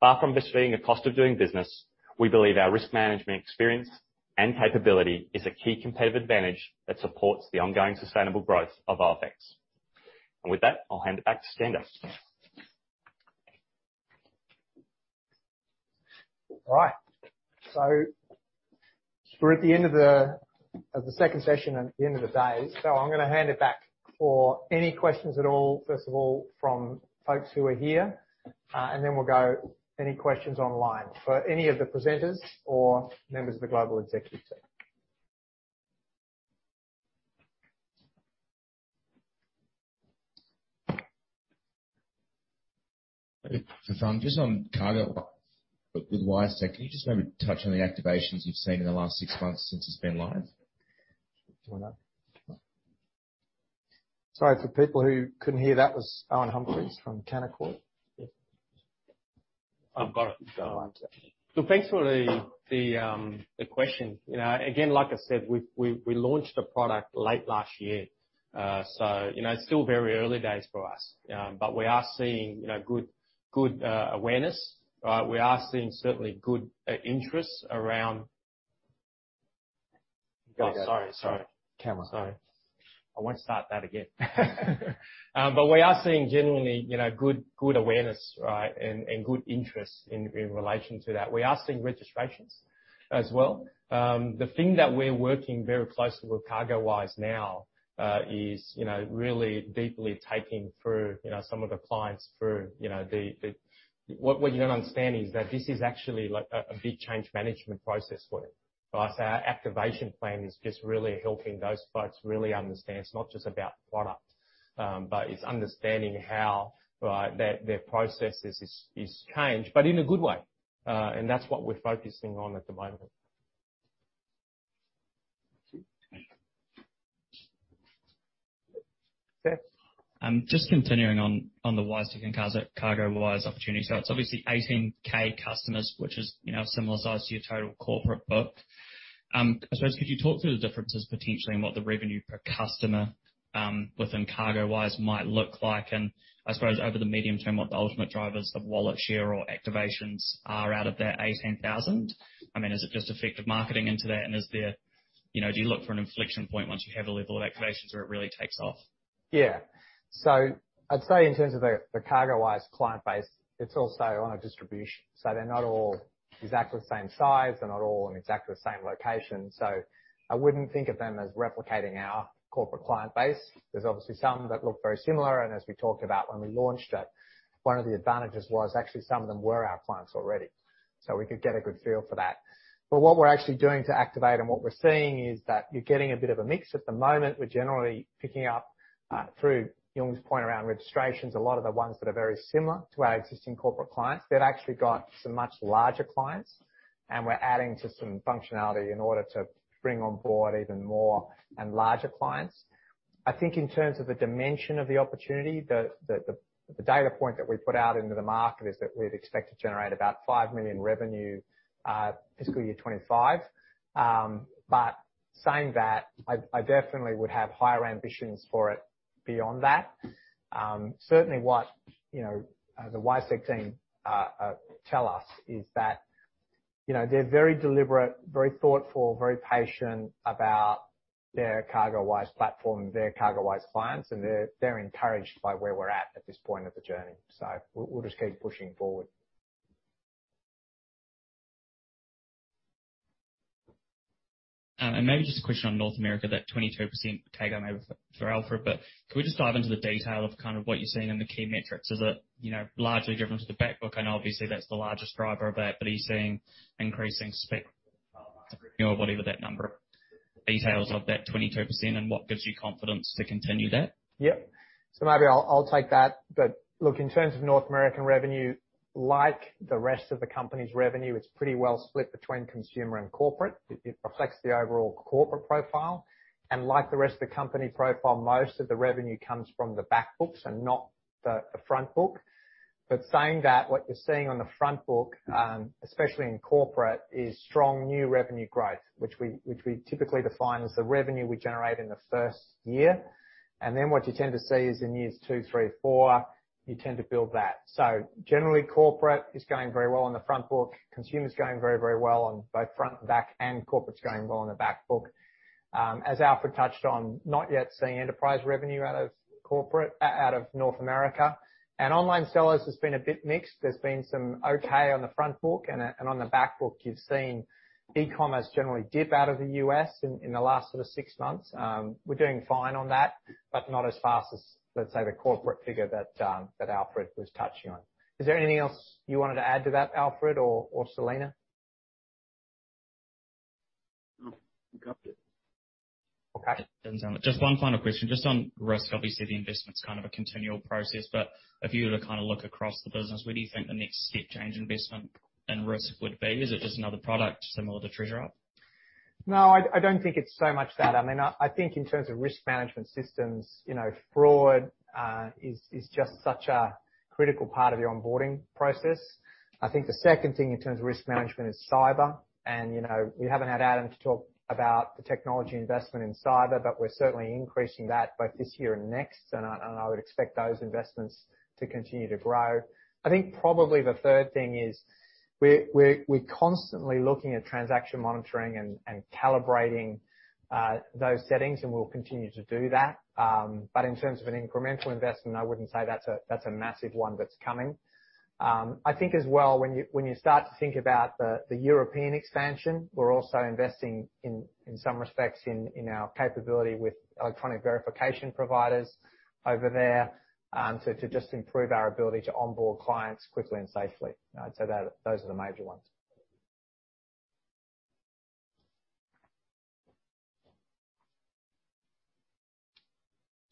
Speaker 11: Far from this being a cost of doing business, we believe our risk management experience and capability is a key competitive advantage that supports the ongoing sustainable growth of OFX. With that, I'll hand it back to Skander.
Speaker 1: All right. We're at the end of the second session and at the end of the day. I'm gonna hand it back for any questions at all, first of all from folks who are here, and then we'll go to any questions online for any of the presenters or members of the Global Executive Team.
Speaker 12: If I'm just on CargoWise with WiseTech, can you just maybe touch on the activations you've seen in the last six months since it's been live?
Speaker 1: Sorry for people who couldn't hear, that was Owen Humphries from Canaccord.
Speaker 11: I've got it.
Speaker 1: Go on, sir.
Speaker 11: Thanks for the question. You know, again, like I said, we launched a product late last year. You know, it's still very early days for us. We are seeing, you know, good awareness, right? We are seeing certainly good interests around.
Speaker 1: Go. Sorry. Camera. Sorry. I won't start that again. We are seeing generally, you know, good awareness, right? Good interest in relation to that. We are seeing registrations as well. The thing that we're working very closely with CargoWise now is really deeply taking through, you know, some of the clients through, you know, the. What you don't understand is that this is actually, like, a big change management process for it, right? Our activation plan is just really helping those folks really understand it's not just about product, but it's understanding how, right, their processes is changed. In a good way. That's what we're focusing on at the moment. That's it. Seth.
Speaker 3: Just continuing on the WiseTech and CargoWise opportunity. It's obviously 18,000 customers, which is, you know, similar size to your total corporate book. I suppose, could you talk through the differences potentially in what the revenue per customer within CargoWise might look like? And I suppose over the medium term, what the ultimate drivers of wallet share or activations are out of that 18,000. I mean, is it just effective marketing into that? And is there? You know, do you look for an inflection point once you have a level of activations where it really takes off?
Speaker 1: Yeah. I'd say in terms of the CargoWise client base, it's also on a distribution. They're not all exactly the same size. They're not all in exactly the same location. I wouldn't think of them as replicating our corporate client base. There's obviously some that look very similar, and as we talked about when we launched it, one of the advantages was actually some of them were our clients already. We could get a good feel for that. What we're actually doing to activate and what we're seeing is that you're getting a bit of a mix at the moment. We're generally picking up through Yung's point around registrations, a lot of the ones that are very similar to our existing corporate clients. They've actually got some much larger clients, and we're adding just some functionality in order to bring on board even more and larger clients. I think in terms of the dimension of the opportunity, the data point that we put out into the market is that we'd expect to generate about 5 million revenue, FY 2025. Saying that, I definitely would have higher ambitions for it beyond that. Certainly what you know the WiseTech team tell us is that, you know, they're very deliberate, very thoughtful, very patient about their CargoWise platform, their CargoWise clients, and they're encouraged by where we're at this point of the journey. We'll just keep pushing forward.
Speaker 3: Maybe just a question on North America, that 22% take on over for Alfred, but can we just dive into the detail of kind of what you're seeing in the key metrics? Is it, you know, largely different to the back book? I know obviously that's the largest driver of that, but are you seeing increasing spec, you know, whatever that number, details of that 22% and what gives you confidence to continue that?
Speaker 1: Yeah. Maybe I'll take that. Look, in terms of North American revenue, like the rest of the company's revenue, it's pretty well split between consumer and corporate. It reflects the overall corporate profile. Like the rest of the company profile, most of the revenue comes from the back books and not the front book. Saying that, what you're seeing on the front book, especially in corporate, is strong new revenue growth, which we typically define as the revenue we generate in the first year. Then what you tend to see is in years two, three, four, you tend to build that. Generally, corporate is going very well on the front book. Consumer is going very, very well on both front and back. Corporate's going well on the back book. As Alfred touched on, not yet seeing enterprise revenue out of corporate out of North America. Online sellers has been a bit mixed. There's been some okay on the front book and on the back book, you've seen e-commerce generally dip out of the U.S. in the last sort of six months. We're doing fine on that, but not as fast as, let's say, the corporate figure that Alfred was touching on. Is there anything else you wanted to add to that, Alfred or Selena?
Speaker 9: No. You got it.
Speaker 1: Okay.
Speaker 3: Just one final question, just on risk. Obviously, the investment's kind of a continual process, but if you were to kinda look across the business, where do you think the next step change investment and risk would be? Is it just another product similar to TreasurUp?
Speaker 1: No, I don't think it's so much that. I mean, I think in terms of risk management systems, you know, fraud is just such a critical part of your onboarding process. I think the second thing in terms of risk management is cyber. You know, we haven't had Adam to talk about the technology investment in cyber, but we're certainly increasing that both this year and next. I would expect those investments to continue to grow. I think probably the third thing is we're constantly looking at transaction monitoring and calibrating those settings, and we'll continue to do that. But in terms of an incremental investment, I wouldn't say that's a massive one that's coming. I think as well, when you start to think about the European expansion, we're also investing in some respects in our capability with electronic verification providers over there, to just improve our ability to onboard clients quickly and safely. I'd say that those are the major ones.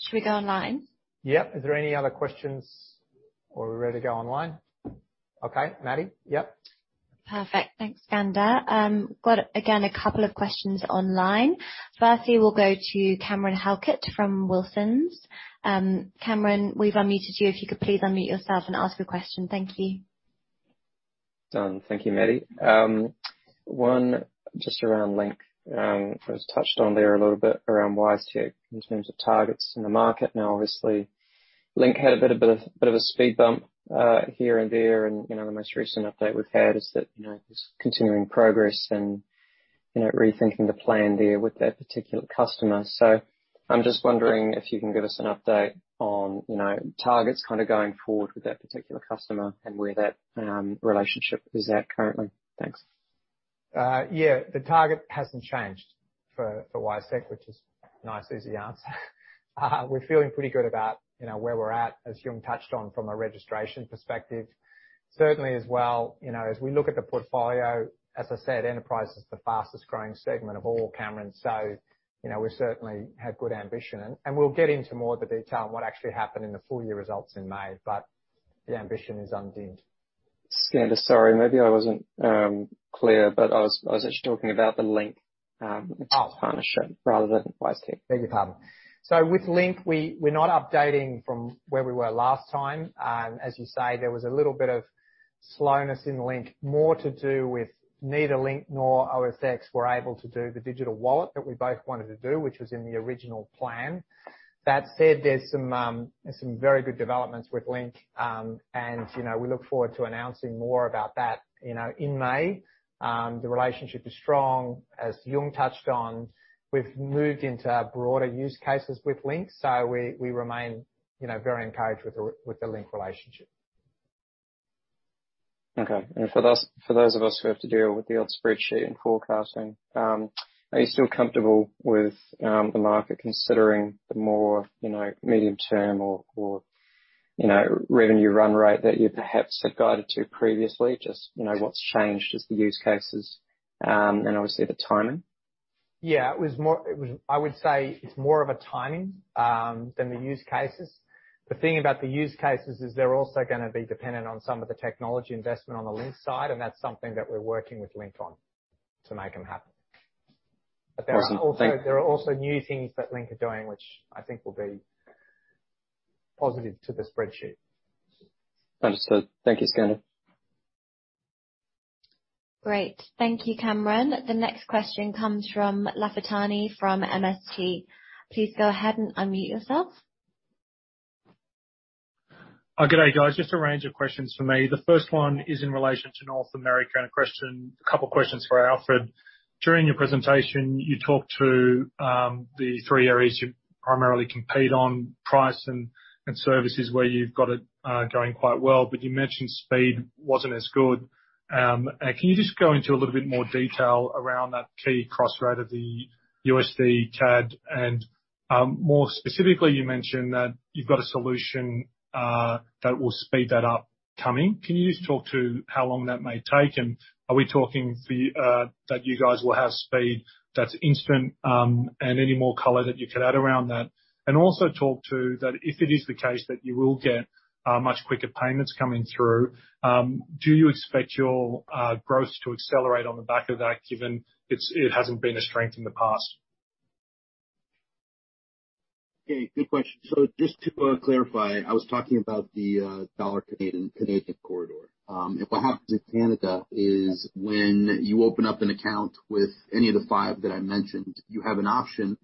Speaker 4: Should we go online?
Speaker 1: Yeah. Is there any other questions or are we ready to go online? Okay. Maddie? Yep.
Speaker 4: Perfect. Thanks, Skander. Got again a couple of questions online. Firstly, we'll go to Cameron Halkett from Wilsons. Cameron, we've unmuted you, if you could please unmute yourself and ask your question. Thank you.
Speaker 7: Done. Thank you, Maddie. One just around Link was touched on there a little bit around WiseTech in terms of targets in the market. Now, obviously Link had a bit of a speed bump here and there and, you know, the most recent update we've had is that, you know, just continuing progress and, you know, rethinking the plan there with that particular customer. I'm just wondering if you can give us an update on, you know, targets kinda going forward with that particular customer and where that relationship is at currently. Thanks.
Speaker 1: Yeah, the target hasn't changed for WiseTech, which is nice, easy answer. We're feeling pretty good about, you know, where we're at, as Jung touched on from a registration perspective. Certainly as well, you know, as we look at the portfolio, as I said, enterprise is the fastest growing segment of all, Cameron, so, you know, we certainly have good ambition. We'll get into more of the detail on what actually happened in the full year results in May, but the ambition is undimmed.
Speaker 7: Skander, sorry, maybe I wasn't clear, but I was actually talking about the Link partnership rather than WiseTech.
Speaker 1: Beg your pardon. With Link, we're not updating from where we were last time. As you say, there was a little bit of slowness in Link, more to do with neither Link nor OFX were able to do the digital wallet that we both wanted to do, which was in the original plan. That said, there's some very good developments with Link, and, you know, we look forward to announcing more about that, you know, in May. The relationship is strong. As Yung touched on, we've moved into broader use cases with Link, we remain, you know, very encouraged with the Link relationship.
Speaker 7: Okay. For those of us who have to deal with the old spreadsheet and forecasting, are you still comfortable with the market considering the more, you know, medium term or, you know, revenue run rate that you perhaps had guided to previously? Just, you know, what's changed is the use cases and obviously the timing.
Speaker 1: Yeah. It was more of a timing than the use cases. The thing about the use cases is they're also gonna be dependent on some of the technology investment on the Link side, and that's something that we're working with Link on to make them happen.
Speaker 7: Awesome.
Speaker 1: There are also new things that Link are doing which I think will be positive to the spreadsheet.
Speaker 7: Understood. Thank you, Skander.
Speaker 4: Great. Thank you, Cameron. The next question comes from Lafitani from MST. Please go ahead and unmute yourself.
Speaker 5: Good day, guys. Just a range of questions from me. The first one is in relation to North America, and a couple questions for Alfred. During your presentation, you talked to the three areas you primarily compete on, price and services, where you've got it going quite well, but you mentioned speed wasn't as good. Can you just go into a little bit more detail around that key cross rate of the USD CAD? And more specifically, you mentioned that you've got a solution that will speed that up coming. Can you just talk to how long that may take, and are we talking that you guys will have speed that's instant, and any more color that you could add around that? Also talk to that if it is the case that you will get much quicker payments coming through. Do you expect your growth to accelerate on the back of that, given it hasn't been a strength in the past?
Speaker 1: Okay, good question. Just to clarify, I was talking about the Canadian dollar, Canadian corridor. What happens in Canada is when you open up an account with any of the five that I mentioned, you have an option,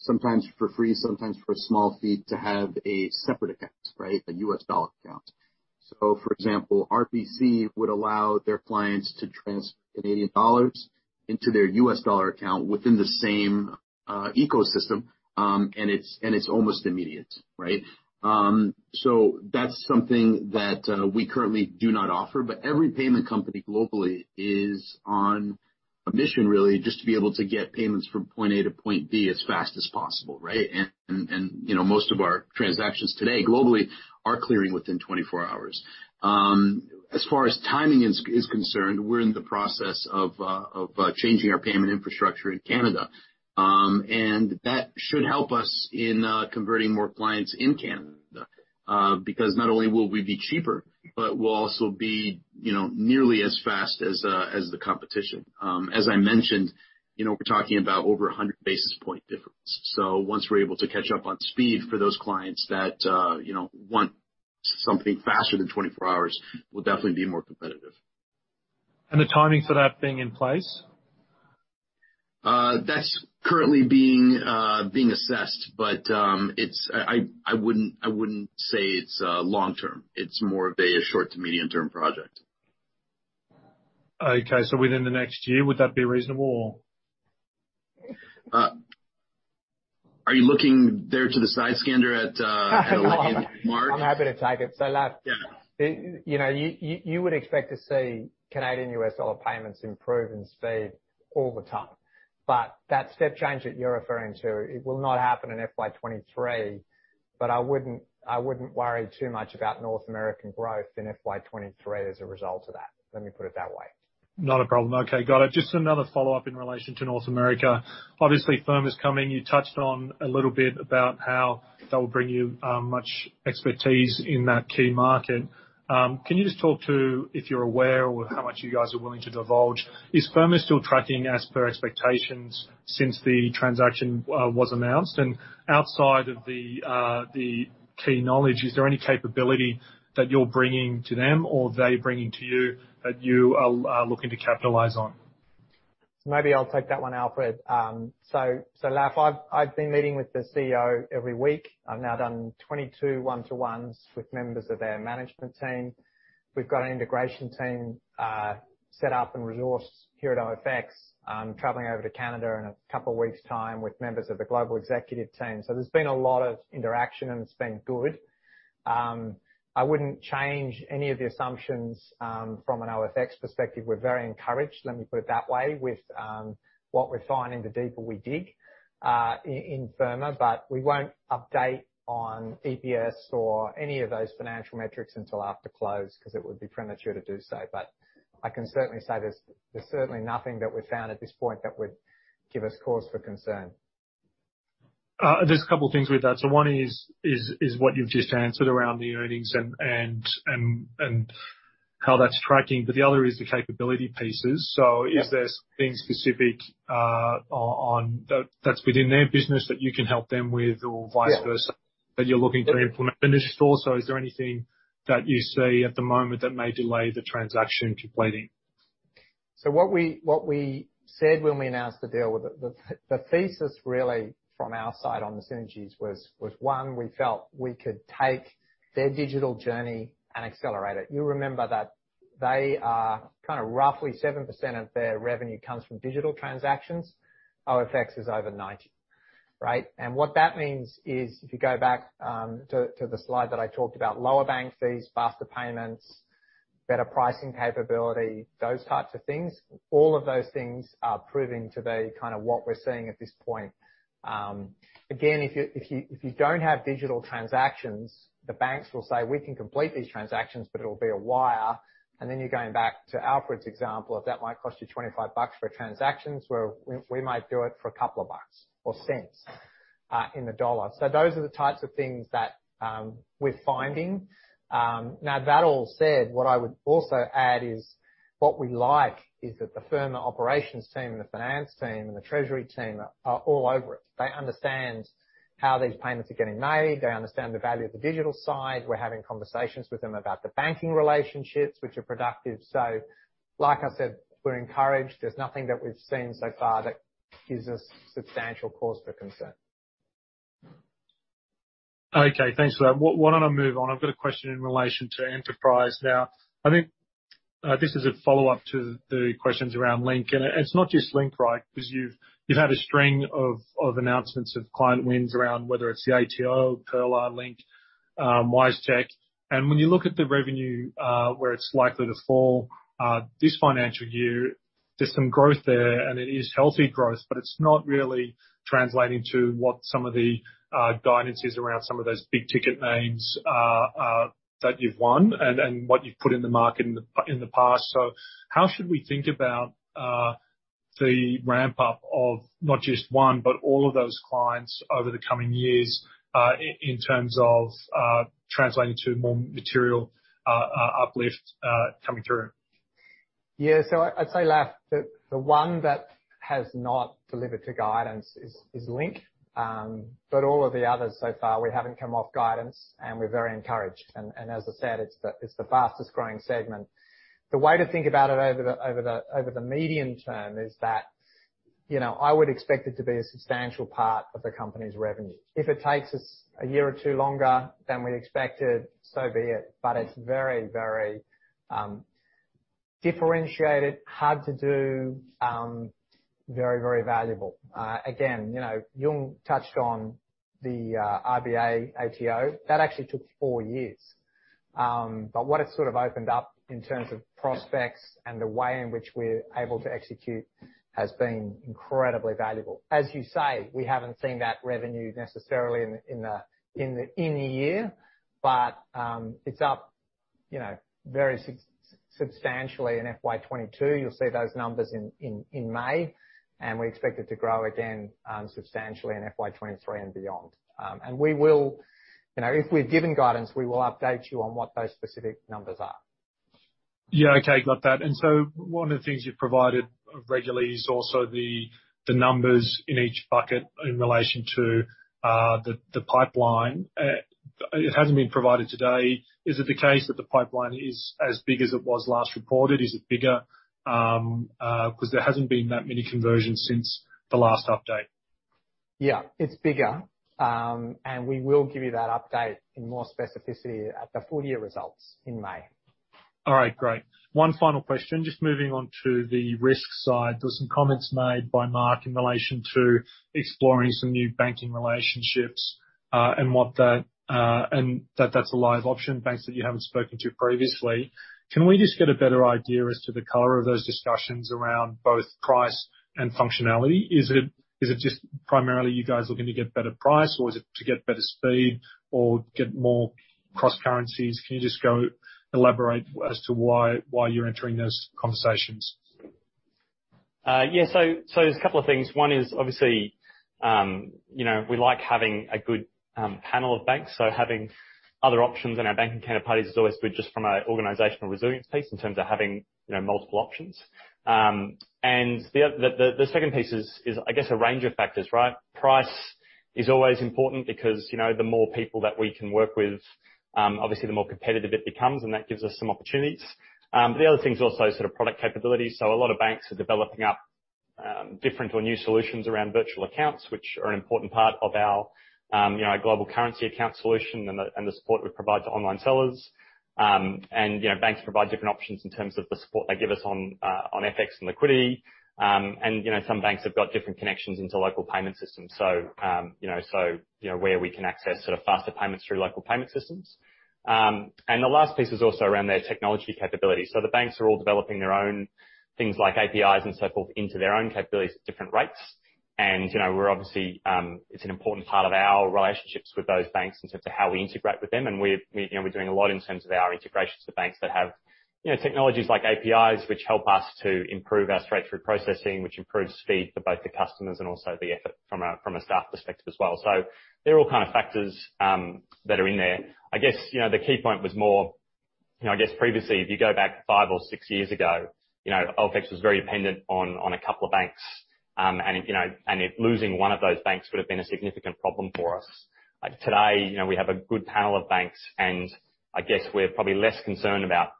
Speaker 1: sometimes for free, sometimes for a small fee, to have a separate account, right? A US dollar account. For example, RBC would allow their clients to transfer Canadian dollars into their US dollar account within the same ecosystem, and it's almost immediate, right? That's something that we currently do not offer. Every payment company globally is on a mission, really, just to be able to get payments from point A to point B as fast as possible, right? You know, most of our transactions today globally are clearing within 24 hours. As far as timing is concerned, we're in the process of changing our payment infrastructure in Canada. That should help us in converting more clients in Canada because not only will we be cheaper, but we'll also be, you know, nearly as fast as the competition. As I mentioned, you know, we're talking about over 100 basis point difference. Once we're able to catch up on speed for those clients that, you know, want something faster than 24 hours, we'll definitely be more competitive.
Speaker 5: The timing for that being in place?
Speaker 1: That's currently being assessed, but I wouldn't say it's long term. It's more of a short to medium term project.
Speaker 5: Okay. Within the next year, would that be reasonable or? Are you looking there to the side, Skander, at a looking mark?
Speaker 1: No, I'm happy to take it. Laf, You know, you would expect to see Canadian U.S. dollar payments improve in speed all the time. That step change that you're referring to, it will not happen in FY 2023, but I wouldn't worry too much about North American growth in FY 2023 as a result of that. Let me put it that way.
Speaker 5: Not a problem. Okay, got it. Just another follow-up in relation to North America. Obviously, Firma is coming. You touched on a little bit about how that will bring you much expertise in that key market. Can you just talk to, if you're aware or how much you guys are willing to divulge, is Firma still tracking as per expectations since the transaction was announced? Outside of the key knowledge, is there any capability that you're bringing to them or they bringing to you that you are looking to capitalize on?
Speaker 1: Maybe I'll take that one, Alfred. Laf, I've been meeting with the CEO every week. I've now done 22 one-to-ones with members of their management team. We've got an integration team set up and resourced here at OFX. I'm traveling over to Canada in a couple weeks time with members of the global executive team. There's been a lot of interaction, and it's been good. I wouldn't change any of the assumptions from an OFX perspective. We're very encouraged, let me put it that way, with what we're finding the deeper we dig in Firma. We won't update on EPS or any of those financial metrics until after close, 'cause it would be premature to do so. I can certainly say there's certainly nothing that we've found at this point that would give us cause for concern.
Speaker 5: Just a couple things with that. One is what you've just answered around the earnings and how that's tracking. The other is the capability pieces. Is there something specific that's within their business that you can help them with or vice versa? That you're looking to implement. Just also, is there anything that you see at the moment that may delay the transaction completing?
Speaker 1: What we said when we announced the deal, the thesis really from our side on the synergies was, one, we felt we could take their digital journey and accelerate it. You'll remember that they are kinda roughly 7% of their revenue comes from digital transactions. OFX is over 90%, right? What that means is, if you go back to the slide that I talked about, lower bank fees, faster payments, better pricing capability, those types of things. All of those things are proving to be kinda what we're seeing at this point. Again, if you don't have digital transactions, the banks will say, "We can complete these transactions, but it'll be a wire." You're going back to Alfred's example of that might cost you $25 for a transaction, where we might do it for a couple of bucks or cents in the dollar. Those are the types of things that we're finding. Now that all said, what I would also add is what we like is that the Firma operations team, the finance team, and the treasury team are all over it. They understand how these payments are getting made. They understand the value of the digital side. We're having conversations with them about the banking relationships, which are productive. Like I said, we're encouraged. There's nothing that we've seen so far that gives us substantial cause for concern.
Speaker 5: Okay. Thanks for that. Why don't I move on? I've got a question in relation to Enterprise now. I think this is a follow-up to the questions around Link. It's not just Link, right? 'Cause you've had a string of announcements of client wins around whether it's the ATO, Pearler, Link, WiseTech. When you look at the revenue where it's likely to fall this financial year, there's some growth there, and it is healthy growth. It's not really translating to what some of the guidance is around some of those big ticket names that you've won and what you've put in the market in the past. How should we think about the ramp up of not just one, but all of those clients over the coming years in terms of translating to more material uplift coming through?
Speaker 1: I'd say, Laf, the one that has not delivered to guidance is Link. All of the others so far, we haven't come off guidance, and we're very encouraged. As I said, it's the fastest growing segment. The way to think about it over the medium term is that, you know, I would expect it to be a substantial part of the company's revenue. If it takes us a year or two longer than we expected, so be it. It's very differentiated, hard to do, very valuable. Again, you know, Yung touched on the RBA, ATO. That actually took four years. What it sort of opened up in terms of prospects and the way in which we're able to execute has been incredibly valuable. As you say, we haven't seen that revenue necessarily in a year. It's up, you know, very substantially in FY 2022. You'll see those numbers in May. We expect it to grow again substantially in FY 2023 and beyond. You know, if we're given guidance, we will update you on what those specific numbers are.
Speaker 5: Yeah, okay. Got that. One of the things you've provided regularly is also the numbers in each bucket in relation to the pipeline. It hasn't been provided today. Is it the case that the pipeline is as big as it was last reported? Is it bigger? 'Cause there hasn't been that many conversions since the last update.
Speaker 1: Yeah, it's bigger. We will give you that update in more specificity at the full year results in May.
Speaker 5: All right. Great. One final question. Just moving on to the risk side. There were some comments made by Mark in relation to exploring some new banking relationships, and that that's a live option, banks that you haven't spoken to previously. Can we just get a better idea as to the color of those discussions around both price and functionality? Is it just primarily you guys looking to get better price, or is it to get better speed or get more cross currencies? Can you just go elaborate as to why you're entering those conversations?
Speaker 11: There's a couple of things. One is, obviously, you know, we like having a good panel of banks. Having other options in our banking counterparties is always good just from an organizational resilience piece in terms of having, you know, multiple options. The other, the second piece is I guess a range of factors, right? Price is always important because, you know, the more people that we can work with, obviously the more competitive it becomes, and that gives us some opportunities. The other thing is also sort of product capabilities. A lot of banks are developing different or new solutions around virtual accounts, which are an important part of our, you know, our Global Currency Account solution and the support we provide to online sellers. You know, banks provide different options in terms of the support they give us on FX and liquidity. You know, some banks have got different connections into local payment systems. You know, where we can access sort of faster payments through local payment systems. The last piece is also around their technology capabilities. The banks are all developing their own things like APIs and so forth into their own capabilities at different rates. You know, it's an important part of our relationships with those banks in terms of how we integrate with them. We, you know, we're doing a lot in terms of our integrations to banks that have, you know, technologies like APIs, which help us to improve our straight-through processing, which improves speed for both the customers and also the effort from a staff perspective as well. So they're all kind of factors that are in there. I guess, you know, the key point was more, you know, I guess previously, if you go back five or six years ago, you know, OFX was very dependent on a couple of banks. You know, and if losing one of those banks would have been a significant problem for us. Like today, you know, we have a good panel of banks, and I guess we're probably less concerned about,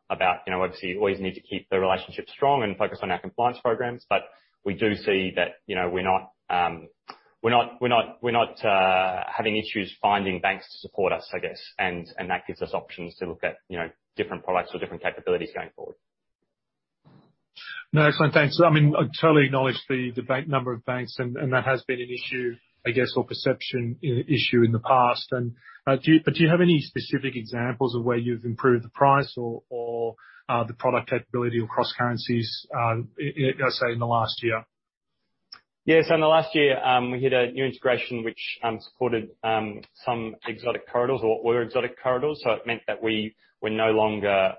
Speaker 11: you know, obviously you always need to keep the relationship strong and focused on our compliance programs. But we do see that, you know, we're not having issues finding banks to support us, I guess. That gives us options to look at, you know, different products or different capabilities going forward.
Speaker 5: No, excellent. Thanks. I mean, I totally acknowledge the number of banks, and that has been an issue, I guess, or perception issue in the past. Do you have any specific examples of where you've improved the price or the product capability across currencies, you know, say in the last year?
Speaker 11: Yes. In the last year, we hit a new integration which supported some exotic corridors. It meant that we were no longer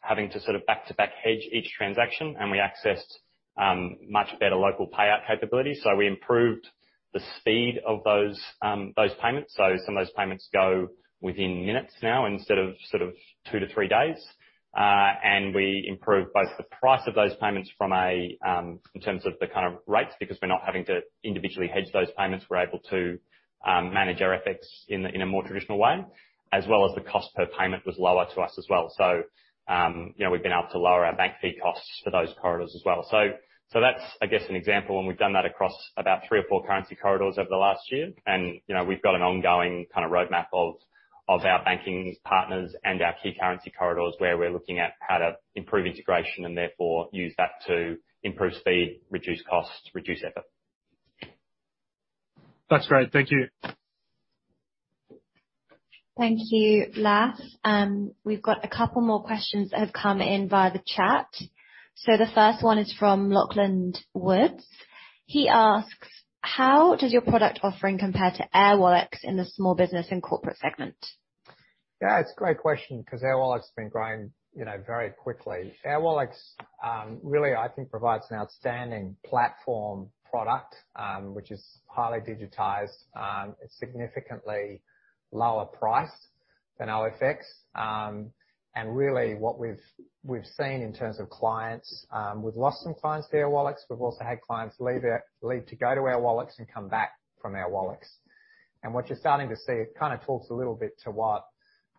Speaker 11: having to sort of back-to-back hedge each transaction, and we accessed much better local payout capabilities. We improved the speed of those payments. Some of those payments go within minutes now instead of sort of 2-3 days. We improved both the price of those payments in terms of the kind of rates, because we're not having to individually hedge those payments. We're able to manage our FX in a more traditional way, as well as the cost per payment was lower to us as well. You know, we've been able to lower our bank fee costs for those corridors as well. That's, I guess, an example, and we've done that across about three or four currency corridors over the last year. You know, we've got an ongoing kind of roadmap of our banking partners and our key currency corridors where we're looking at how to improve integration and therefore use that to improve speed, reduce costs, reduce effort.
Speaker 5: That's great. Thank you.
Speaker 4: Thank you, Laf. We've got a couple more questions that have come in via the chat. The first one is from Lachlan Woods. He asks, "How does your product offering compare to Airwallex in the small business and corporate segment?
Speaker 1: Yeah, it's a great question 'cause Airwallex has been growing, you know, very quickly. Airwallex really, I think, provides an outstanding platform product, which is highly digitized, significantly lower price than OFX. Really what we've seen in terms of clients, we've lost some clients to Airwallex. We've also had clients leave to go to Airwallex and come back from Airwallex. What you're starting to see, it kinda talks a little bit to what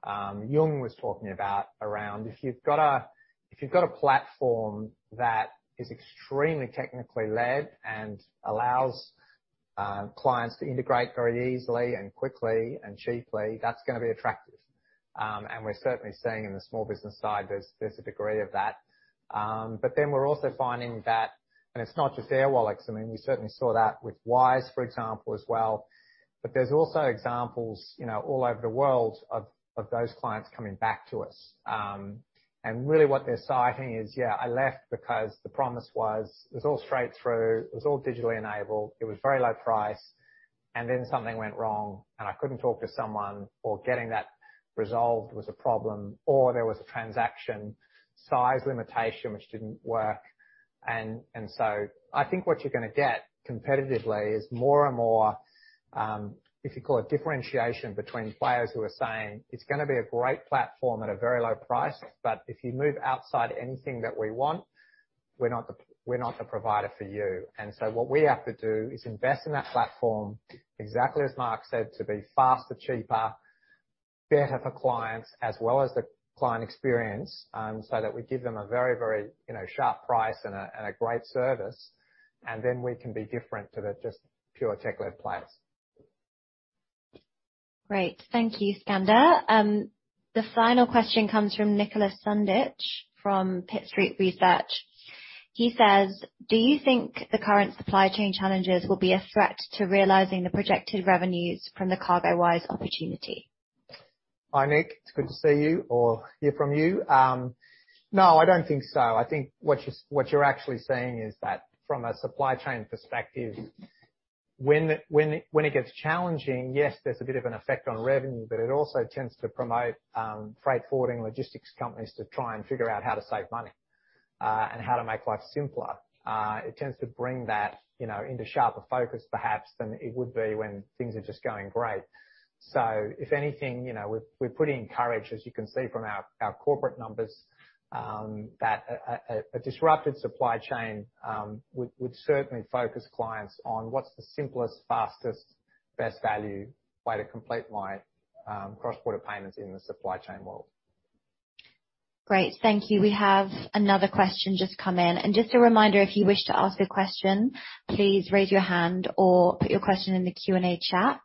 Speaker 1: Yung was talking about around if you've got a platform that is extremely technically led and allows clients to integrate very easily and quickly and cheaply, that's gonna be attractive. We're certainly seeing in the small business side, there's a degree of that. We're also finding that, and it's not just Airwallex, I mean, we certainly saw that with Wise, for example, as well. There's also examples, you know, all over the world of those clients coming back to us. Really what they're citing is, "Yeah, I left because the promise was it was all straight through, it was all digitally enabled, it was very low price, and then something went wrong, and I couldn't talk to someone or getting that resolved was a problem, or there was a transaction size limitation which didn't work." I think what you're gonna get competitively is more and more, if you call it differentiation between players who are saying, "It's gonna be a great platform at a very low price, but if you move outside anything that we want, we're not the provider for you." What we have to do is invest in that platform, exactly as Mark said, to be faster, cheaper, better for clients as well as the client experience, so that we give them a very, very, you know, sharp price and a great service, and then we can be different to the just pure tech-led players.
Speaker 4: Great. Thank you, Skander. The final question comes from Nick Sundich from Pitt Street Research. He says, "Do you think the current supply chain challenges will be a threat to realizing the projected revenues from the CargoWise opportunity?
Speaker 1: Hi, Nick. It's good to see you or hear from you. No, I don't think so. I think what you're actually saying is that from a supply chain perspective, when it gets challenging, yes, there's a bit of an effect on revenue. It also tends to promote freight forwarding logistics companies to try and figure out how to save money and how to make life simpler. It tends to bring that, you know, into sharper focus perhaps than it would be when things are just going great. If anything, you know, we're pretty encouraged, as you can see from our corporate numbers, that a disrupted supply chain would certainly focus clients on what's the simplest, fastest, best value way to complete my cross-border payments in the supply chain world.
Speaker 4: Great. Thank you. We have another question just come in. Just a reminder, if you wish to ask a question, please raise your hand or put your question in the Q&A chat.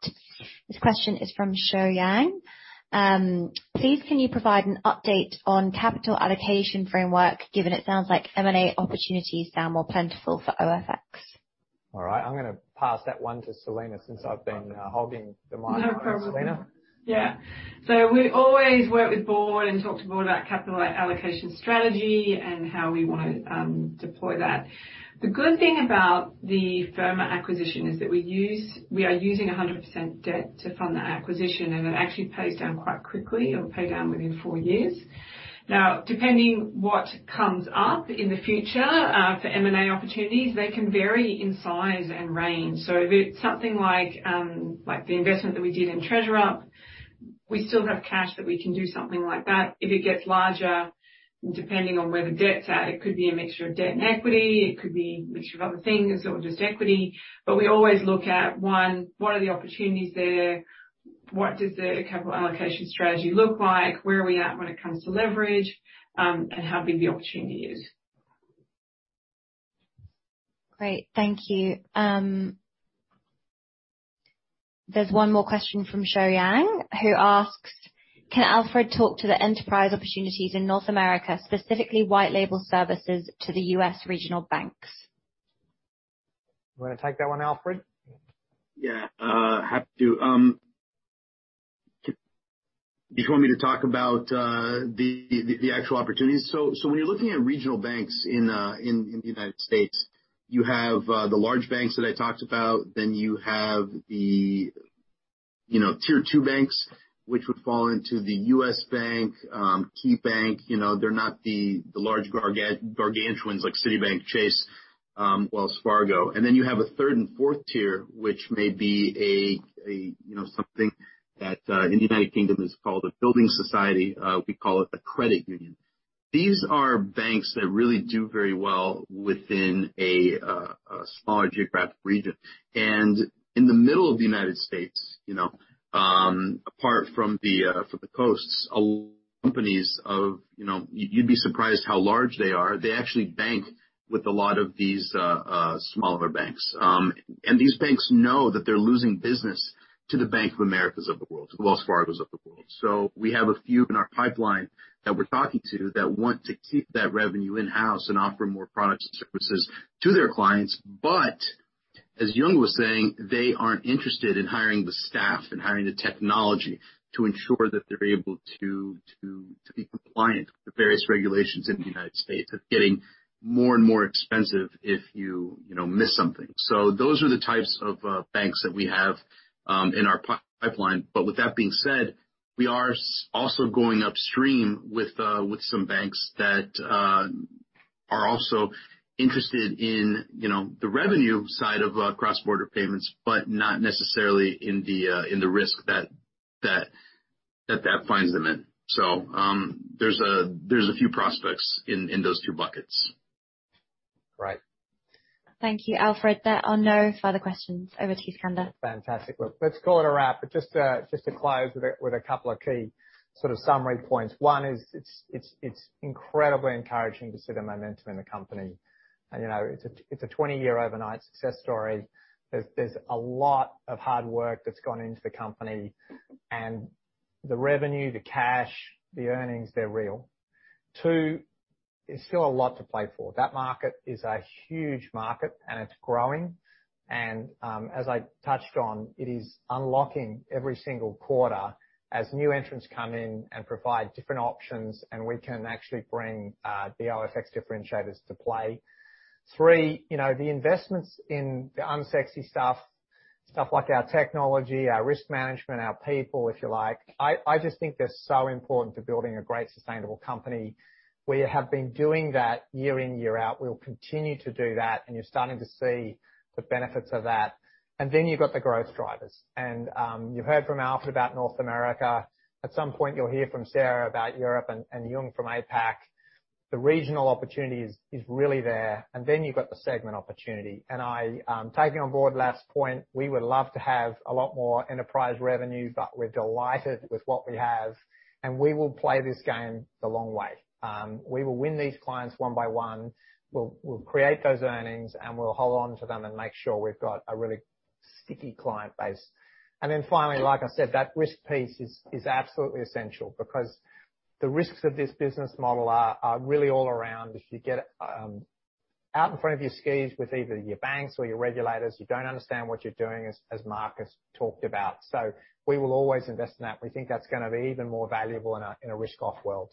Speaker 4: This question is from Sho Yang. Please, can you provide an update on capital allocation framework, given it sounds like M&A opportunities sound more plentiful for OFX?
Speaker 1: All right. I'm gonna pass that one to Selena since I've been hogging the mic.
Speaker 2: No problem.
Speaker 1: Selena.
Speaker 2: Yeah. We always work with Board and talk to Board about capital allocation strategy and how we wanna deploy that. The good thing about the Firma acquisition is that we are using 100% debt to fund the acquisition, and it actually pays down quite quickly. It'll pay down within four years. Now, depending what comes up in the future for M&A opportunities, they can vary in size and range. If it's something like the investment that we did in TreasurUp, we still have cash that we can do something like that. If it gets larger, depending on where the debt's at, it could be a mixture of debt and equity, it could be a mixture of other things or just equity. But we always look at, one, what are the opportunities there? What does the capital allocation strategy look like? Where are we at when it comes to leverage? How big the opportunity is.
Speaker 4: Great. Thank you. There's one more question from Sho Yang, who asks, "Can Alfred talk to the enterprise opportunities in North America, specifically white label services to the U.S. regional banks?
Speaker 1: You wanna take that one, Alfred?
Speaker 9: Yeah, happy to. Do you want me to talk about the actual opportunities? When you're looking at regional banks in the United States, you have the large banks that I talked about, then you have the, you know, tier two banks, which would fall into the U.S. Bank, KeyBank. You know, they're not the large gargantuans like Citibank, Chase, Wells Fargo. Then you have a third and fourth tier, which may be, you know, something that in the United Kingdom is called a building society. We call it a credit union. These are banks that really do very well within a smaller geographic region. In the middle of the United States, you know, apart from the coasts, a lot of companies, you know, you'd be surprised how large they are. They actually bank with a lot of these smaller banks. These banks know that they're losing business to the Bank of America of the world, to the Wells Fargo of the world. We have a few in our pipeline that we're talking to that want to keep that revenue in-house and offer more products and services to their clients. As Yung was saying, they aren't interested in hiring the staff and hiring the technology to ensure that they're able to be compliant with the various regulations in the United States. It's getting more and more expensive if you know, miss something. Those are the types of banks that we have in our pipeline. With that being said, we are also going upstream with some banks that are also interested in, you know, the revenue side of cross-border payments, but not necessarily in the risk that finds them in. There are a few prospects in those two buckets.
Speaker 1: Great.
Speaker 4: Thank you, Alfred. There are no further questions. Over to you, Skander.
Speaker 1: Fantastic. Well, let's call it a wrap. Just to close with a couple of key sort of summary points. One is, it's incredibly encouraging to see the momentum in the company. You know, it's a twenty-year overnight success story. There's a lot of hard work that's gone into the company. The revenue, the cash, the earnings, they're real. Two, there's still a lot to play for. That market is a huge market, and it's growing. As I touched on, it is unlocking every single quarter as new entrants come in and provide different options, and we can actually bring the OFX differentiators to play. Three, you know, the investments in the unsexy stuff like our technology, our risk management, our people, if you like, I just think they're so important to building a great sustainable company. We have been doing that year in, year out. We'll continue to do that, and you're starting to see the benefits of that. Then you've got the growth drivers. You've heard from Alfred about North America. At some point, you'll hear from Sarah about Europe and Yung from APAC. The regional opportunity is really there. Then you've got the segment opportunity. I, taking on board last point, we would love to have a lot more enterprise revenue, but we're delighted with what we have, and we will play this game the long way. We will win these clients one by one. We'll create those earnings, and we'll hold on to them and make sure we've got a really sticky client base. Then finally, like I said, that risk piece is absolutely essential because the risks of this business model are really all around if you get out in front of your skis with either your banks or your regulators, you don't understand what you're doing, as Mark Shaw talked about. We will always invest in that. We think that's gonna be even more valuable in a risk-off world.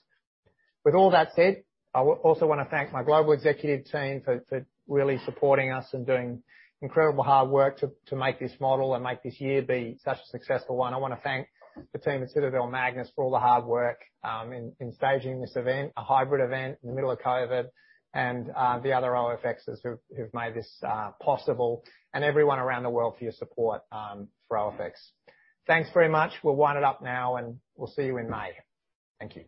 Speaker 1: With all that said, I also wanna thank my global executive team for really supporting us and doing incredible hard work to make this model and make this year be such a successful one. I wanna thank the team at Citadel-MAGNUS for all the hard work in staging this event, a hybrid event in the middle of COVID, and the other OFXers who've made this possible, and everyone around the world for your support for OFX. Thanks very much. We'll wind it up now, and we'll see you in May. Thank you.